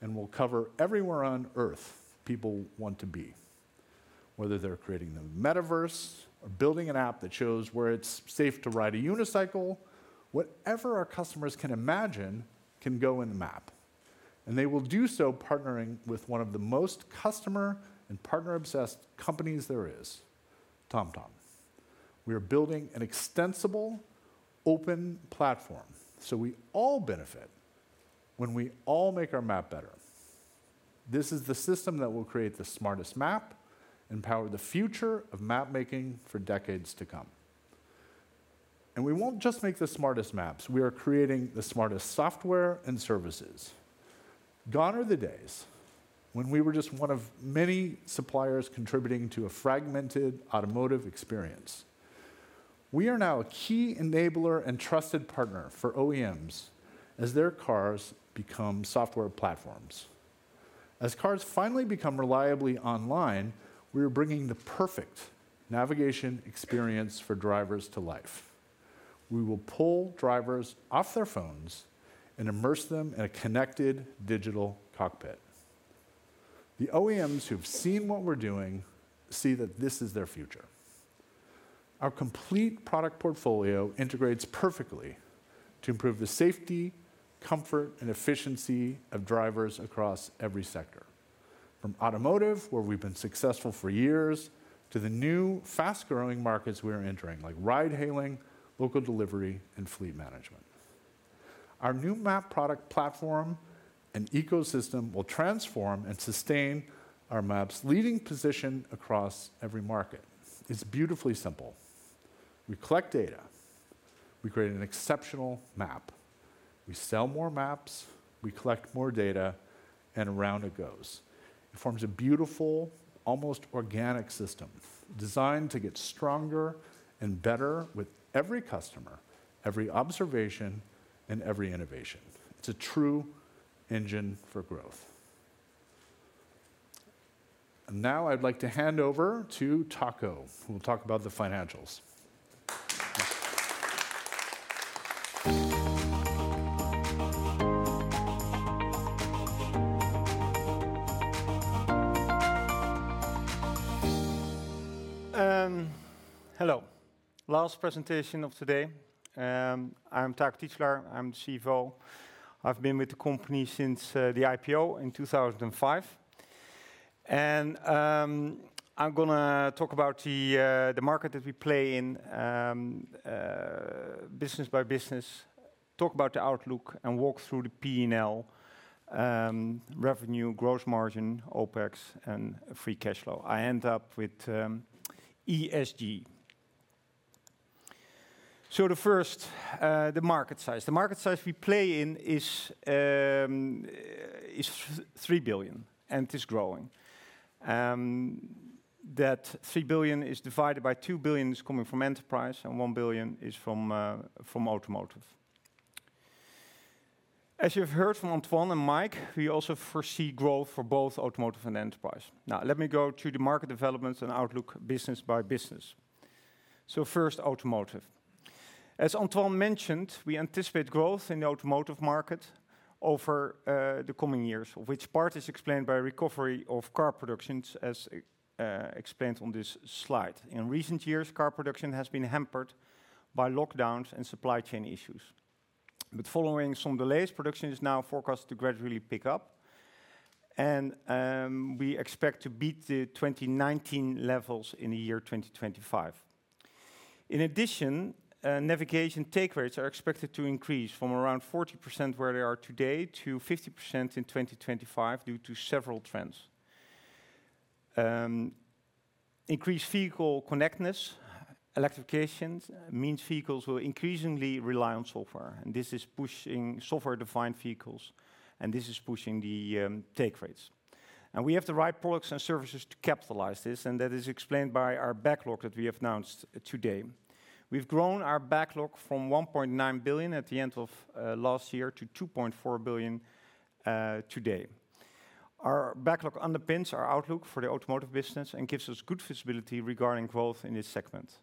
and will cover everywhere on Earth people want to be, whether they're creating the metaverse or building an app that shows where it's safe to ride a unicycle. Whatever our customers can imagine can go in the map, and they will do so partnering with one of the most customer and partner-obsessed companies there is, TomTom. We are building an extensible, open platform, so we all benefit when we all make our map better. This is the system that will create the smartest map and power the future of mapmaking for decades to come. We won't just make the smartest maps. We are creating the smartest software and services. Gone are the days when we were just one of many suppliers contributing to a fragmented automotive experience. We are now a key enabler and trusted partner for OEMs as their cars become software platforms. As cars finally become reliably online, we are bringing the perfect navigation experience for drivers to life. We will pull drivers off their phones and immerse them in a connected digital cockpit. The OEMs who've seen what we're doing see that this is their future. Our complete product portfolio integrates perfectly to improve the safety, comfort, and efficiency of drivers across every sector. From automotive, where we've been successful for years, to the new fast-growing markets we are entering, like ride hailing, local delivery, and fleet management. Our new map product platform and ecosystem will transform and sustain our maps' leading position across every market. It's beautifully simple. We collect data, we create an exceptional map, we sell more maps, we collect more data, and around it goes. It forms a beautiful, almost organic system designed to get stronger and better with every customer, every observation, and every innovation. It's a true engine for growth. Now I'd like to hand over to Taco, who will talk about the financials. Hello. Last presentation of today. I'm Taco Titulaer. I'm the CFO. I've been with the company since the IPO in 2005. I'm gonna talk about the market that we play in, business by business, talk about the outlook, and walk through the P&L, revenue, gross margin, OpEx, and free cash flow. I end up with ESG. The market size we play in is 3 billion, and it is growing. That three billion is divided into 2 billion coming from enterprise and 1 billion from automotive. As you've heard from Antoine and Mike, we also foresee growth for both automotive and enterprise. Now, let me go to the market developments and outlook business by business. First, automotive. As Antoine mentioned, we anticipate growth in the automotive market over the coming years, which part is explained by recovery of car productions as explained on this slide. In recent years, car production has been hampered by lockdowns and supply chain issues. Following some delays, production is now forecast to gradually pick up, and we expect to beat the 2019 levels in the year 2025. In addition, navigation take rates are expected to increase from around 40% where they are today to 50% in 2025 due to several trends. Increased vehicle connectedness, electrification means vehicles will increasingly rely on software, and this is pushing software-defined vehicles, and this is pushing the take rates. We have the right products and services to capitalize on this, and that is explained by our backlog that we have announced today. We've grown our backlog from 1.9 billion at the end of last year to 2.4 billion today. Our backlog underpins our outlook for the automotive business and gives us good visibility regarding growth in this segment.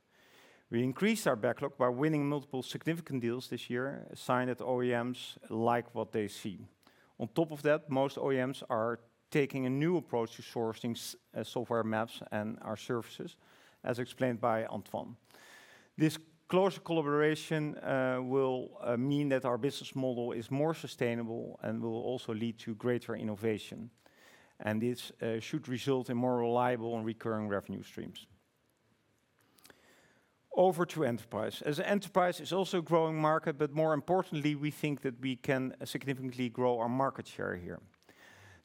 We increased our backlog by winning multiple significant deals this year, a sign that OEMs like what they see. On top of that, most OEMs are taking a new approach to sourcing software maps and our services, as explained by Antoine. This close collaboration will mean that our business model is more sustainable and will also lead to greater innovation, and this should result in more reliable and recurring revenue streams. Over to enterprise. As enterprise is also a growing market, but more importantly, we think that we can significantly grow our market share here.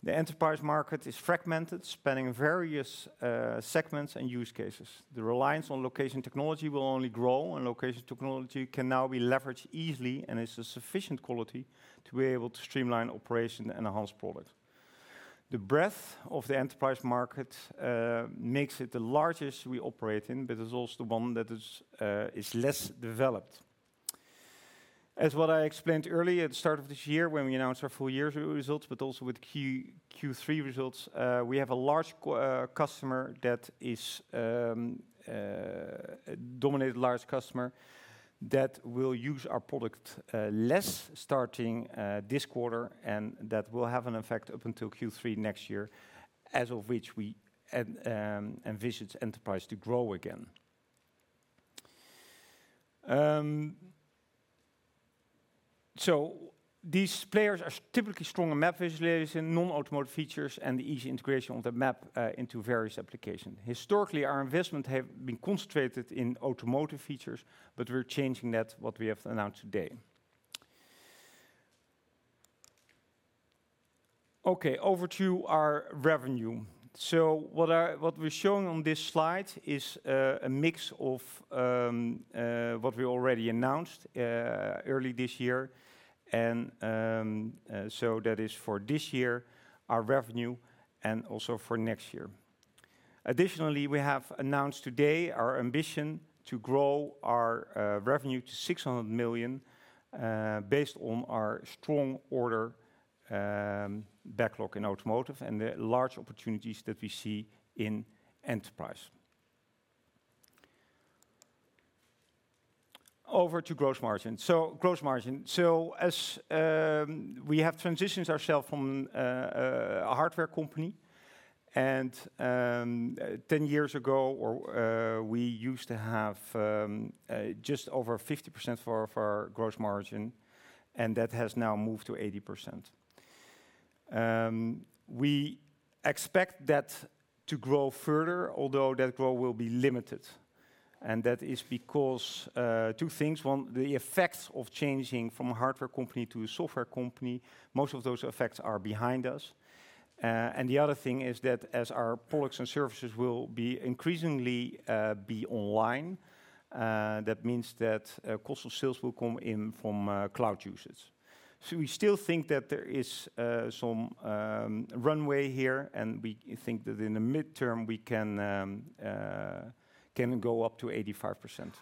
The enterprise market is fragmented, spanning various, segments and use cases. The reliance on location technology will only grow, and location technology can now be leveraged easily and is a sufficient quality to be able to streamline operation and enhance product. The breadth of the enterprise market, makes it the largest we operate in, but it's also the one that is less developed. As I explained earlier at the start of this year when we announced our full-year results, but also with Q3 results, we have a large dominant customer that will use our product less starting this quarter and that will have an effect up until Q3 next year after which we envisage enterprise to grow again. These players are typically strong on map visualization, non-automotive features, and the easy integration of the map into various applications. Historically, our investments have been concentrated in automotive features, but we're changing that, what we have announced today. Over to our revenue. What we're showing on this slide is a mix of what we already announced early this year and that is for this year, our revenue, and also for next year. Additionally, we have announced today our ambition to grow our revenue to 600 million based on our strong order backlog in automotive and the large opportunities that we see in enterprise. Over to gross margin. Gross margin. We have transitioned ourselves from a hardware company. Ten years ago, we used to have just over 50% for our gross margin, and that has now moved to 80%. We expect that to grow further, although that growth will be limited. That is because two things. One, the effects of changing from a hardware company to a software company, most of those effects are behind us. The other thing is that as our products and services will be increasingly online, that means that cost of sales will come in from cloud usage. We still think that there is some runway here, and we think that in the mid-term, we can go up to 85%.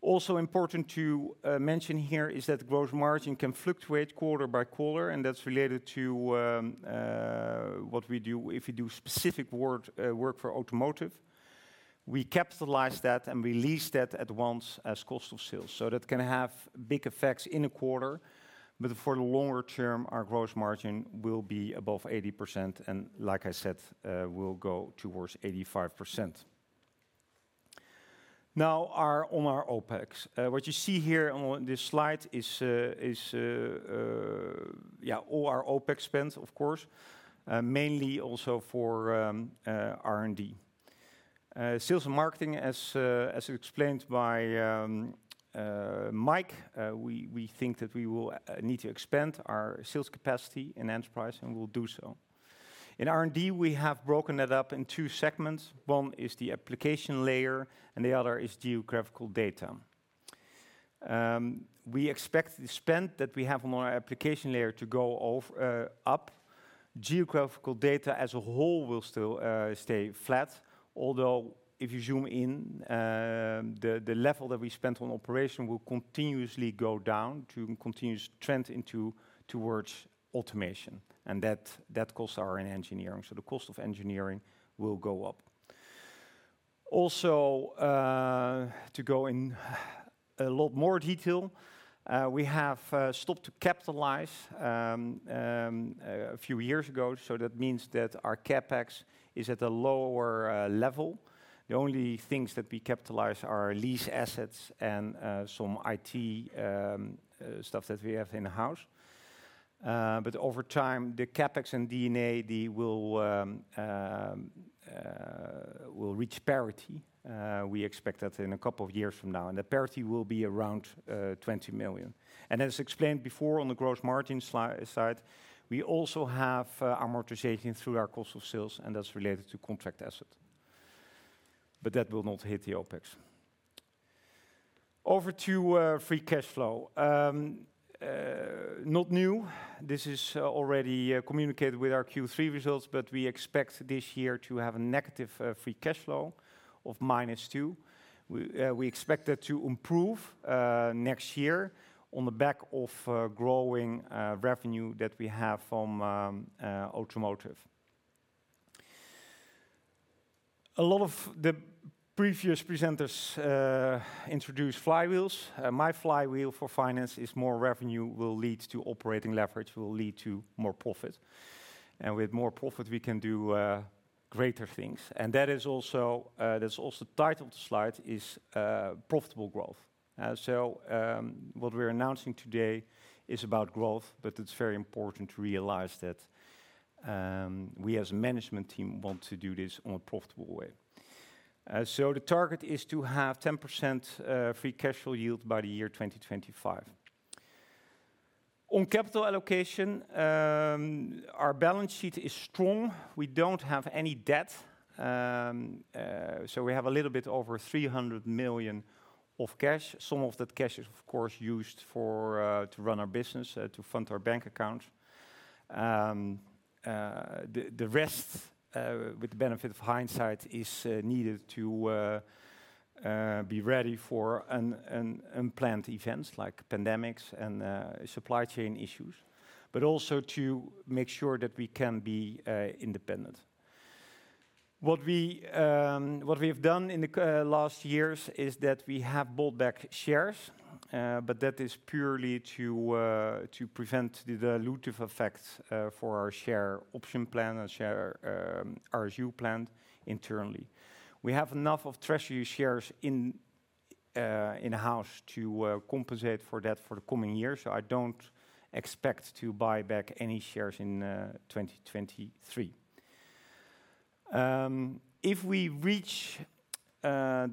Also important to mention here is that gross margin can fluctuate quarter by quarter, and that's related to what we do. If we do specific work for automotive, we capitalize that and release that at once as cost of sales. That can have big effects in a quarter, but for the longer term, our gross margin will be above 80%, and like I said, will go towards 85%. Now, on our OpEx. What you see here on this slide is all our OpEx spend, of course, mainly also for R&D. Sales and marketing, as explained by Mike, we think that we will need to expand our sales capacity in enterprise, and we'll do so. In R&D, we have broken that up in two segments. One is the application layer and the other is geographical data. We expect the spend that we have on our application layer to go up. Geographical data as a whole will still stay flat. Although if you zoom in, the level that we spent on operation will continuously go down, a continuous trend towards automation. That costs are in engineering. The cost of engineering will go up. Also, to go in a lot more detail, we have stopped to capitalize a few years ago, so that means that our CapEx is at a lower level. The only things that we capitalize are lease assets and some IT stuff that we have in-house. Over time, the CapEx and D&A will reach parity. We expect that in a couple of years from now. The parity will be around 20 million. As explained before on the gross margin side, we also have amortization through our cost of sales, and that's related to contract asset. That will not hit the OpEx. Over to free cash flow. Not new. This is already communicated with our Q3 results, but we expect this year to have a negative free cash flow of -2. We expect that to improve next year on the back of growing revenue that we have from automotive. A lot of the previous presenters introduced flywheels. My flywheel for finance is more revenue will lead to operating leverage, will lead to more profit. With more profit, we can do greater things. That is also the title of the slide, profitable growth. What we're announcing today is about growth, but it's very important to realize that we as a management team want to do this in a profitable way. The target is to have 10% free cash flow yield by the year 2025. On capital allocation, our balance sheet is strong. We don't have any debt. We have a little bit over 300 million of cash. Some of that cash is of course used to run our business, to fund our bank accounts. The rest, with the benefit of hindsight is needed to be ready for unplanned events like pandemics and supply chain issues, but also to make sure that we can be independent. What we've done in the last years is that we have bought back shares, but that is purely to prevent the dilutive effects for our share option plan, our share RSU plan internally. We have enough of treasury shares in-house to compensate for that for the coming years, so I don't expect to buy back any shares in 2023. If we reach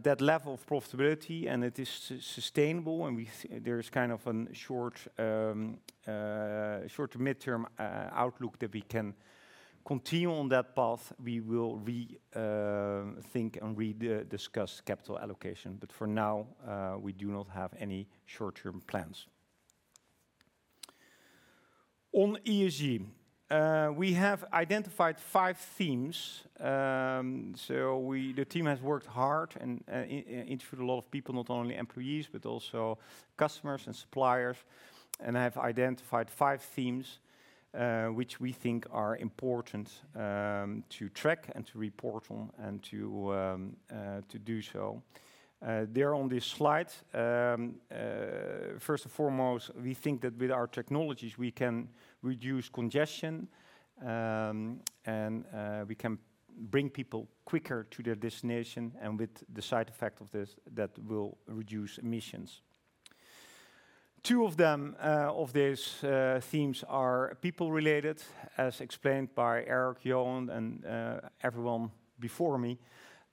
that level of profitability and it is sustainable and there is kind of a short to midterm outlook that we can continue on that path, we will think and rediscuss capital allocation. For now, we do not have any short-term plans. On ESG, we have identified five themes. The team has worked hard and interviewed a lot of people, not only employees, but also customers and suppliers, and have identified five themes, which we think are important to track and to report on and to do so. They're on this slide. First and foremost, we think that with our technologies we can reduce congestion, and we can bring people quicker to their destination and with the side effect of this, that will reduce emissions. Two of these themes are people-related, as explained by Eric, Johan, and everyone before me.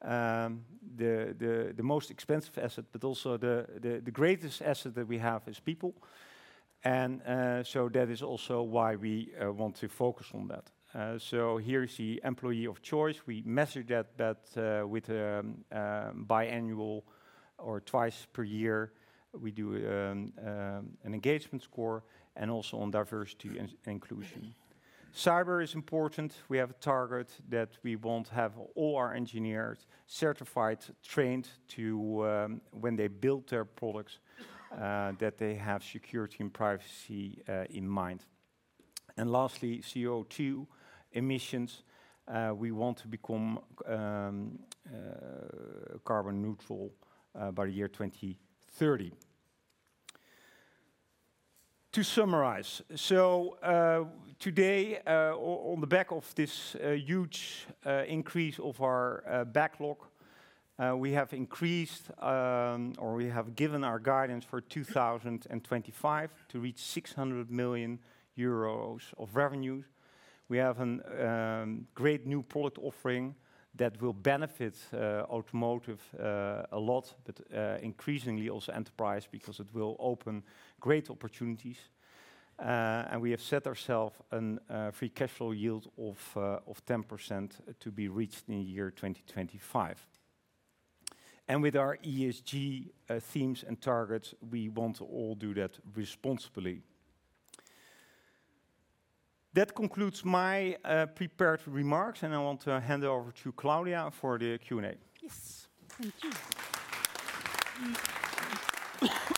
The most expensive asset, but also the greatest asset that we have is people. That is also why we want to focus on that. Here is the employee of choice. We measure that with biannual or twice per year, we do an engagement score and also on diversity and inclusion. Cyber is important. We have a target that we want to have all our engineers certified, trained to when they build their products that they have security and privacy in mind. Lastly, CO2 emissions. We want to become carbon neutral by the year 2030. To summarize. Today, on the back of this huge increase of our backlog, we have increased or we have given our guidance for 2025 to reach 600 million euros of revenues. We have a great new product offering that will benefit automotive a lot, but increasingly also enterprise because it will open great opportunities. We have set ourselves a free cash flow yield of 10% to be reached in the year 2025. With our ESG themes and targets, we want to do all that responsibly. That concludes my prepared remarks, and I want to hand over to Claudia for the Q&A. Yes. Thank you. Microphone for Harold.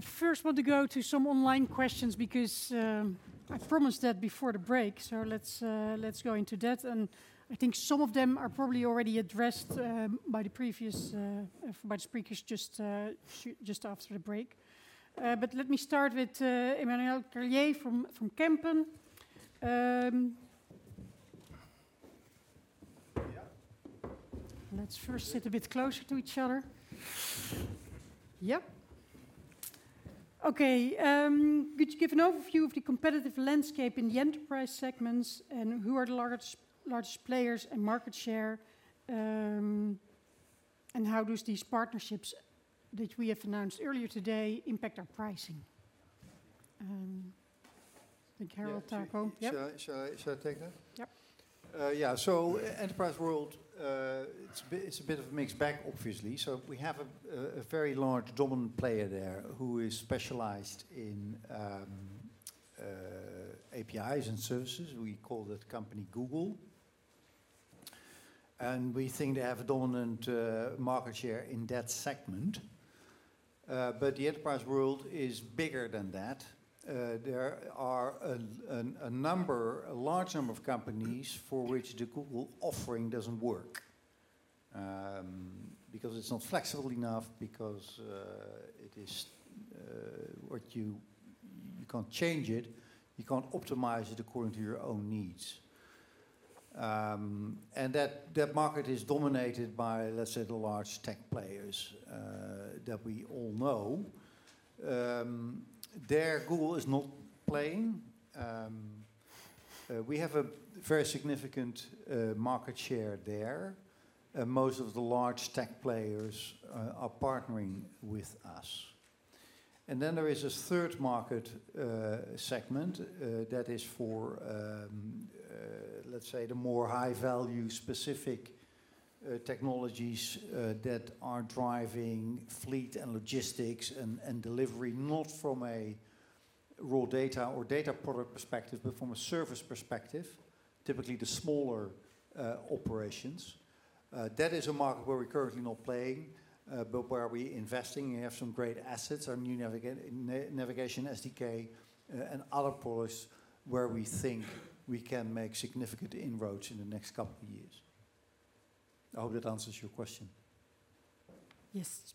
I first want to go to some online questions because I promised that before the break. Let's go into that. I think some of them are probably already addressed by the previous speakers just after the break. Let me start with Emmanuel Carlier from Kempen. Yeah. Let's first sit a bit closer to each other. Yep. Okay. Could you give an overview of the competitive landscape in the enterprise segments, and who are the largest players and market share? How does these partnerships that we have announced earlier today impact our pricing? I think Harold Goddijn, Taco Titulaer. Yep. Shall I take that? Yep. Yeah. Enterprise world, it's a bit of a mixed bag, obviously. We have a very large dominant player there who is specialized in APIs and services. We call that company Google. We think they have a dominant market share in that segment. The enterprise world is bigger than that. There are a large number of companies for which the Google offering doesn't work, because it's not flexible enough or you can't change it, you can't optimize it according to your own needs. That market is dominated by, let's say, the large tech players that we all know. There Google is not playing. We have a very significant market share there. Most of the large tech players are partnering with us. There is a third market segment that is for, let's say, the more high value specific technologies that are driving fleet and logistics and delivery, not from a raw data or data product perspective, but from a service perspective, typically the smaller operations. That is a market where we're currently not playing, but where we're investing. We have some great assets, our new Navigation SDK, and other products where we think we can make significant inroads in the next couple of years. I hope that answers your question. Yes.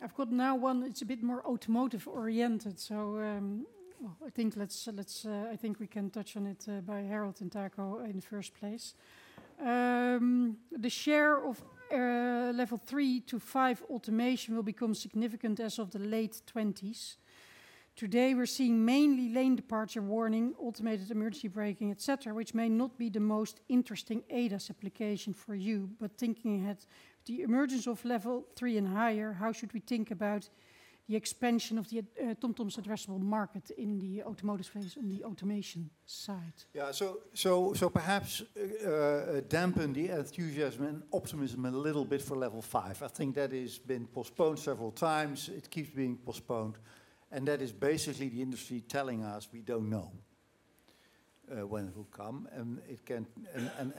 I've got now one that's a bit more automotive oriented. I think we can touch on it by Harold Goddijn and Taco Titulaer in the first place. The share of level three to five automation will become significant as of the late 20s. Today we're seeing mainly lane departure warning, automated emergency braking, et cetera, which may not be the most interesting ADAS application for you. Thinking ahead, the emergence of level three and higher, how should we think about the expansion of TomTom's addressable market in the automotive space on the automation side? Yeah. Perhaps dampen the enthusiasm and optimism a little bit for level five. I think that has been postponed several times. It keeps being postponed, and that is basically the industry telling us we don't know when it will come, and it can.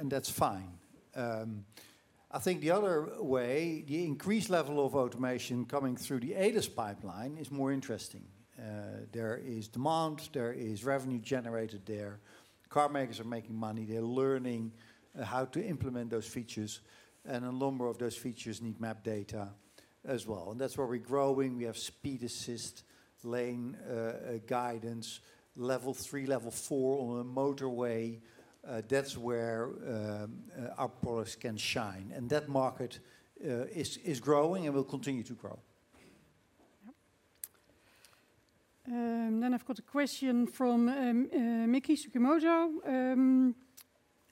That's fine. I think the other way, the increased level of automation coming through the ADAS pipeline is more interesting. There is demand, there is revenue generated there. Car makers are making money. They're learning how to implement those features, and a number of those features need map data as well, and that's where we're growing. We have speed assist, lane guidance, level three, level four on a motorway. That's where our products can shine. That market is growing and will continue to grow. I've got a question from Miki Sugimoto.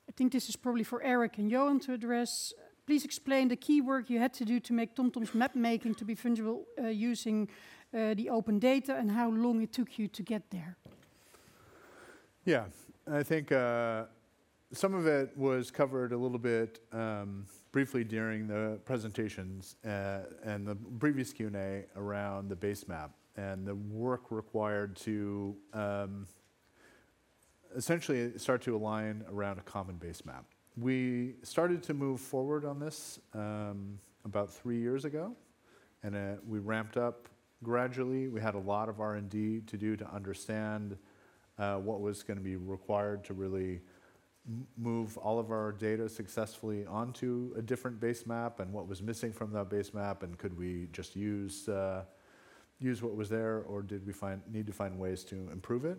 I think this is probably for Eric and Johan to address. Please explain the key work you had to do to make TomTom's mapmaking to be fungible, using the open data, and how long it took you to get there. Yeah. I think some of it was covered a little bit briefly during the presentations and the previous Q&A around the base map and the work required to essentially start to align around a common base map. We started to move forward on this about three years ago and we ramped up gradually. We had a lot of R&D to do to understand what was gonna be required to really move all of our data successfully onto a different base map and what was missing from that base map, and could we just use what was there or did we need to find ways to improve it.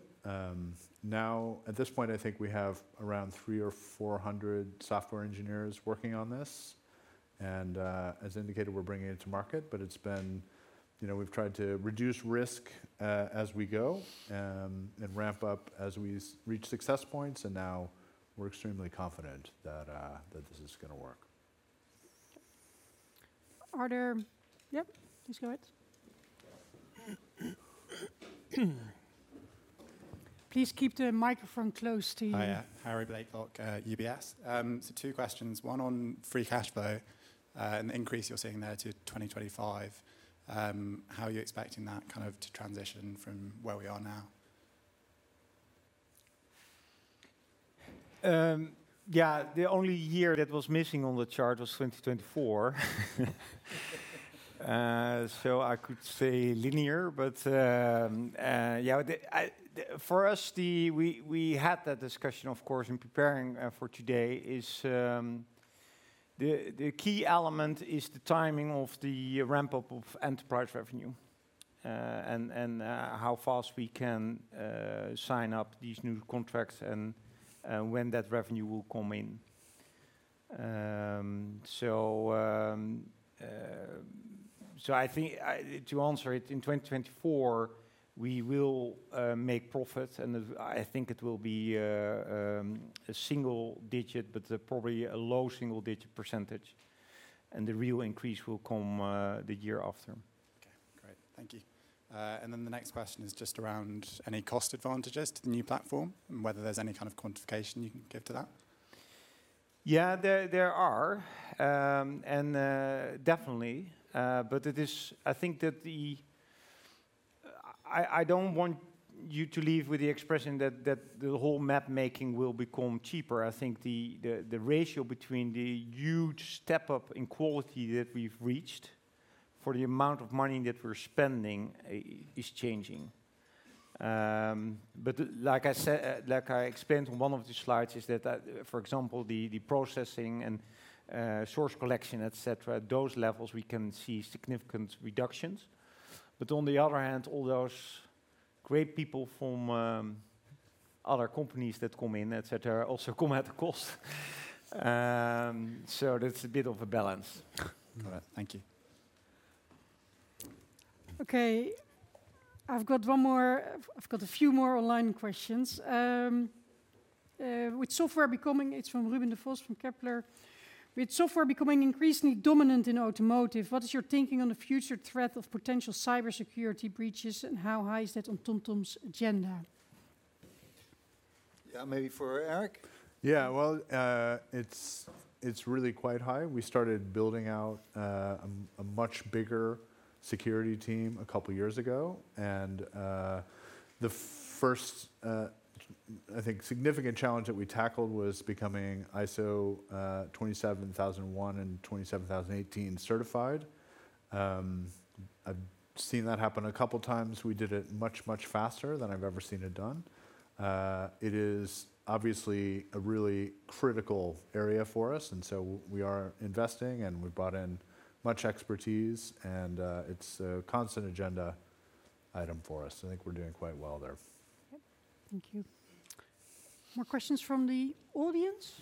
Now at this point, I think we have around 300 or 400 software engineers working on this, and as indicated, we're bringing it to market, but it's been. You know, we've tried to reduce risk as we go, and ramp up as we reach success points, and now we're extremely confident that this is gonna work. Yep. Please go ahead. Please keep the microphone close to you. Hiya. Harry Blaiklock, UBS. Two questions, one on free cash flow, and the increase you're seeing there to 2025. How are you expecting that kind of to transition from where we are now? Yeah, the only year that was missing on the chart was 2024. I could say linear, but yeah, for us, we had that discussion, of course, in preparing for today. The key element is the timing of the ramp-up of enterprise revenue and how fast we can sign up these new contracts and when that revenue will come in. I think to answer it, in 2024, we will make profit, and I think it will be a single digit, but probably a low single-digit percentage, and the real increase will come the year after. Okay. Great. Thank you. The next question is just around any cost advantages to the new platform and whether there's any kind of quantification you can give to that? I think that I don't want you to leave with the impression that the whole mapmaking will become cheaper. I think the ratio between the huge step up in quality that we've reached for the amount of money that we're spending is changing. Like I said, like I explained on one of the slides, is that for example the processing and source collection et cetera those levels we can see significant reductions. On the other hand, all those great people from other companies that come in et cetera also come at a cost. That's a bit of a balance. All right. Thank you. Okay. I've got a few more online questions. It's from Ruben Devos from Kepler. With software becoming increasingly dominant in automotive, what is your thinking on the future threat of potential cybersecurity breaches, and how high is that on TomTom's agenda? Yeah. Maybe for Eric. Yeah. Well, it's really quite high. We started building out a much bigger security team a couple years ago, and the first, I think, significant challenge that we tackled was becoming ISO 27001 and 27018 certified. I've seen that happen a couple times. We did it much faster than I've ever seen it done. It is obviously a really critical area for us, and so we are investing, and we've brought in much expertise, and it's a constant agenda item for us. I think we're doing quite well there. Okay. Thank you. More questions from the audience?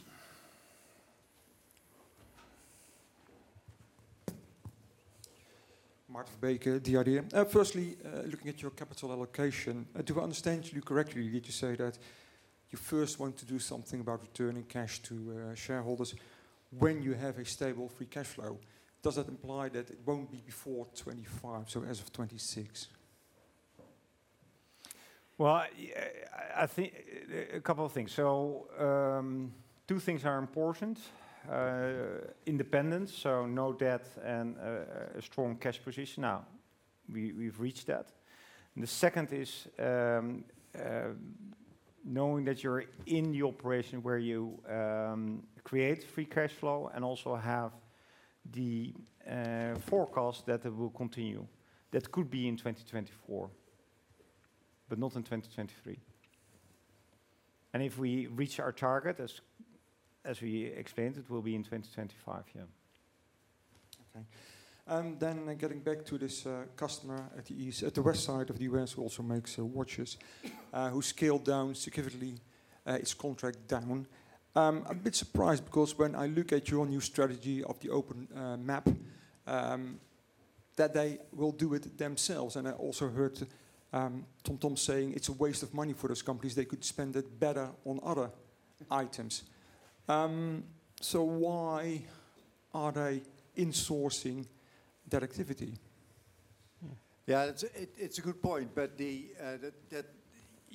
Firstly, looking at your capital allocation, do I understand you correctly? Did you say that you first want to do something about returning cash to shareholders when you have a stable free cash flow? Does that imply that it won't be before 2025, so as of 2026? Well, I think a couple of things. Two things are important. Independence, so no debt and a strong cash position. Now, we've reached that. The second is knowing that you're in the operation where you create free cash flow and also have the forecast that it will continue. That could be in 2024, but not in 2023. If we reach our target, as we explained, it will be in 2025, yeah. Okay. Getting back to this, customer at the west side of the U.S. who also makes watches, who scaled down significantly its contract. I'm a bit surprised because when I look at your new strategy of the open map that they will do it themselves, and I also heard TomTom saying it's a waste of money for those companies. They could spend it better on other items. Why are they insourcing that activity? Yeah, it's a good point.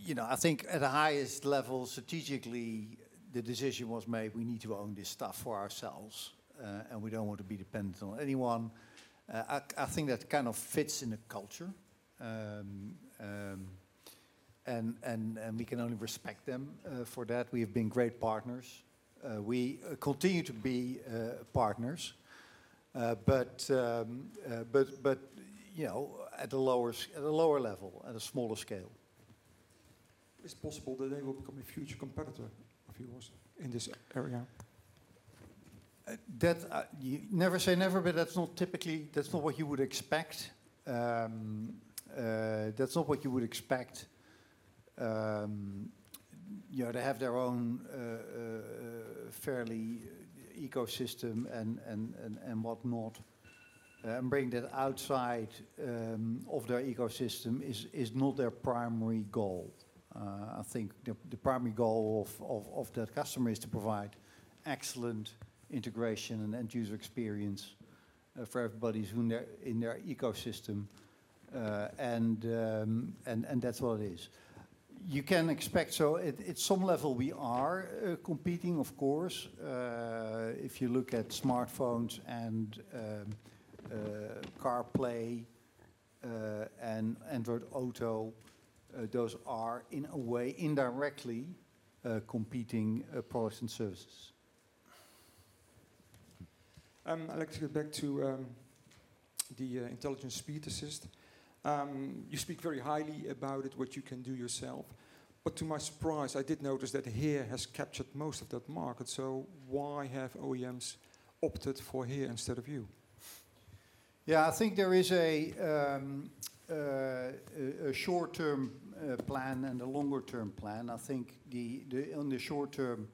You know, I think at the highest level, strategically, the decision was made. We need to own this stuff for ourselves, and we don't want to be dependent on anyone. I think that kind of fits in the culture. We can only respect them for that. We have been great partners. We continue to be partners, but you know, at a lower level, at a smaller scale. It's possible that they will become a future competitor of yours in this area. That never say never, but that's not typically what you would expect. You know, they have their own ecosystem and whatnot. Bringing that outside of their ecosystem is not their primary goal. I think the primary goal of that customer is to provide excellent integration and end user experience for everybody within their ecosystem. That's what it is. You can expect. At some level, we are competing, of course. If you look at smartphones and CarPlay and Android Auto, those are, in a way, indirectly competing products and services. I'd like to get back to the Intelligent Speed Assist. You speak very highly about it, what you can do yourself. To my surprise, I did notice that HERE has captured most of that market, so why have OEMs opted for HERE instead of you? Yeah, I think there is a short-term plan and a longer term plan. I think on the short term,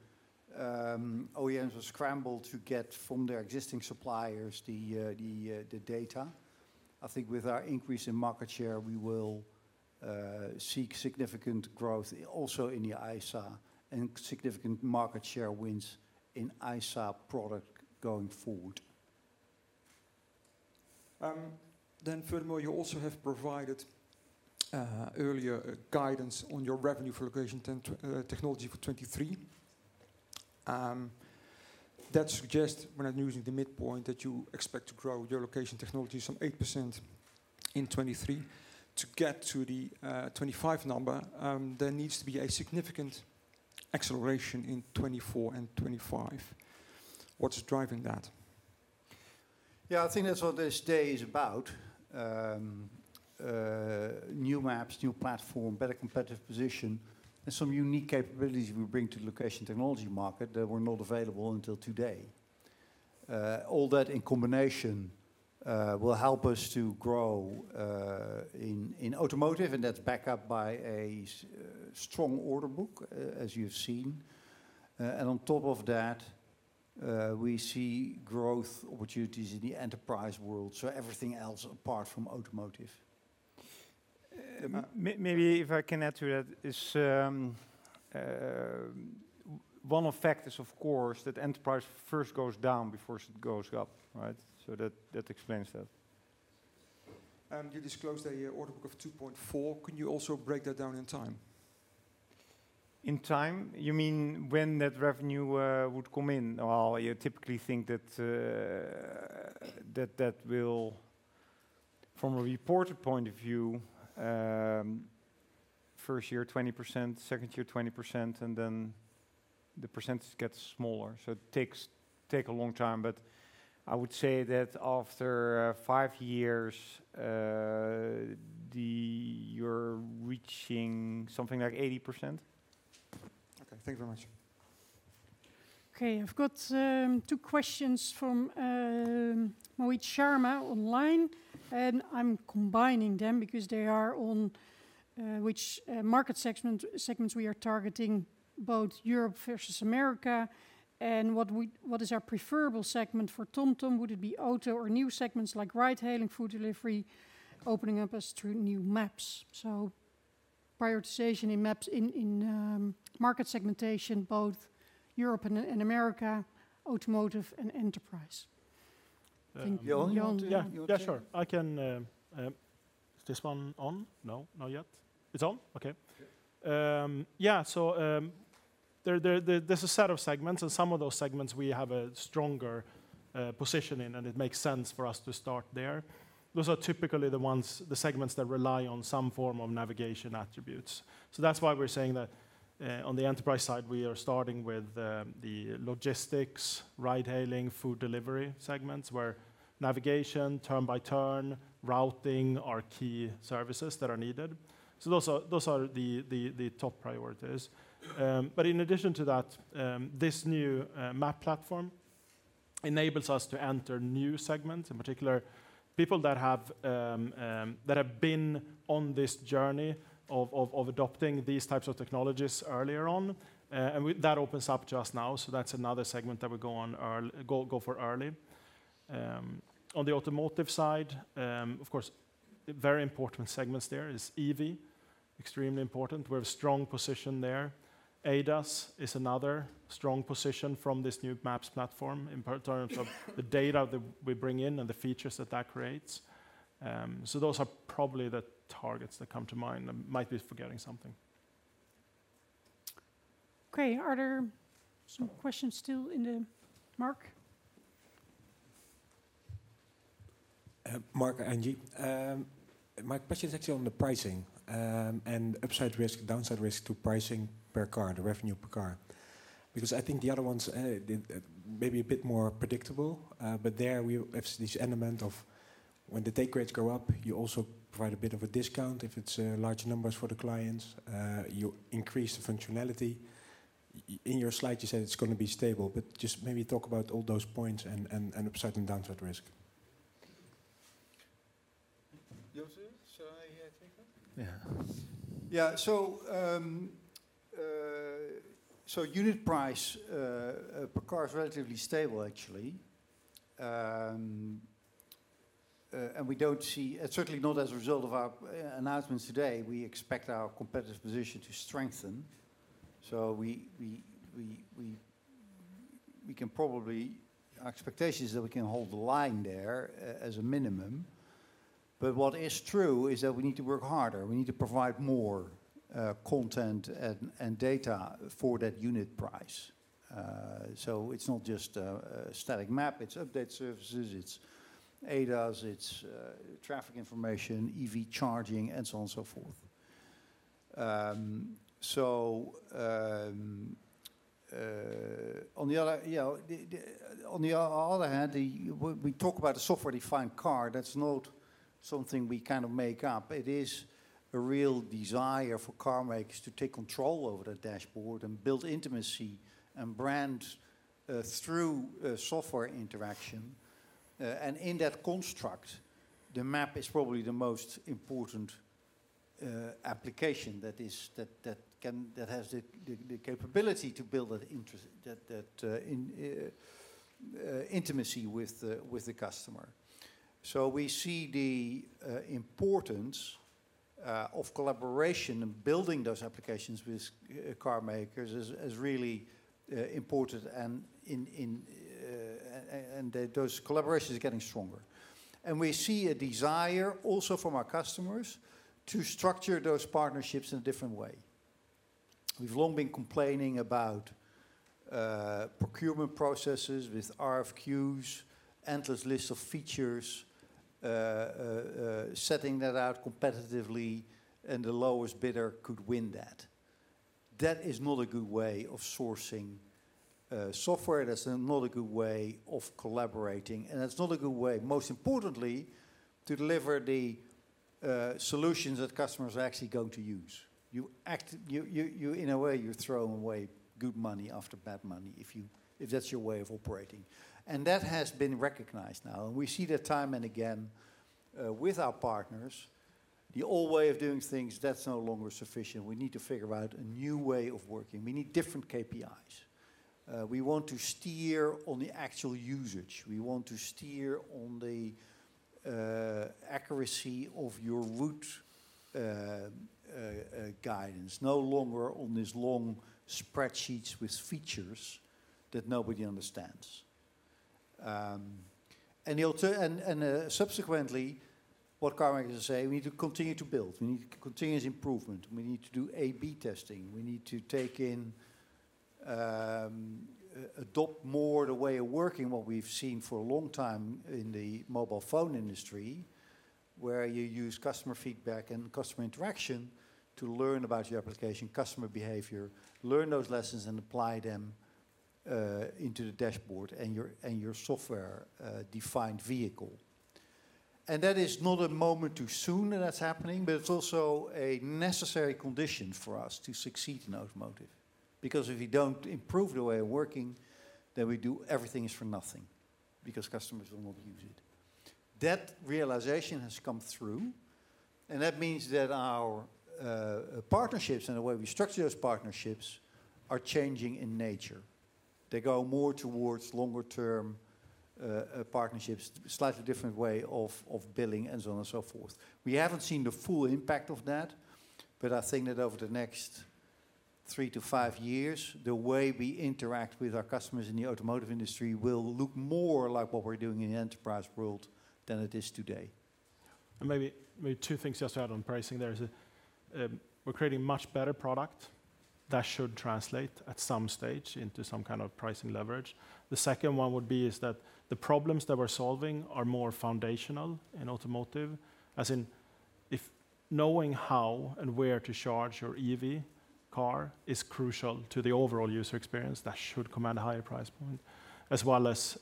OEMs will scramble to get from their existing suppliers the data. I think with our increase in market share, we will seek significant growth also in the ISA and significant market share wins in ISA product going forward. Furthermore, you also have provided earlier guidance on your revenue for location technology for 2023. That suggests, when using the midpoint, that you expect to grow your location technology some 8% in 2023. To get to the 25 number, there needs to be a significant acceleration in 2024 and 2025. What's driving that? Yeah, I think that's what this day is about. New maps, new platform, better competitive position, and some unique capabilities we bring to the location technology market that were not available until today. All that in combination will help us to grow in automotive, and that's backed up by a strong order book, as you've seen. We see growth opportunities in the enterprise world, so everything else apart from automotive. Maybe if I can add to that. One effect is, of course, that enterprise first goes down before it goes up, right? That explains that. You disclosed a order book of 2.4. Can you also break that down in time? In time? You mean when that revenue would come in? Well, you typically think that that will, from a reporting point of view, first year 20%, second year 20%, and then the percentage gets smaller. It takes a long time, but I would say that after five years, you're reaching something like 80%. Okay, thank you very much. Okay, I've got two questions from Mohit Sharma online, and I'm combining them because they are on which market segments we are targeting, both Europe versus America, and what is our preferable segment for TomTom? Would it be auto or new segments like ride hailing, food delivery, opening up us through new maps? So prioritization in maps in market segmentation, both Europe and America, automotive and enterprise. Johan. Johan, do you wanna There's a set of segments, and some of those segments we have a stronger position in, and it makes sense for us to start there. Those are typically the ones, the segments that rely on some form of navigation attributes. That's why we're saying that, on the enterprise side, we are starting with the logistics, ride hailing, food delivery segments, where navigation, turn-by-turn, routing are key services that are needed. Those are the top priorities. In addition to that, this new map platform enables us to enter new segments, in particular people that have been on this journey of adopting these types of technologies earlier on. That opens up just now, so that's another segment that we go for early. On the automotive side, of course, very important segments there is EV, extremely important. We have a strong position there. ADAS is another strong position from this new maps platform in terms of the data that we bring in and the features that creates. So those are probably the targets that come to mind. I might be forgetting something. Okay. Are there some questions still, Marc? Mark, Angie. My question is actually on the pricing and upside risk, downside risk to pricing per car, the revenue per car. Because I think the other ones, they maybe a bit more predictable, but there we have this element of when the take rates go up, you also provide a bit of a discount. If it's large numbers for the clients, you increase the functionality. In your slide, you said it's gonna be stable, but just maybe talk about all those points and upside and downside risk. Johan, shall I take that? Unit price per car is relatively stable actually. We don't see, certainly not as a result of our announcements today, we expect our competitive position to strengthen. Our expectation is that we can hold the line there as a minimum. What is true is that we need to work harder. We need to provide more content and data for that unit price. It's not just a static map, it's update services, it's ADAS, it's traffic information, EV charging, and so on and so forth. On the other hand, you know, when we talk about a software-defined car, that's not something we kind of make up. It is a real desire for car makers to take control over the dashboard and build intimacy and brand through software interaction. In that construct, the map is probably the most important application that has the capability to build that interest in intimacy with the customer. We see the importance of collaboration and building those applications with car makers is really important and that those collaborations are getting stronger. We see a desire also from our customers to structure those partnerships in a different way. We've long been complaining about procurement processes with RFQs, endless lists of features, setting that out competitively, and the lowest bidder could win that. That is not a good way of sourcing software. That's not a good way of collaborating, and that's not a good way, most importantly, to deliver the solutions that customers are actually going to use. You in a way, you're throwing away good money after bad money if that's your way of operating. That has been recognized now, and we see that time and again with our partners. The old way of doing things, that's no longer sufficient. We need to figure out a new way of working. We need different KPIs. We want to steer on the actual usage. We want to steer on the accuracy of your route guidance, no longer on these long spreadsheets with features that nobody understands. Subsequently, what car makers are saying, we need to continue to build, we need continuous improvement, and we need to do A/B testing. We need to adopt more the way of working what we've seen for a long time in the mobile phone industry, where you use customer feedback and customer interaction to learn about your application, customer behavior, learn those lessons, and apply them into the dashboard and your software-defined vehicle. That is not a moment too soon, that that's happening, but it's also a necessary condition for us to succeed in automotive. Because if we don't improve the way of working, then we do everything for nothing because customers will not use it. That realization has come through, and that means that our partnerships and the way we structure those partnerships are changing in nature. They go more towards longer term partnerships, slightly different way of billing and so on and so forth. We haven't seen the full impact of that, but I think that over the next three to five years, the way we interact with our customers in the automotive industry will look more like what we're doing in the enterprise world than it is today. Maybe two things just to add on pricing. There is, we're creating much better product. That should translate at some stage into some kind of pricing leverage. The second one would be that the problems that we're solving are more foundational in automotive, as in if knowing how and where to charge your EV car is crucial to the overall user experience, that should command a higher price point. As well as,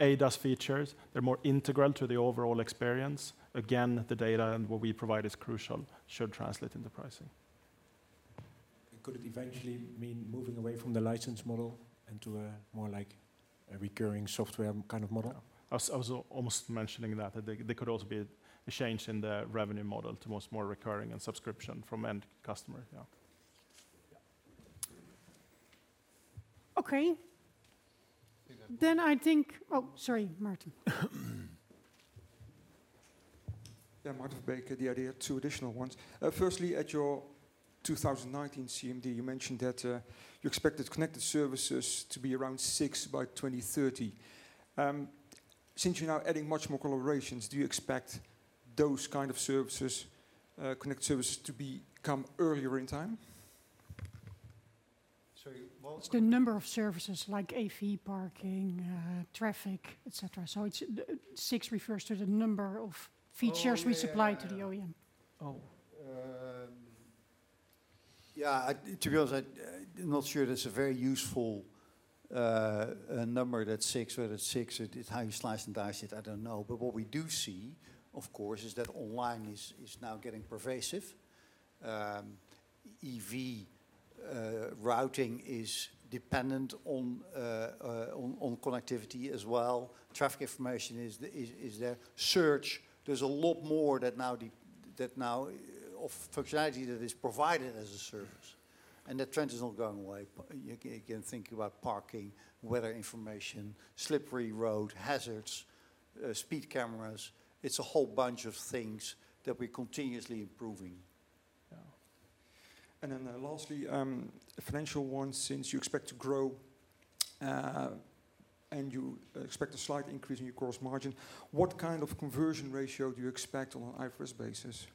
ADAS features, they're more integral to the overall experience. Again, the data and what we provide is crucial, should translate into pricing. Could it eventually mean moving away from the license model and to a more like a recurring software kind of model? Yeah. I was almost mentioning that. That there could also be a change in the revenue model towards more recurring and subscription from end customer. Yeah. Yeah. Okay. Oh, sorry, Maarten. Yeah, Maarten Verbeek. The IDEA!, two additional ones. Firstly, at your 2019 CMD, you mentioned that you expected connected services to be around six by 2030. Since you're now adding much more collaborations, do you expect those kind of services, connected services to become earlier in time? Sorry, what It's the number of services like AV parking, traffic, et cetera. It's 6 refers to the number of features. Oh, yeah. We supply to the OEM. Oh. To be honest, I'm not sure that's a very useful number, that six. Whether it's six, it is how you slice and dice it, I don't know. What we do see, of course, is that online is now getting pervasive. EV routing is dependent on connectivity as well. Traffic information is there. Search. There's a lot more that now offers functionality that is provided as a service, and that trend is not going away. You can think about parking, weather information, slippery road hazards, speed cameras. It's a whole bunch of things that we're continuously improving. Lastly, a financial one. Since you expect to grow, and you expect a slight increase in your gross margin, what kind of conversion ratio do you expect on an IFRS basis?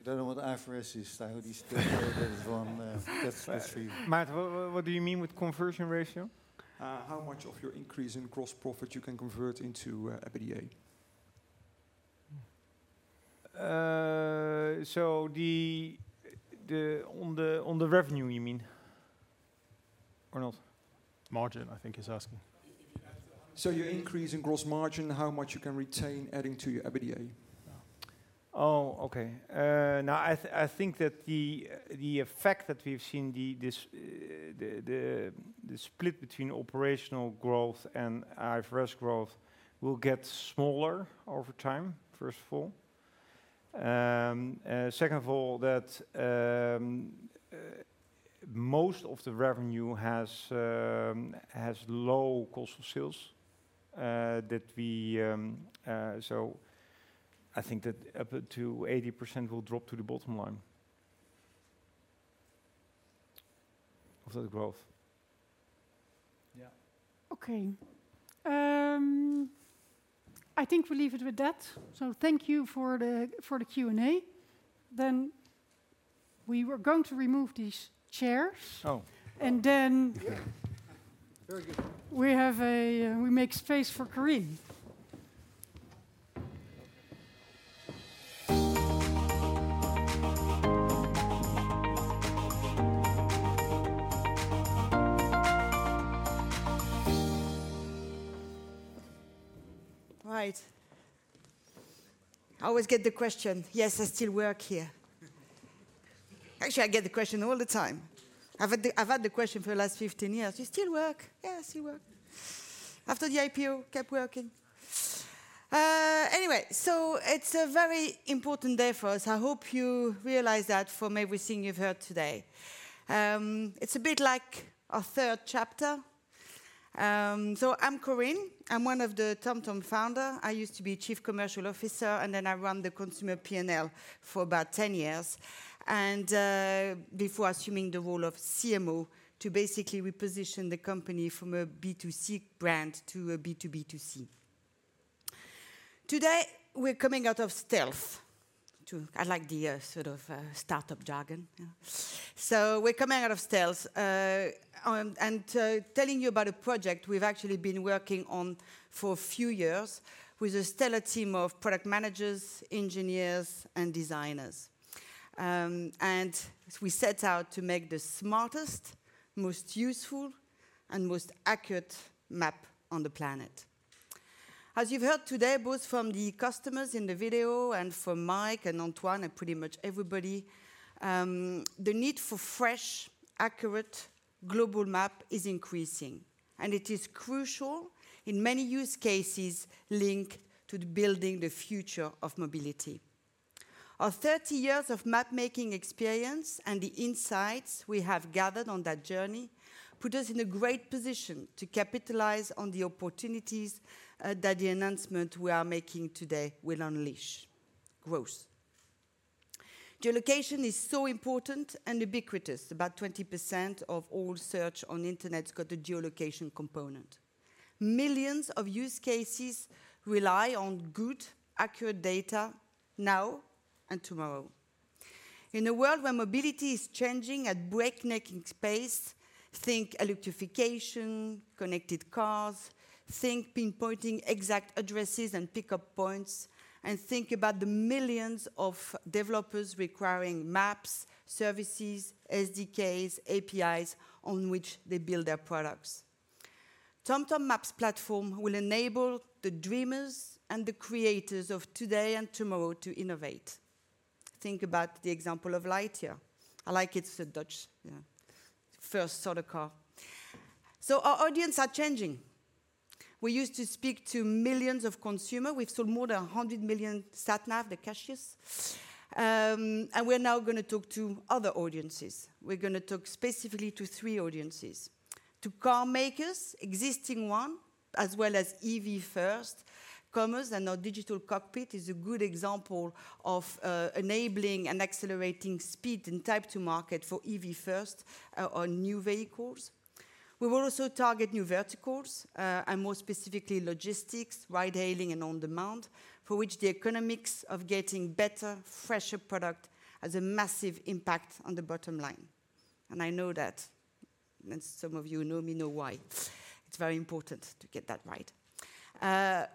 I don't know what IFRS is. I only still know that as one, that's three. Maarten, what do you mean with conversion ratio? How much of your increase in gross profit you can convert into EBITDA? On the revenue you mean or not? margin, I think he's asking. Your increase in gross margin, how much you can retain adding to your EBITDA? Oh, okay. No, I think that the effect that we've seen, this split between operational growth and IFRS growth will get smaller over time, first of all. Second of all, most of the revenue has low cost of sales that we. I think that up to 80% will drop to the bottom line of the growth. Yeah. Okay. I think we'll leave it with that. Thank you for the Q&A. We were going to remove these chairs. Oh. And then- Very good. We have a, we make space for Corinne. All right. I always get the question. Yes, I still work here. Actually, I get the question all the time. I've had the question for the last 15 years. "You still work?" Yes, we work. After the IPO, kept working. Anyway, it's a very important day for us. I hope you realize that from everything you've heard today. It's a bit like our third chapter. I'm Corinne. I'm one of the TomTom founder. I used to be chief commercial officer, and then I run the consumer P&L for about 10 years and before assuming the role of CMO to basically reposition the company from a B2C brand to a B2B2C. Today, we're coming out of stealth. I like the sort of startup jargon, yeah. We're coming out of stealth and telling you about a project we've actually been working on for a few years with a stellar team of product managers, engineers, and designers. We set out to make the smartest, most useful, and most accurate map on the planet. As you've heard today, both from the customers in the video and from Mike Schoofs and Antoine Saucier and pretty much everybody, the need for a fresh, accurate global map is increasing, and it is crucial in many use cases linked to the building of the future of mobility. Our 30 years of mapmaking experience and the insights we have gathered on that journey put us in a great position to capitalize on the opportunities that the announcement we are making today will unleash growth. Geolocation is so important and ubiquitous. About 20% of all search on the internet's got a geolocation component. Millions of use cases rely on good, accurate data now and tomorrow. In a world where mobility is changing at breakneck pace, think electrification, connected cars, think pinpointing exact addresses and pickup points, and think about the millions of developers requiring maps, services, SDKs, APIs on which they build their products. TomTom Maps platform will enable the dreamers and the creators of today and tomorrow to innovate. Think about the example of Lightyear. I like, it's a Dutch first solar car. Our audiences are changing. We used to speak to millions of consumers. We've sold more than 100 million sat nav devices. We're now gonna talk to other audiences. We're gonna talk specifically to three audiences. To car makers, existing ones, as well as EV first-comers, and our Digital Cockpit is a good example of enabling and accelerating speed and time to market for EV first-comers on new vehicles. We will also target new verticals, and more specifically logistics, ride-hailing and on-demand, for which the economics of getting better, fresher product has a massive impact on the bottom line. I know that, and some of you who know me know why. It's very important to get that right.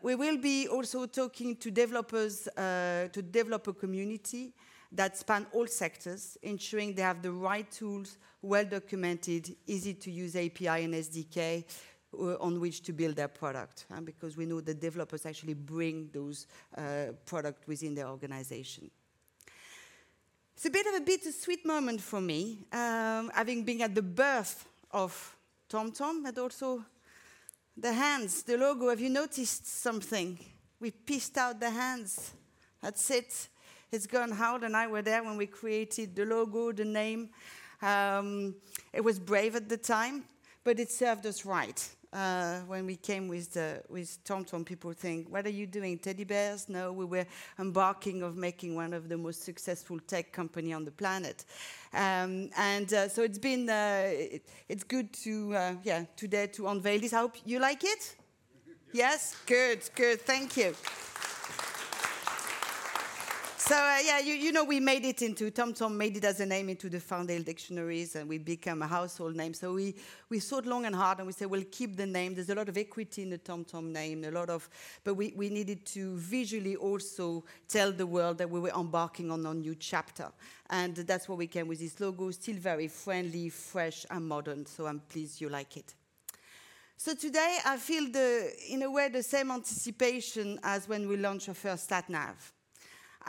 We will also be talking to developers, to developer community that span all sectors, ensuring they have the right tools, well-documented, easy-to-use API and SDK on which to build their product. Because we know the developers actually bring those product within the organization. It's a bit of a bittersweet moment for me, having been at the birth of TomTom, but also the hands, the logo. Have you noticed something? We phased out the hands. That's it. It's gone. Harold and I were there when we created the logo, the name. It was brave at the time, but it served us well. When we came with TomTom, people think, "What are you doing? Teddy bears?" No, we were embarking on making one of the most successful tech company on the planet. It's been good to, yeah, today to unveil this. I hope you like it. Yes. Yes? Good. Good. Thank you. TomTom made it as a name into the VanDale dictionaries, and we become a household name. We thought long and hard, and we said we'll keep the name. There's a lot of equity in the TomTom name, a lot of. We needed to visually also tell the world that we were embarking on a new chapter. That's why we came with this logo, still very friendly, fresh, and modern. I'm pleased you like it. Today, I feel, in a way, the same anticipation as when we launched our first satnav.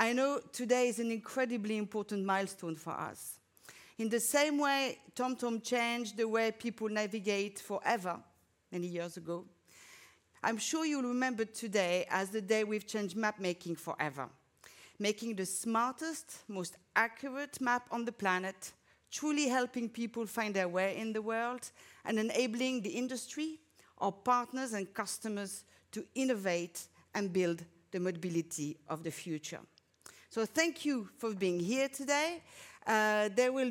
I know today is an incredibly important milestone for us. In the same way TomTom changed the way people navigate forever many years ago, I'm sure you'll remember today as the day we've changed mapmaking forever, making the smartest, most accurate map on the planet, truly helping people find their way in the world, and enabling the industry, our partners, and customers to innovate and build the mobility of the future. Thank you for being here today. You can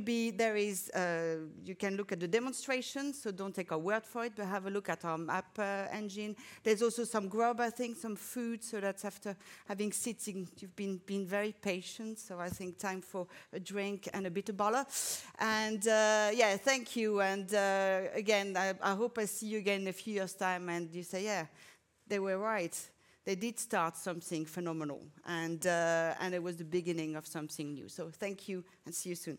look at the demonstration. Don't take our word for it. Have a look at our map engine. There's also some grub, I think, some food. That's after having been sitting. You've been very patient. I think time for a drink and a bit of banter. Yeah, thank you, and again, I hope I see you again in a few years' time and you say, "Yeah, they were right. They did start something phenomenal, and it was the beginning of something new." Thank you, and see you soon.